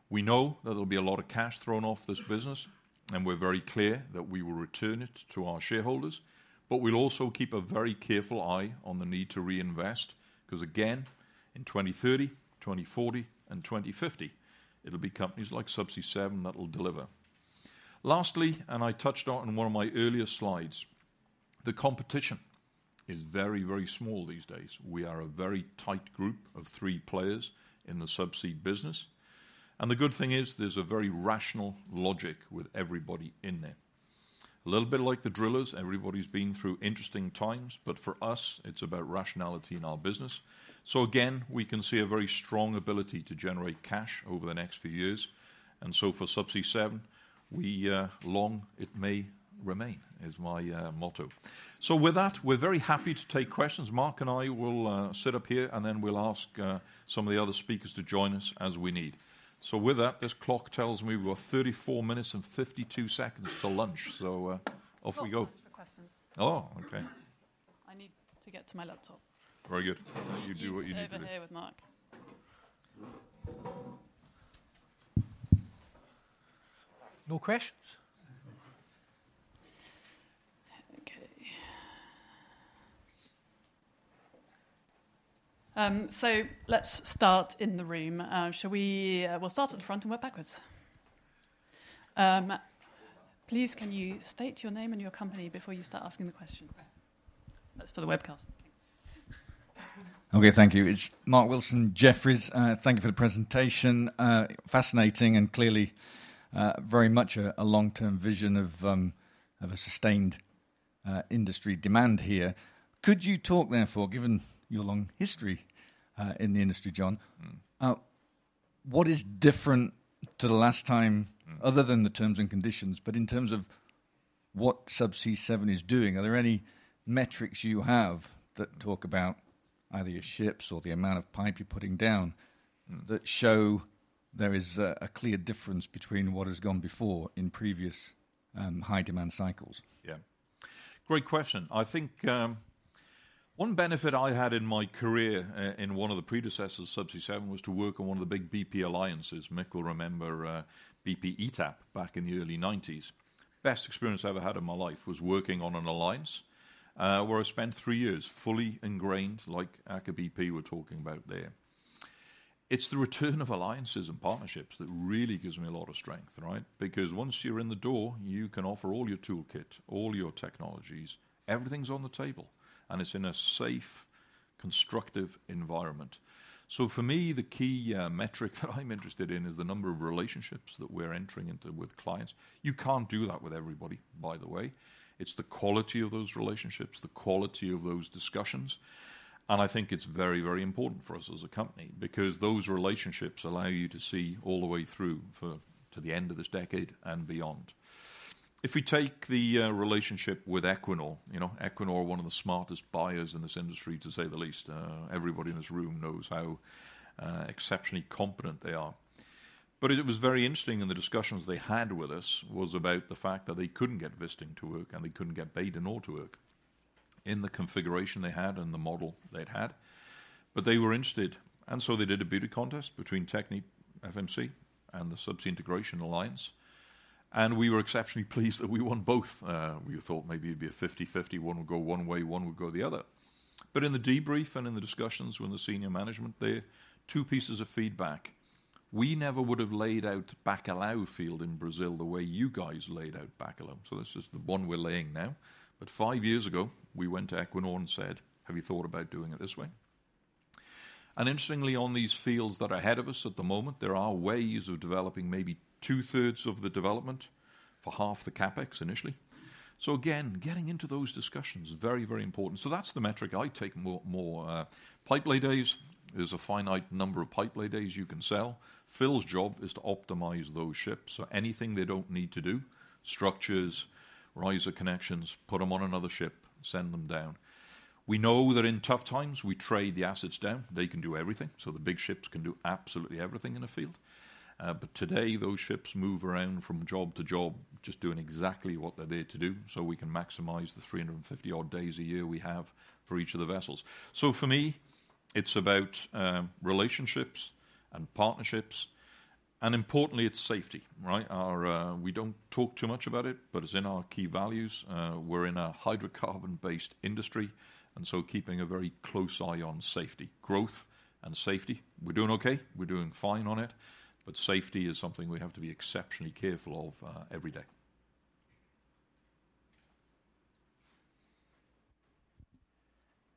We know that there'll be a lot of cash thrown off this business, and we're very clear that we will return it to our shareholders. But we'll also keep a very careful eye on the need to reinvest because, again, in 2030, 2040, and 2050, it'll be companies like Subsea7 that will deliver. Lastly, and I touched on in one of my earlier slides, the competition is very, very small these days. We are a very tight group of three players in the subsea business. And the good thing is there's a very rational logic with everybody in there. A little bit like the drillers, everybody's been through interesting times, but for us, it's about rationality in our business. So again, we can see a very strong ability to generate cash over the next few years. And so for Subsea7, long may it remain is my motto. So with that, we're very happy to take questions. Mark and I will sit up here, and then we'll ask some of the other speakers to join us as we need. So with that, this clock tells me we're 34 minutes and 52 seconds to lunch. So off we go. I'm looking for questions. Oh, okay. I need to get to my laptop. Very good. You do what you need to do. I'll be here today with Mark. No questions? Okay. So let's start in the room. We'll start at the front and work backwards. Please, can you state your name and your company before you start asking the question? That's for the webcast. Okay, thank you. It's Mark Wilson, Jefferies. Thank you for the presentation. Fascinating and clearly very much a long-term vision of a sustained industry demand here. Could you talk therefore, given your long history in the industry, John, what is different to the last time other than the terms and conditions, but in terms of what Subsea7 is doing? Are there any metrics you have that talk about either your ships or the amount of pipe you're putting down that show there is a clear difference between what has gone before in previous high-demand cycles? Yeah. Great question. I think one benefit I had in my career in one of the predecessors, Subsea7, was to work on one of the big BP alliances. Mick will remember BP ETAP back in the early 1990s. Best experience I ever had in my life was working on an alliance where I spent three years fully ingrained like Aker BP we're talking about there. It's the return of alliances and partnerships that really gives me a lot of strength, right? Because once you're in the door, you can offer all your toolkit, all your technologies. Everything's on the table, and it's in a safe, constructive environment. So for me, the key metric that I'm interested in is the number of relationships that we're entering into with clients. You can't do that with everybody, by the way. It's the quality of those relationships, the quality of those discussions. I think it's very, very important for us as a company because those relationships allow you to see all the way through to the end of this decade and beyond. If we take the relationship with Equinor, Equinor, one of the smartest buyers in this industry, to say the least, everybody in this room knows how exceptionally competent they are. But it was very interesting in the discussions they had with us was about the fact that they couldn't get Visting to work and they couldn't get Bay du Nord to work in the configuration they had and the model they'd had. But they were interested. And so they did a beauty contest between TechnipFMC and the Subsea Integration Alliance. And we were exceptionally pleased that we won both. We thought maybe it'd be a 50/50. One would go one way, one would go the other. But in the debrief and in the discussions with the senior management there, two pieces of feedback. We never would have laid out Bacalhau field in Brazil the way you guys laid out Bacalhau. So this is the one we're laying now. But 5 years ago, we went to Equinor and said, "Have you thought about doing it this way?" And interestingly, on these fields that are ahead of us at the moment, there are ways of developing maybe 2/3 of the development for half the CapEx initially. So again, getting into those discussions is very, very important. So that's the metric I take more pipelay days. There's a finite number of pipelay days you can sell. Phil's job is to optimize those ships. So anything they don't need to do, structures, riser connections, put them on another ship, send them down. We know that in tough times, we trade the assets down. They can do everything. So the big ships can do absolutely everything in a field. But today, those ships move around from job to job just doing exactly what they're there to do so we can maximize the 350-odd days a year we have for each of the vessels. So for me, it's about relationships and partnerships. And importantly, it's safety, right? We don't talk too much about it, but it's in our key values. We're in a hydrocarbon-based industry. And so keeping a very close eye on safety, growth, and safety. We're doing okay. We're doing fine on it. But safety is something we have to be exceptionally careful of every day.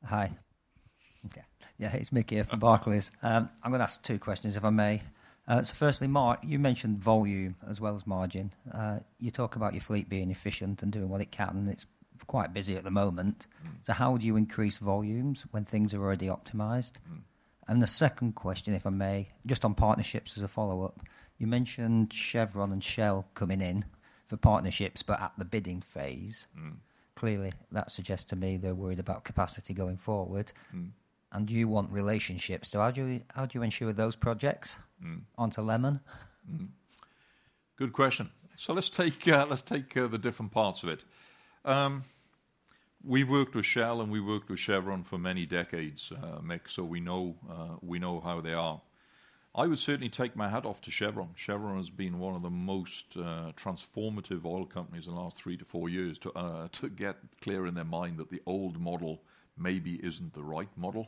Hi. Yeah, it's Mick here from Barclays. I'm going to ask two questions, if I may. So firstly, Mark, you mentioned volume as well as margin. You talk about your fleet being efficient and doing what it can, and it's quite busy at the moment. So how do you increase volumes when things are already optimized? And the second question, if I may, just on partnerships as a follow-up, you mentioned Chevron and Shell coming in for partnerships, but at the bidding phase. Clearly, that suggests to me they're worried about capacity going forward. And you want relationships. So how do you ensure those projects aren't a lemon? Good question. So let's take the different parts of it. We've worked with Shell, and we've worked with Chevron for many decades, Mick, so we know how they are. I would certainly take my hat off to Chevron. Chevron has been one of the most transformative oil companies in the last 3-4 years to get clear in their mind that the old model maybe isn't the right model.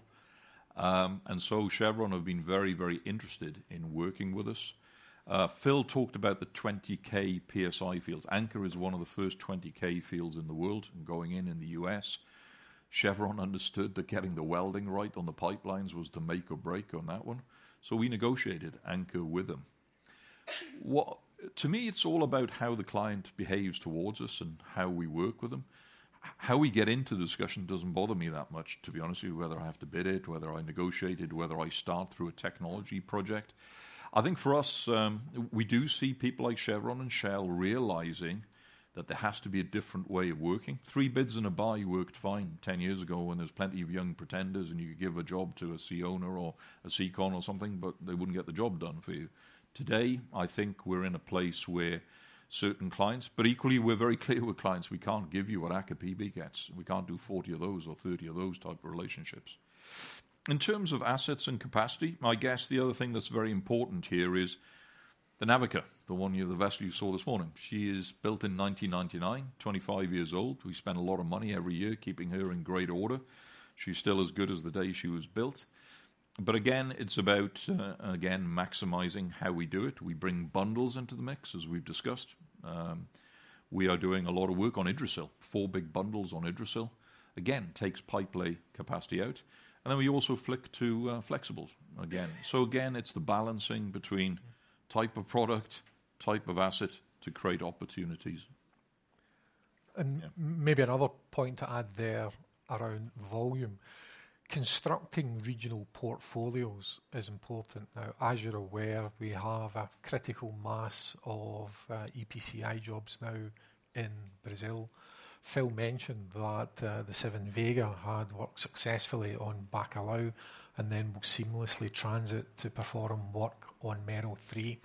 And so Chevron have been very, very interested in working with us. Phil talked about the 20,000 PSI fields. Anchor is one of the first 20,000 PSI fields in the world and going in in the U.S. Chevron understood that getting the welding right on the pipelines was the make or break on that one. So we negotiated Anchor with them. To me, it's all about how the client behaves towards us and how we work with them. How we get into the discussion doesn't bother me that much, to be honest with you, whether I have to bid it, whether I negotiate it, whether I start through a technology project. I think for us, we do see people like Chevron and Shell realizing that there has to be a different way of working. Three bids and a buy worked fine 10 years ago when there's plenty of young pretenders, and you could give a job to a Ceona or a Cecon or something, but they wouldn't get the job done for you. Today, I think we're in a place where certain clients, but equally, we're very clear with clients. We can't give you what Aker BP gets. We can't do 40 of those or 30 of those type of relationships. In terms of assets and capacity, my guess, the other thing that's very important here is the Seven Navica, the one, the vessel you saw this morning. She is built in 1999, 25 years old. We spend a lot of money every year keeping her in great order. She's still as good as the day she was built. But again, it's about, again, maximizing how we do it. We bring bundles into the mix, as we've discussed. We are doing a lot of work on Yggdrasil, four big bundles on Yggdrasil. Again, takes pipelay capacity out. And then we also flick to flexibles again. So again, it's the balancing between type of product, type of asset to create opportunities. Maybe another point to add there around volume. Constructing regional portfolios is important. Now, as you're aware, we have a critical mass of EPCI jobs now in Brazil. Phil mentioned that the Seven Vega had worked successfully on Bacalhau and then will seamlessly transit to perform work on Meril III.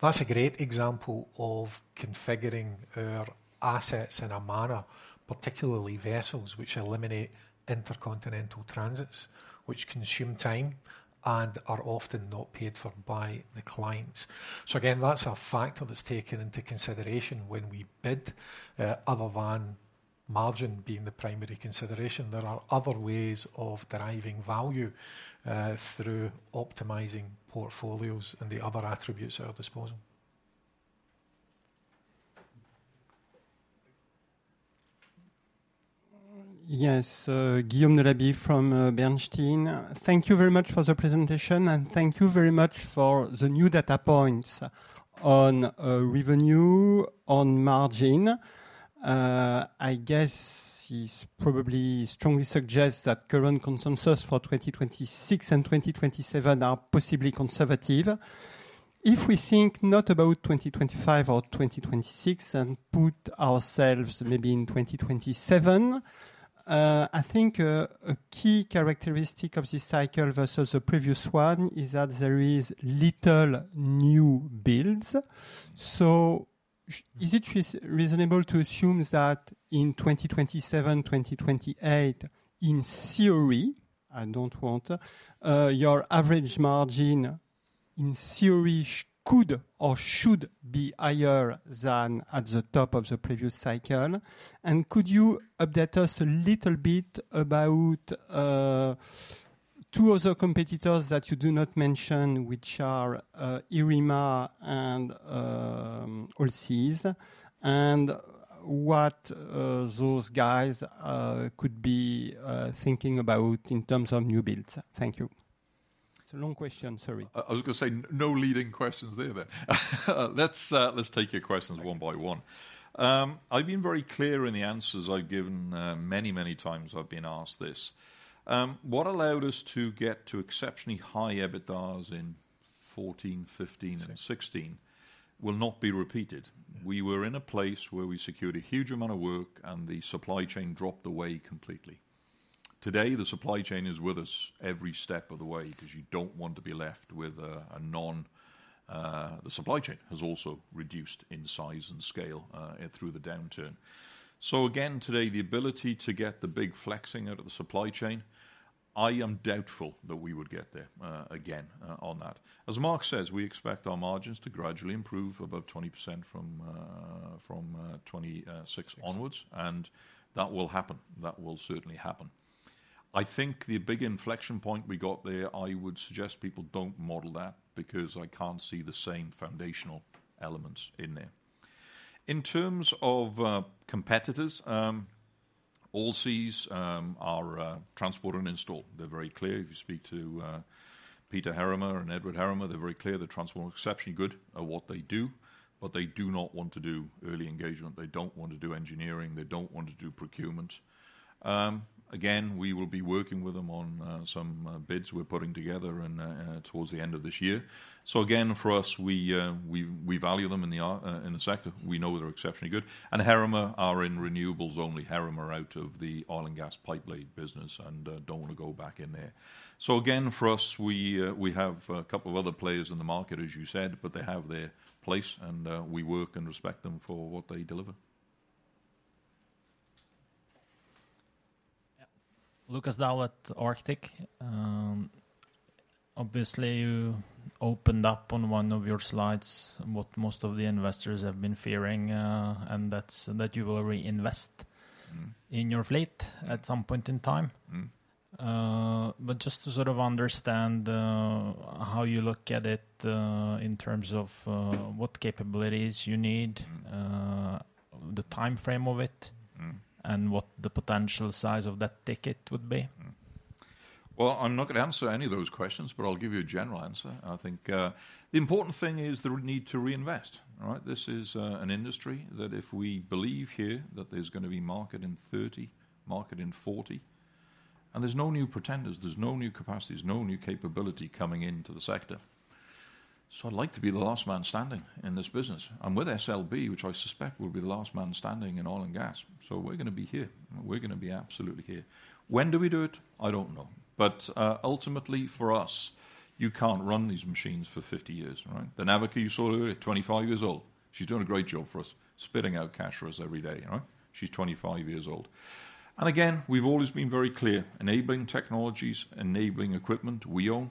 That's a great example of configuring our assets in a manner, particularly vessels which eliminate intercontinental transits, which consume time and are often not paid for by the clients. So again, that's a factor that's taken into consideration when we bid, other than margin being the primary consideration. There are other ways of deriving value through optimizing portfolios and the other attributes at our disposal. Yes, Guillaume Delaby from Bernstein. Thank you very much for the presentation, and thank you very much for the new data points on revenue, on margin. I guess he's probably strongly suggests that current consensus for 2026 and 2027 are possibly conservative. If we think not about 2025 or 2026 and put ourselves maybe in 2027, I think a key characteristic of this cycle versus the previous one is that there is little new builds. So is it reasonable to assume that in 2027, 2028, in theory, I don't want your average margin in theory could or should be higher than at the top of the previous cycle? And could you update us a little bit about two other competitors that you do not mention, which are Heerema and Allseas? And what those guys could be thinking about in terms of new builds? Thank you. It's a long question, sorry. I was going to say no leading questions there, though. Let's take your questions one by one. I've been very clear in the answers I've given many, many times I've been asked this. What allowed us to get to exceptionally high EBITDAs in 2014, 2015, and 2016 will not be repeated. We were in a place where we secured a huge amount of work, and the supply chain dropped away completely. Today, the supply chain is with us every step of the way because you don't want to be left with a non. The supply chain has also reduced in size and scale through the downturn. So again, today, the ability to get the big flexing out of the supply chain, I am doubtful that we would get there again on that. As Mark says, we expect our margins to gradually improve above 20% from 2026 onwards, and that will happen. That will certainly happen. I think the big inflection point we got there, I would suggest people don't model that because I can't see the same foundational elements in there. In terms of competitors, Allseas are transport and install. They're very clear. If you speak to Peter Heerema and Edward Heerema, they're very clear. The transport is exceptionally good at what they do, but they do not want to do early engagement. They don't want to do engineering. They don't want to do procurement. Again, we will be working with them on some bids we're putting together towards the end of this year. So again, for us, we value them in the sector. We know they're exceptionally good. And Heerema are in renewables only. Heerema are out of the oil and gas pipelay business and don't want to go back in there. So again, for us, we have a couple of other players in the market, as you said, but they have their place, and we work and respect them for what they deliver. Yeah. Lukas Daul at Arctic Securities. Obviously, you opened up on one of your slides what most of the investors have been fearing, and that's that you will reinvest in your fleet at some point in time. But just to sort of understand how you look at it in terms of what capabilities you need, the time frame of it, and what the potential size of that ticket would be? Well, I'm not going to answer any of those questions, but I'll give you a general answer. I think the important thing is the need to reinvest, right? This is an industry that if we believe here that there's going to be market in 2030, market in 2040, and there's no new pretenders, there's no new capacities, no new capability coming into the sector. So I'd like to be the last man standing in this business. I'm with SLB, which I suspect will be the last man standing in oil and gas. So we're going to be here. We're going to be absolutely here. When do we do it? I don't know. But ultimately, for us, you can't run these machines for 50 years, right? The Navica you saw earlier, 25 years old. She's doing a great job for us, spitting out cash for us every day, right? She's 25 years old. Again, we've always been very clear, enabling technologies, enabling equipment we own,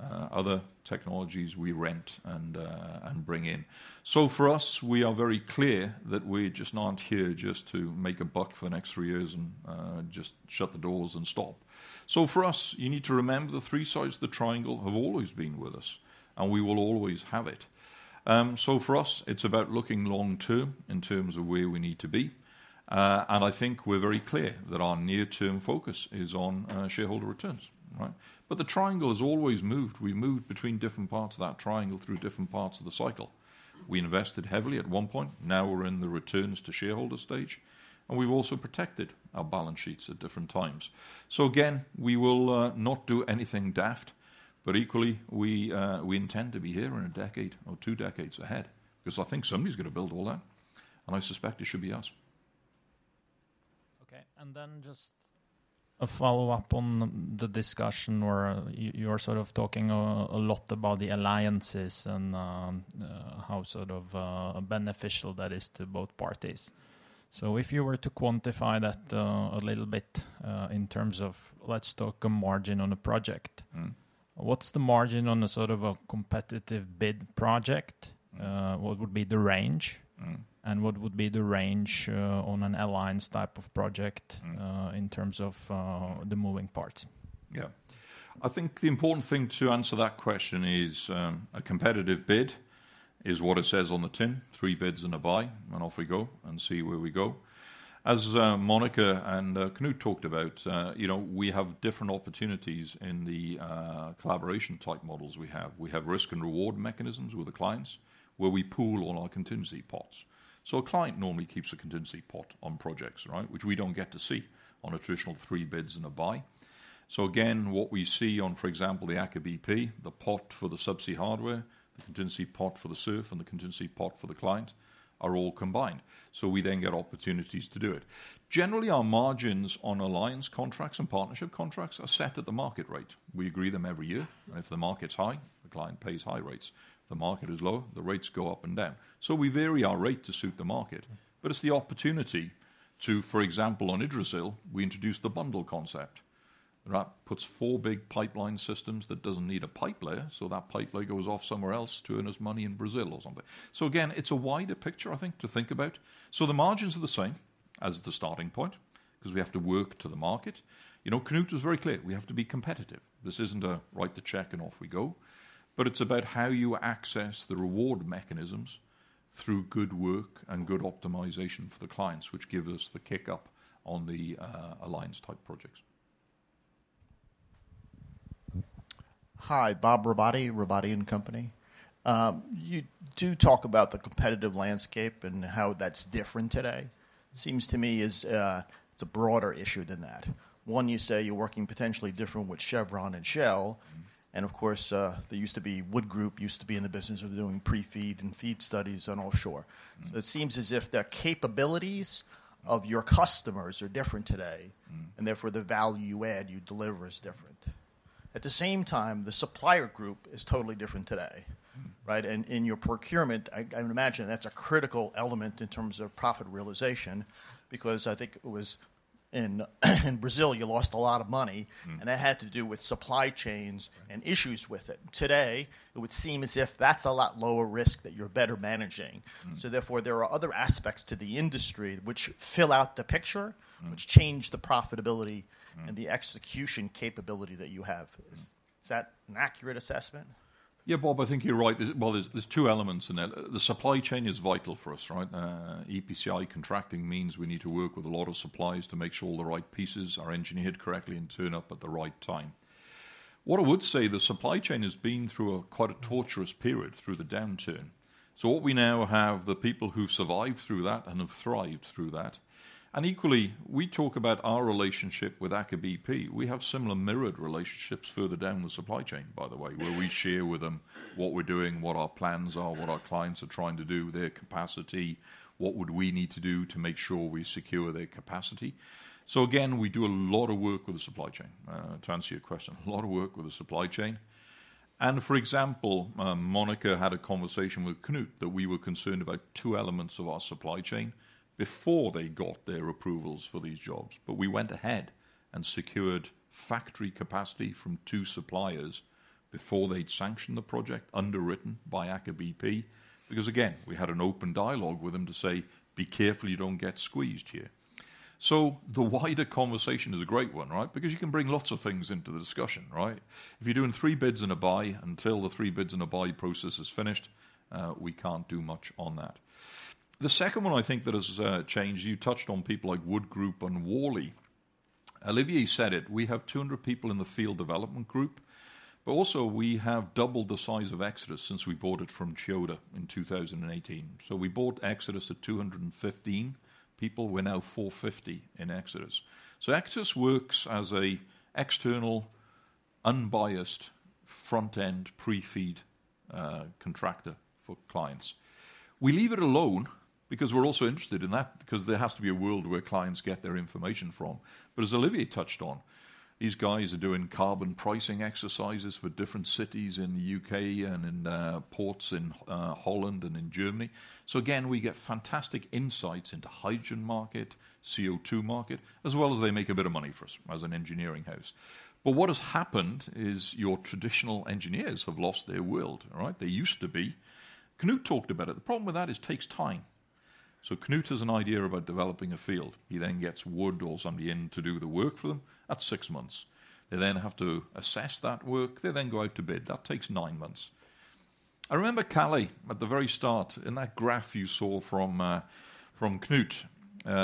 other technologies we rent and bring in. So for us, we are very clear that we just aren't here just to make a buck for the next three years and just shut the doors and stop. So for us, you need to remember the three sides of the triangle have always been with us, and we will always have it. So for us, it's about looking long term in terms of where we need to be. And I think we're very clear that our near-term focus is on shareholder returns, right? The triangle has always moved. We've moved between different parts of that triangle through different parts of the cycle. We invested heavily at one point. Now we're in the returns to shareholder stage, and we've also protected our balance sheets at different times. So again, we will not do anything daft, but equally, we intend to be here in a decade or two decades ahead because I think somebody's going to build all that, and I suspect it should be us. Okay. And then just a follow-up on the discussion where you were sort of talking a lot about the alliances and how sort of beneficial that is to both parties. So if you were to quantify that a little bit in terms of, let's talk a margin on a project, what's the margin on a sort of a competitive bid project? What would be the range, and what would be the range on an alliance type of project in terms of the moving parts? Yeah. I think the important thing to answer that question is a competitive bid is what it says on the tin, three bids and a buy, and off we go and see where we go. As Monica and Knut talked about, we have different opportunities in the collaboration type models we have. We have risk and reward mechanisms with the clients where we pool all our contingency pots. So a client normally keeps a contingency pot on projects, right, which we don't get to see on a traditional three bids and a buy. So again, what we see on, for example, the Aker BP, the pot for the subsea hardware, the contingency pot for the surf, and the contingency pot for the client are all combined. So we then get opportunities to do it. Generally, our margins on alliance contracts and partnership contracts are set at the market rate. We agree them every year. If the market's high, the client pays high rates. If the market is low, the rates go up and down. So we vary our rate to suit the market. But it's the opportunity to, for example, on Yggdrasil, we introduced the bundle concept, right? Puts four big pipeline systems that doesn't need a pipelayer. So that pipelayer goes off somewhere else to earn us money in Brazil or something. So again, it's a wider picture, I think, to think about. So the margins are the same as the starting point because we have to work to the market. Knut was very clear. We have to be competitive. This isn't a write the check and off we go. But it's about how you access the reward mechanisms through good work and good optimization for the clients, which gives us the kick-up on the alliance type projects. Hi, Bob Robotti, Robotti & Company. You do talk about the competitive landscape and how that's different today. It seems to me it's a broader issue than that. One, you say you're working potentially different with Chevron and Shell. Of course, there used to be Wood Group used to be in the business of doing pre-FEED and FEED studies on offshore. It seems as if the capabilities of your customers are different today, and therefore the value you add, you deliver is different. At the same time, the supplier group is totally different today, right? And in your procurement, I would imagine that's a critical element in terms of profit realization because I think it was in Brazil, you lost a lot of money, and that had to do with supply chains and issues with it. Today, it would seem as if that's a lot lower risk that you're better managing. So therefore, there are other aspects to the industry which fill out the picture, which change the profitability and the execution capability that you have. Is that an accurate assessment? Yeah, Bob, I think you're right. Well, there's two elements in that. The supply chain is vital for us, right? EPCI contracting means we need to work with a lot of suppliers to make sure all the right pieces are engineered correctly and turn up at the right time. What I would say, the supply chain has been through quite a torturous period through the downturn. So what we now have, the people who've survived through that and have thrived through that. And equally, we talk about our relationship with Aker BP. We have similar mirrored relationships further down the supply chain, by the way, where we share with them what we're doing, what our plans are, what our clients are trying to do, their capacity, what would we need to do to make sure we secure their capacity. So again, we do a lot of work with the supply chain. To answer your question, a lot of work with the supply chain. For example, Monica had a conversation with Knut that we were concerned about two elements of our supply chain before they got their approvals for these jobs. But we went ahead and secured factory capacity from two suppliers before they'd sanctioned the project underwritten by Aker BP because, again, we had an open dialogue with them to say, "Be careful you don't get squeezed here." So the wider conversation is a great one, right? Because you can bring lots of things into the discussion, right? If you're doing three bids and a buy until the three bids and a buy process is finished, we can't do much on that. The second one I think that has changed, you touched on people like Wood Group and Worley. Olivier said it. We have 200 people in the Field Development Group, but also we have doubled the size of Xodus since we bought it from Chiyoda in 2018. So we bought Xodus at 215 people. We're now 450 in Xodus. So Xodus works as an external, unbiased front-end pre-FEED contractor for clients. We leave it alone because we're also interested in that because there has to be a world where clients get their information from. But as Olivier touched on, these guys are doing carbon pricing exercises for different cities in the U.K. and in ports in Holland and in Germany. So again, we get fantastic insights into hydrogen market, CO2 market, as well as they make a bit of money for us as an engineering house. But what has happened is your traditional engineers have lost their world, right? They used to be. Knut talked about it. The problem with that is it takes time. So Knut has an idea about developing a field. He then gets Wood or somebody in to do the work for them. That's 6 months. They then have to assess that work. They then go out to bid. That takes nine months. I remember Kalle at the very start in that graph you saw from Knut,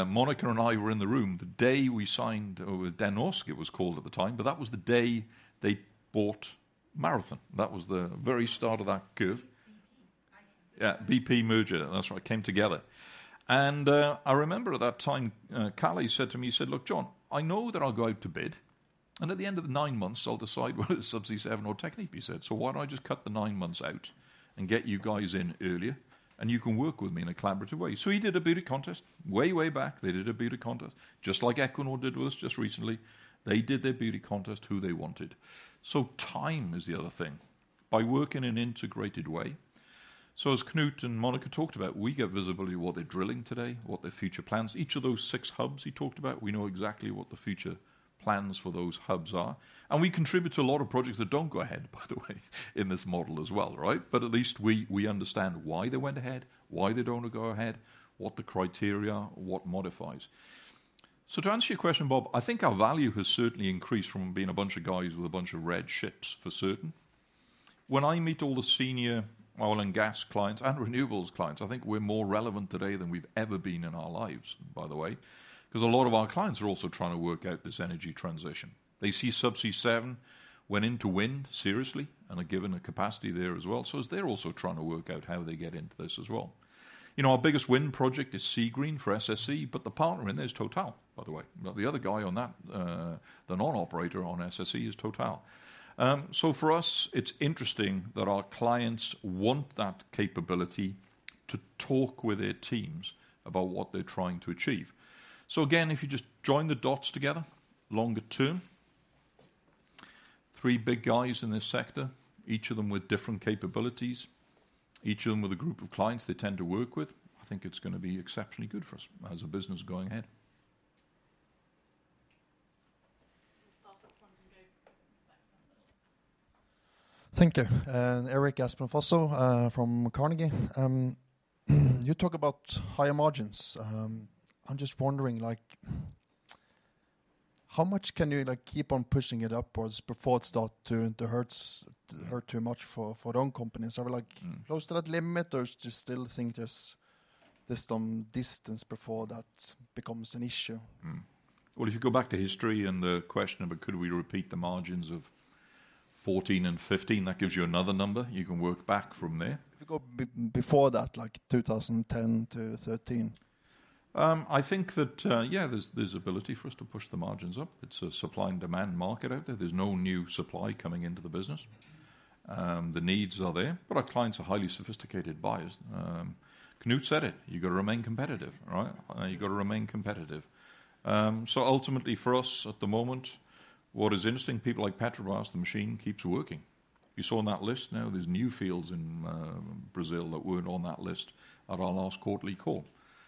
Monica and I were in the room the day we signed with Det Norske, it was called at the time, but that was the day they bought Marathon. That was the very start of that curve. Yeah, BP merger. That's right. Came together. And I remember at that time, Kalle said to me, he said, "Look, John, I know that I'll go out to bid, and at the end of the nine months, I'll decide whether it's Subsea7 or Technip," he said. "So why don't I just cut the nine months out and get you guys in earlier, and you can work with me in a collaborative way?" So he did a beauty contest way, way back. They did a beauty contest, just like Equinor did with us just recently. They did their beauty contest who they wanted. So time is the other thing. By working in an integrated way. So as Knut and Monica talked about, we get visibility of what they're drilling today, what their future plans. Each of those six hubs he talked about, we know exactly what the future plans for those hubs are. And we contribute to a lot of projects that don't go ahead, by the way, in this model as well, right? But at least we understand why they went ahead, why they don't go ahead, what the criteria are, what modifies. So to answer your question, Bob, I think our value has certainly increased from being a bunch of guys with a bunch of red ships for certain. When I meet all the senior oil and gas clients and renewables clients, I think we're more relevant today than we've ever been in our lives, by the way, because a lot of our clients are also trying to work out this energy transition. They see Subsea7 went into wind seriously and are given a capacity there as well. So they're also trying to work out how they get into this as well. Our biggest wind project is Seagreen for SSE, but the partner in there is Total, by the way. The other guy on that, the non-operator on SSE is Total. So for us, it's interesting that our clients want that capability to talk with their teams about what they're trying to achieve. So again, if you just join the dots together, longer term, three big guys in this sector, each of them with different capabilities, each of them with a group of clients they tend to work with, I think it's going to be exceptionally good for us as a business going ahead. Thank you. Erik Aspen Fosså from Carnegie. You talk about higher margins. I'm just wondering, how much can you keep on pushing it up before it starts to hurt too much for your own companies? Are we close to that limit, or do you still think there's some distance before that becomes an issue? Well, if you go back to history and the question of, "Could we repeat the margins of 2014 and 2015?" That gives you another number. You can work back from there. If you go before that, like 2010 to 2013. I think that, yeah, there's ability for us to push the margins up. It's a supply and demand market out there. There's no new supply coming into the business. The needs are there, but our clients are highly sophisticated buyers. Knut said it. You've got to remain competitive, right? You've got to remain competitive. So ultimately, for us at the moment, what is interesting, people like Petrobras, the machine keeps working. You saw on that list now, there's new fields in Brazil that weren't on that list at our last quarterly call.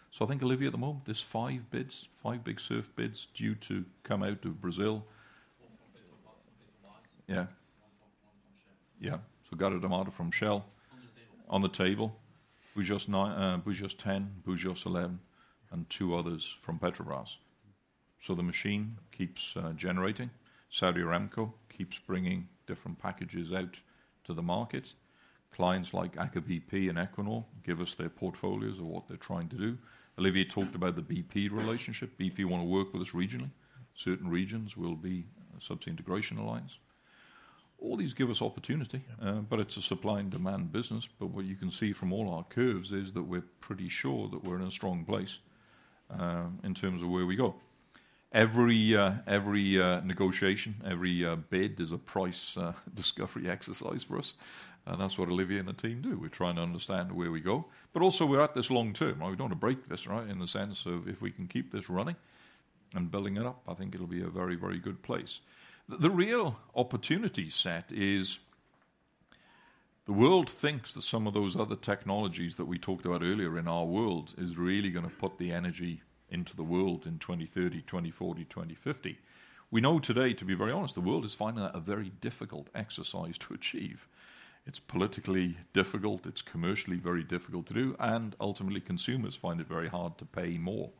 So I think, Olivier, at the moment, there's 5 bids, 5 big SURF bids due to come out of Brazil. One from Petrobras, one from Shell. Yeah. So Gato do Mato from Shell. On the table. On the table. Búzios 10, Búzios 11, and two others from Petrobras. So the machine keeps generating. Saudi Aramco keeps bringing different packages out to the market. Clients like Aker BP and Equinor give us their portfolios of what they're trying to do. Olivier talked about the BP relationship. BP want to work with us regionally. Certain regions will be Subsea Integration Alliance. All these give us opportunity, but it's a supply and demand business. But what you can see from all our curves is that we're pretty sure that we're in a strong place in terms of where we go. Every negotiation, every bid is a price discovery exercise for us. And that's what Olivier and the team do. We're trying to understand where we go. But also, we're at this long term. We don't want to break this, right, in the sense of if we can keep this running and building it up, I think it'll be a very, very good place. The real opportunity set is the world thinks that some of those other technologies that we talked about earlier in our world is really going to put the energy into the world in 2030, 2040, 2050. We know today, to be very honest, the world is finding that a very difficult exercise to achieve. It's politically difficult. It's commercially very difficult to do. Ultimately, consumers find it very hard to pay more.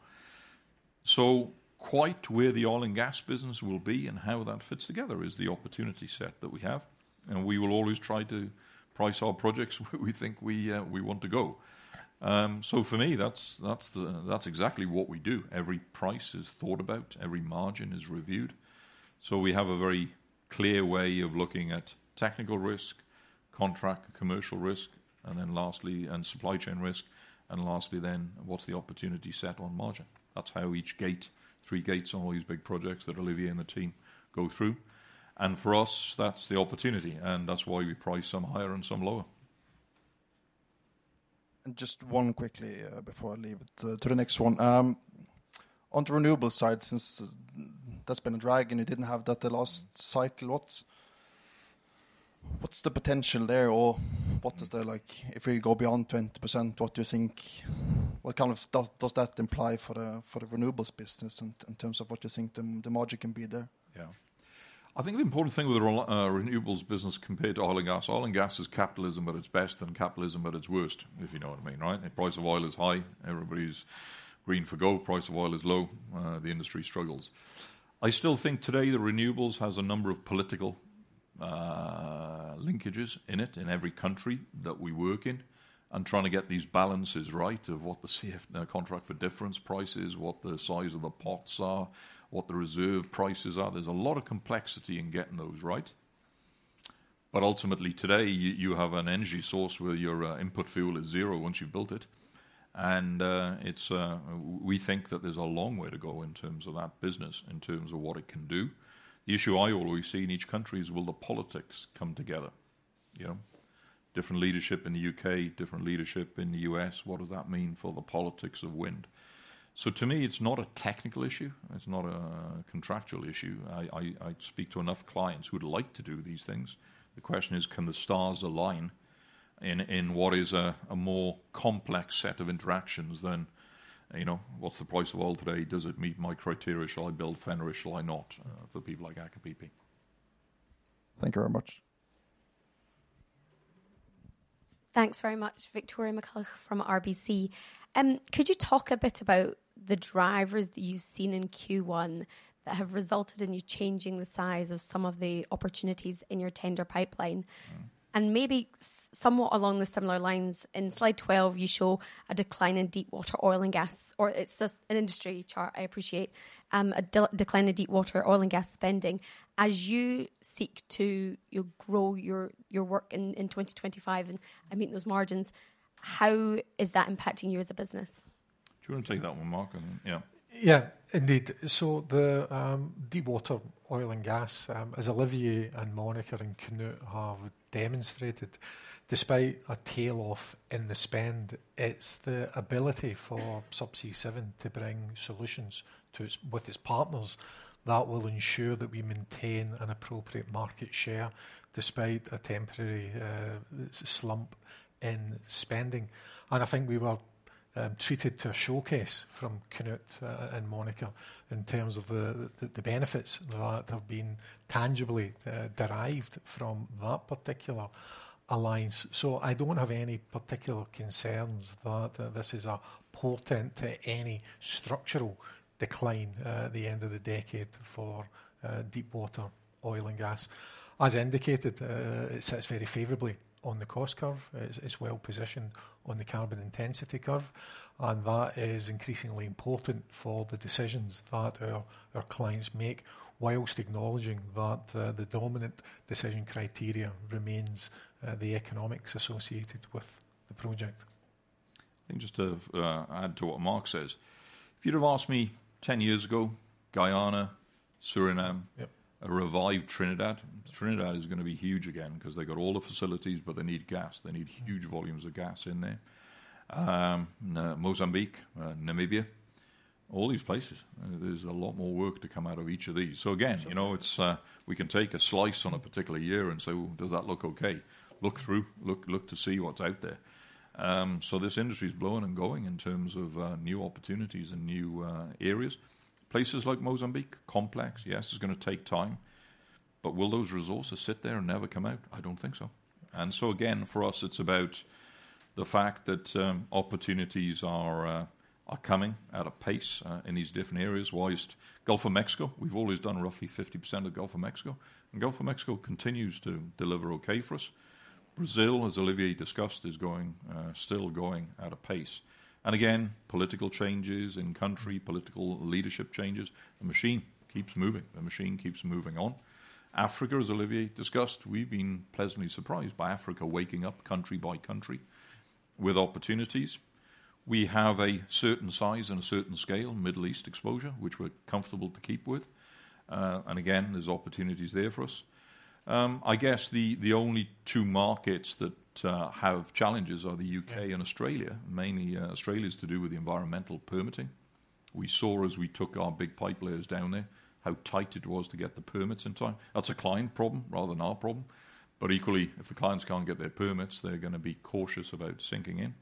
Quite where the oil and gas business will be and how that fits together is the opportunity set that we have. We will always try to price our projects where we think we want to go. For me, that's exactly what we do. Every price is thought about. Every margin is reviewed. So we have a very clear way of looking at technical risk, contract, commercial risk, and then lastly, and supply chain risk. And lastly then, what's the opportunity set on margin? That's how each gate, three gates on all these big projects that Olivier and the team go through. And for us, that's the opportunity. And that's why we price some higher and some lower. Just one quickly before I leave it to the next one. On the renewable side, since that's been a drag and you didn't have that the last cycle, what's the potential there or what is there like if we go beyond 20%, what do you think? What kind of does that imply for the renewables business in terms of what you think the margin can be there? Yeah. I think the important thing with the renewables business compared to oil and gas, oil and gas is capitalism at its best and capitalism at its worst, if you know what I mean, right? The price of oil is high. Everybody's green for gold. Price of oil is low. The industry struggles. I still think today the renewables has a number of political linkages in it in every country that we work in and trying to get these balances right of what the Contract for Difference price is, what the size of the pots are, what the reserve prices are. There's a lot of complexity in getting those right. But ultimately today, you have an energy source where your input fuel is zero once you've built it. And we think that there's a long way to go in terms of that business, in terms of what it can do. The issue I always see in each country is, will the politics come together? Different leadership in the U.K., different leadership in the U.S. What does that mean for the politics of wind? So to me, it's not a technical issue. It's not a contractual issue. I speak to enough clients who would like to do these things. The question is, can the stars align in what is a more complex set of interactions than what's the price of oil today? Does it meet my criteria? Shall I build Fenris? Shall I not for people like Aker BP? Thank you very much. Thanks very much, Victoria McCulloch from RBC. Could you talk a bit about the drivers that you've seen in Q1 that have resulted in you changing the size of some of the opportunities in your tender pipeline? And maybe somewhat along the similar lines, in slide 12, you show a decline in deepwater oil and gas, or it's just an industry chart, I appreciate, a decline in deepwater oil and gas spending. As you seek to grow your work in 2025 and meet those margins, how is that impacting you as a business? Do you want to take that one, Mark? Yeah. Yeah, indeed. So the deepwater oil and gas, as Olivier and Monica and Knut have demonstrated, despite a tail off in the spend, it's the ability for Subsea7 to bring solutions with its partners that will ensure that we maintain an appropriate market share despite a temporary slump in spending. And I think we were treated to a showcase from Knut and Monica in terms of the benefits that have been tangibly derived from that particular alliance. So I don't have any particular concerns that this is a portent to any structural decline at the end of the decade for deepwater oil and gas. As indicated, it sits very favorably on the cost curve. It's well positioned on the carbon intensity curve. That is increasingly important for the decisions that our clients make, whilst acknowledging that the dominant decision criteria remains the economics associated with the project. I think just to add to what Mark says, if you'd have asked me 10 years ago, Guyana, Suriname, a revived Trinidad. Trinidad is going to be huge again because they've got all the facilities, but they need gas. They need huge volumes of gas in there. Mozambique, Namibia, all these places. There's a lot more work to come out of each of these. So again, we can take a slice on a particular year and say, "Does that look okay?" Look through, look to see what's out there. So this industry is blowing and going in terms of new opportunities and new areas. Places like Mozambique, complex, yes, it's going to take time. But will those resources sit there and never come out? I don't think so. And so again, for us, it's about the fact that opportunities are coming at a pace in these different areas. the Gulf of Mexico, we've always done roughly 50% of the Gulf of Mexico. And the Gulf of Mexico continues to deliver okay for us. Brazil, as Olivier discussed, is still going at a pace. And again, political changes in country, political leadership changes. The machine keeps moving. The machine keeps moving on. Africa, as Olivier discussed, we've been pleasantly surprised by Africa waking up country by country with opportunities. We have a certain size and a certain scale, Middle East exposure, which we're comfortable to keep with. And again, there's opportunities there for us. I guess the only two markets that have challenges are the U.K. and Australia, mainly Australia's to do with the environmental permitting. We saw as we took our big pipe layers down there how tight it was to get the permits in time. That's a client problem rather than our problem. But equally, if the clients can't get their permits, they're going to be cautious about sinking in.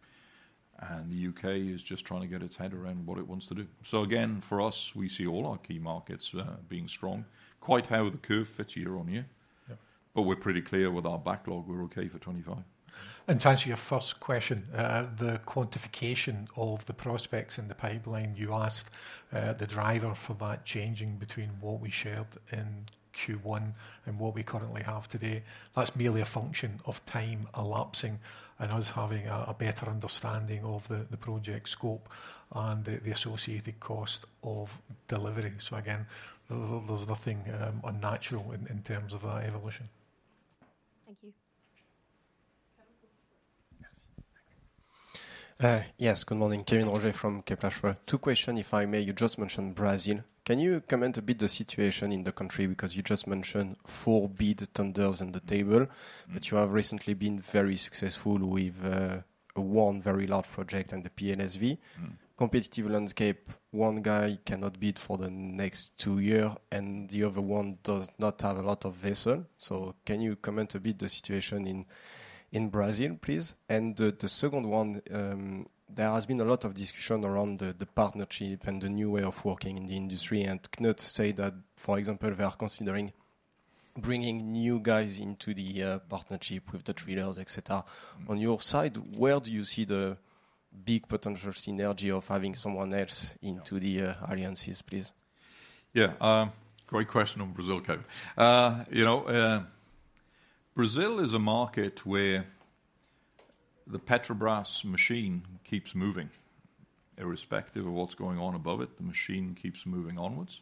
And the U.K. is just trying to get its head around what it wants to do. So again, for us, we see all our key markets being strong, quite how the curve fits year on year. But we're pretty clear with our backlog. We're okay for 2025. To answer your first question, the quantification of the prospects in the pipeline you asked, the driver for that changing between what we shared in Q1 and what we currently have today, that's merely a function of time elapsing and us having a better understanding of the project scope and the associated cost of delivery. Again, there's nothing unnatural in terms of that evolution. Thank you. Yes, good morning. Kévin Roger from Kepler Cheuvreux. Two questions, if I may. You just mentioned Brazil. Can you comment a bit on the situation in the country? Because you just mentioned four bid tenders on the table, but you have recently been very successful with one very large project and the PLSV. Competitive landscape, one guy cannot bid for the next two years and the other one does not have a lot of vessels. So can you comment a bit on the situation in Brazil, please? And the second one, there has been a lot of discussion around the partnership and the new way of working in the industry. And Knut said that, for example, they are considering bringing new guys into the partnership with the traders, etc. On your side, where do you see the big potential synergy of having someone else into the alliances, please? Yeah, great question on Brazil, Kev. Brazil is a market where the Petrobras machine keeps moving irrespective of what's going on above it. The machine keeps moving onwards.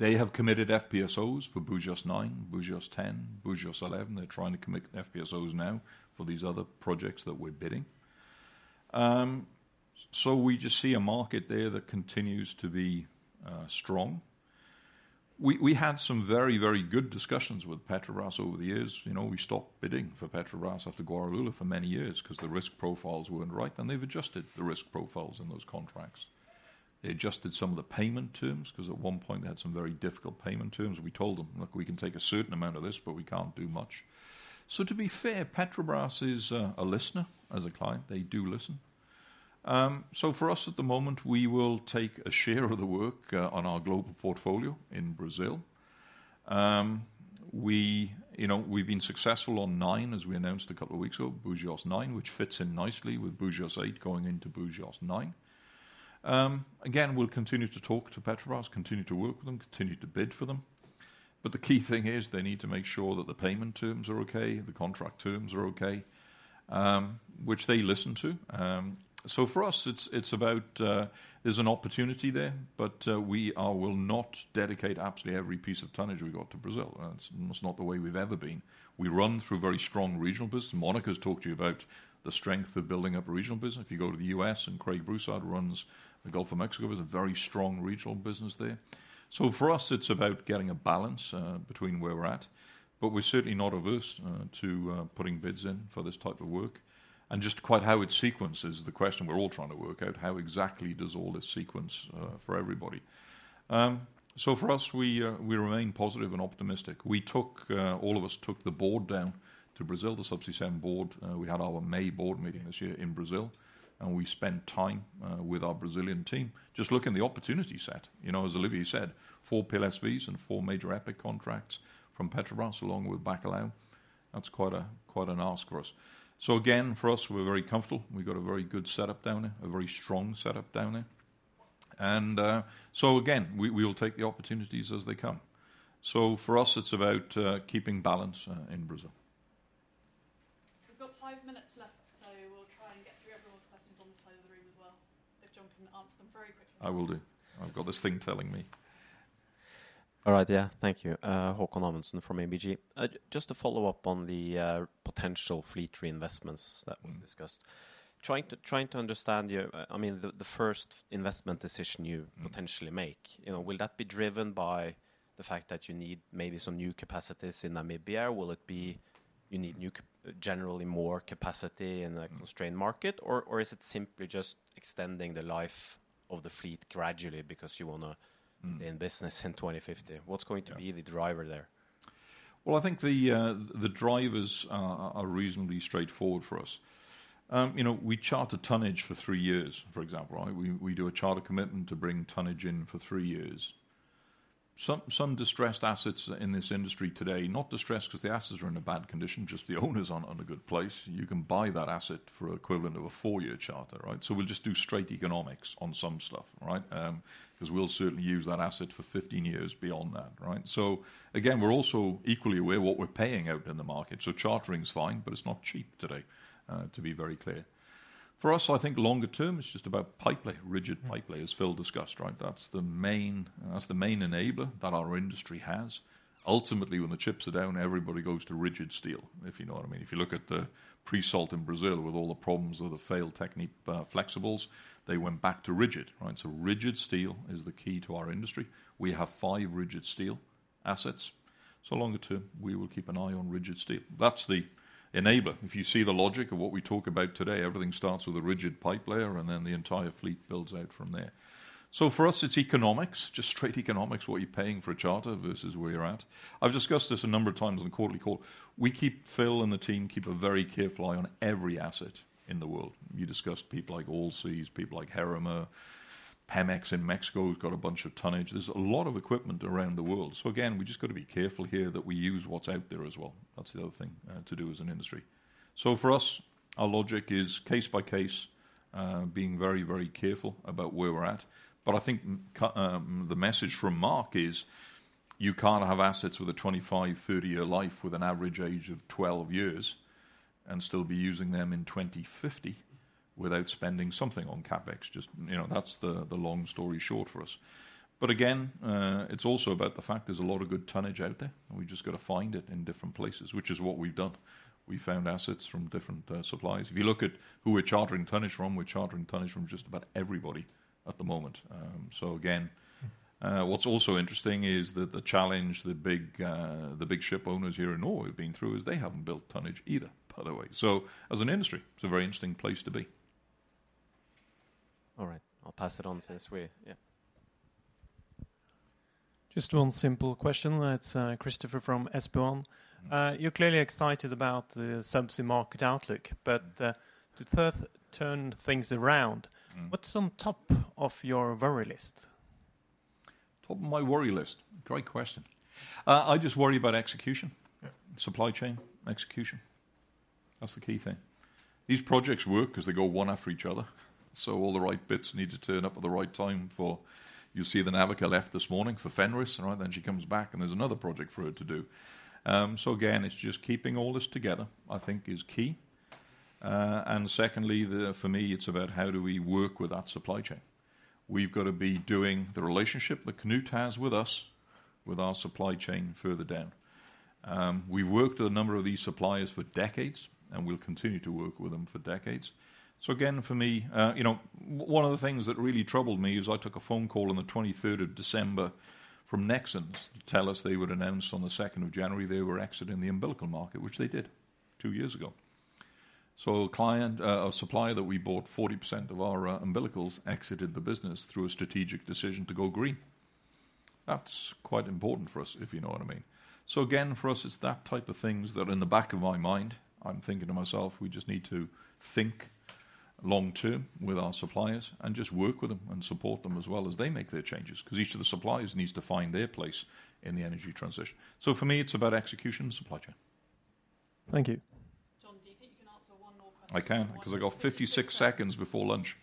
They have committed FPSOs for Búzios 9, Búzios 10, Búzios 11. They're trying to commit FPSOs now for these other projects that we're bidding. So we just see a market there that continues to be strong. We had some very, very good discussions with Petrobras over the years. We stopped bidding for Petrobras after Guará-Lula for many years because the risk profiles weren't right. And they've adjusted the risk profiles in those contracts. They adjusted some of the payment terms because at one point they had some very difficult payment terms. We told them, "Look, we can take a certain amount of this, but we can't do much." So to be fair, Petrobras is a listener as a client. They do listen. So for us at the moment, we will take a share of the work on our global portfolio in Brazil. We've been successful on nine, as we announced a couple of weeks ago, Búzios 9, which fits in nicely with Búzios 8 going into Búzios 9. Again, we'll continue to talk to Petrobras, continue to work with them, continue to bid for them. But the key thing is they need to make sure that the payment terms are okay, the contract terms are okay, which they listen to. So for us, it's about there's an opportunity there, but we will not dedicate absolutely every piece of tonnage we got to Brazil. That's not the way we've ever been. We run a very strong regional business. Monica's talked to you about the strength of building up a regional business. If you go to the U.S. and Craig Broussard runs the Gulf of Mexico business, a very strong regional business there. So for us, it's about getting a balance between where we're at. But we're certainly not averse to putting bids in for this type of work. And just quite how it sequences the question we're all trying to work out, how exactly does all this sequence for everybody? So for us, we remain positive and optimistic. All of us took the board down to Brazil, the Subsea7 board. We had our May board meeting this year in Brazil. And we spent time with our Brazilian team. Just looking at the opportunity set, as Olivier said, four PLSVs and four major EPCI contracts from Petrobras along with Bacalhau. That's quite an ask for us. So again, for us, we're very comfortable. We've got a very good setup down there, a very strong setup down there. And so again, we will take the opportunities as they come. So for us, it's about keeping balance in Brazil. We've got five minutes left, so we'll try and get through everyone's questions on the side of the room as well. If John can answer them very quickly. I will do. I've got this thing telling me. All right, yeah. Thank you. Haakon Amundsen from ABG. Just to follow up on the potential fleet reinvestments that were discussed, trying to understand, I mean, the first investment decision you potentially make, will that be driven by the fact that you need maybe some new capacities in Namibia? Will it be you need generally more capacity in a constrained market? Or is it simply just extending the life of the fleet gradually because you want to stay in business in 2050? What's going to be the driver there? Well, I think the drivers are reasonably straightforward for us. We charter tonnage for 3 years, for example, right? We do a charter commitment to bring tonnage in for 3 years. Some distressed assets in this industry today, not distressed because the assets are in a bad condition, just the owners aren't in a good place. You can buy that asset for an equivalent of a 4-year charter, right? So we'll just do straight economics on some stuff, right? Because we'll certainly use that asset for 15 years beyond that, right? So again, we're also equally aware of what we're paying out in the market. So chartering is fine, but it's not cheap today, to be very clear. For us, I think longer term is just about pipeline, rigid pipeline, as Phil discussed, right? That's the main enabler that our industry has. Ultimately, when the chips are down, everybody goes to rigid steel, if you know what I mean. If you look at the pre-salt in Brazil with all the problems with the failed Technip flexibles, they went back to rigid, right? So rigid steel is the key to our industry. We have five rigid steel assets. So longer term, we will keep an eye on rigid steel. That's the enabler. If you see the logic of what we talk about today, everything starts with a rigid pipeline and then the entire fleet builds out from there. So for us, it's economics, just straight economics, what you're paying for a charter versus where you're at. I've discussed this a number of times on the quarterly call. We keep Phil and the team keep a very careful eye on every asset in the world. You discussed people like Allseas, people like Heerema, Pemex in Mexico who's got a bunch of tonnage. There's a lot of equipment around the world. So again, we just got to be careful here that we use what's out there as well. That's the other thing to do as an industry. So for us, our logic is case by case, being very, very careful about where we're at. But I think the message from Mark is you can't have assets with a 25, 30-year life with an average age of 12 years and still be using them in 2050 without spending something on CapEx. Just that's the long story short for us. But again, it's also about the fact there's a lot of good tonnage out there. We just got to find it in different places, which is what we've done. We found assets from different suppliers. If you look at who we're chartering tonnage from, we're chartering tonnage from just about everybody at the moment. So again, what's also interesting is that the challenge, the big ship owners here in Norway have been through is they haven't built tonnage either, by the way. So as an industry, it's a very interesting place to be. All right. I'll pass it on to Svein. Yeah. Just one simple question. It's Christopher from SpareBank 1 Markets. You're clearly excited about the subsea market outlook, but to turn things around, what's on top of your worry list? Top of my worry list. Great question. I just worry about execution, supply chain execution. That's the key thing. These projects work because they go one after each other. So all the right bits need to turn up at the right time, for you'll see the Navica left this morning for Fenris, right? Then she comes back and there's another project for her to do. So again, it's just keeping all this together, I think, is key. And secondly, for me, it's about how do we work with that supply chain. We've got to be doing the relationship that Knut has with us, with our supply chain further down. We've worked with a number of these suppliers for decades and we'll continue to work with them for decades. So again, for me, one of the things that really troubled me is I took a phone call on the 23rd of December from Nexans to tell us they would announce on the 2nd of January they were exiting the umbilical market, which they did 2 years ago. So a client, a supplier that we bought 40% of our umbilicals exited the business through a strategic decision to go green. That's quite important for us, if you know what I mean. So again, for us, it's that type of things that are in the back of my mind. I'm thinking to myself, we just need to think long-term with our suppliers and just work with them and support them as well as they make their changes. Because each of the suppliers needs to find their place in the energy transition. So for me, it's about execution and supply chain. Thank you. John, do you think you can answer one more question? I can, because I got 56 seconds before lunch.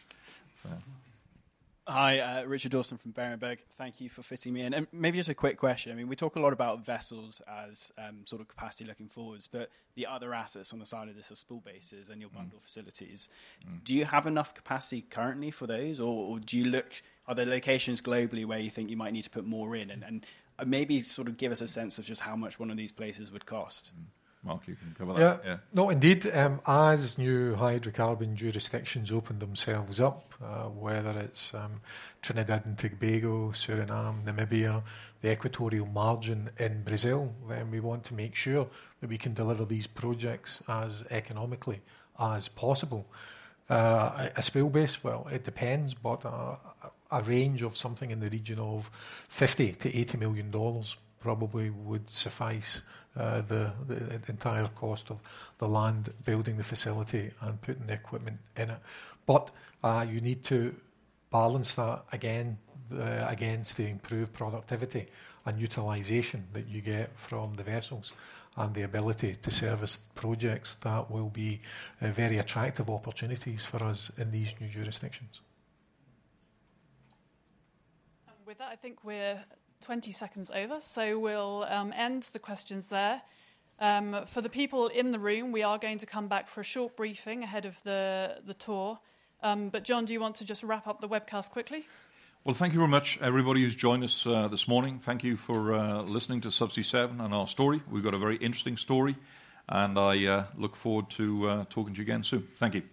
Hi, Richard Dawson from Berenberg. Thank you for fitting me in. Maybe just a quick question. I mean, we talk a lot about vessels as sort of capacity looking forwards, but the other assets on the side of this are spoolbases and your bundle facilities. Do you have enough capacity currently for those? Or are there locations globally where you think you might need to put more in? Maybe sort of give us a sense of just how much one of these places would cost. Mark, you can cover that. Yeah. No, indeed. As new hydrocarbon jurisdictions open themselves up, whether it's Trinidad and Tobago, Suriname, Namibia, the equatorial margin in Brazil, then we want to make sure that we can deliver these projects as economically as possible. A spoolbase, well, it depends, but a range of something in the region of $50 million-$80 million probably would suffice the entire cost of the land, building the facility, and putting the equipment in it. But you need to balance that again against the improved productivity and utilization that you get from the vessels and the ability to service projects that will be very attractive opportunities for us in these new jurisdictions. With that, I think we're 20 seconds over. So we'll end the questions there. For the people in the room, we are going to come back for a short briefing ahead of the tour. But John, do you want to just wrap up the webcast quickly? Well, thank you very much, everybody who's joined us this morning. Thank you for listening to Subsea7 and our story. We've got a very interesting story. I look forward to talking to you again soon. Thank you.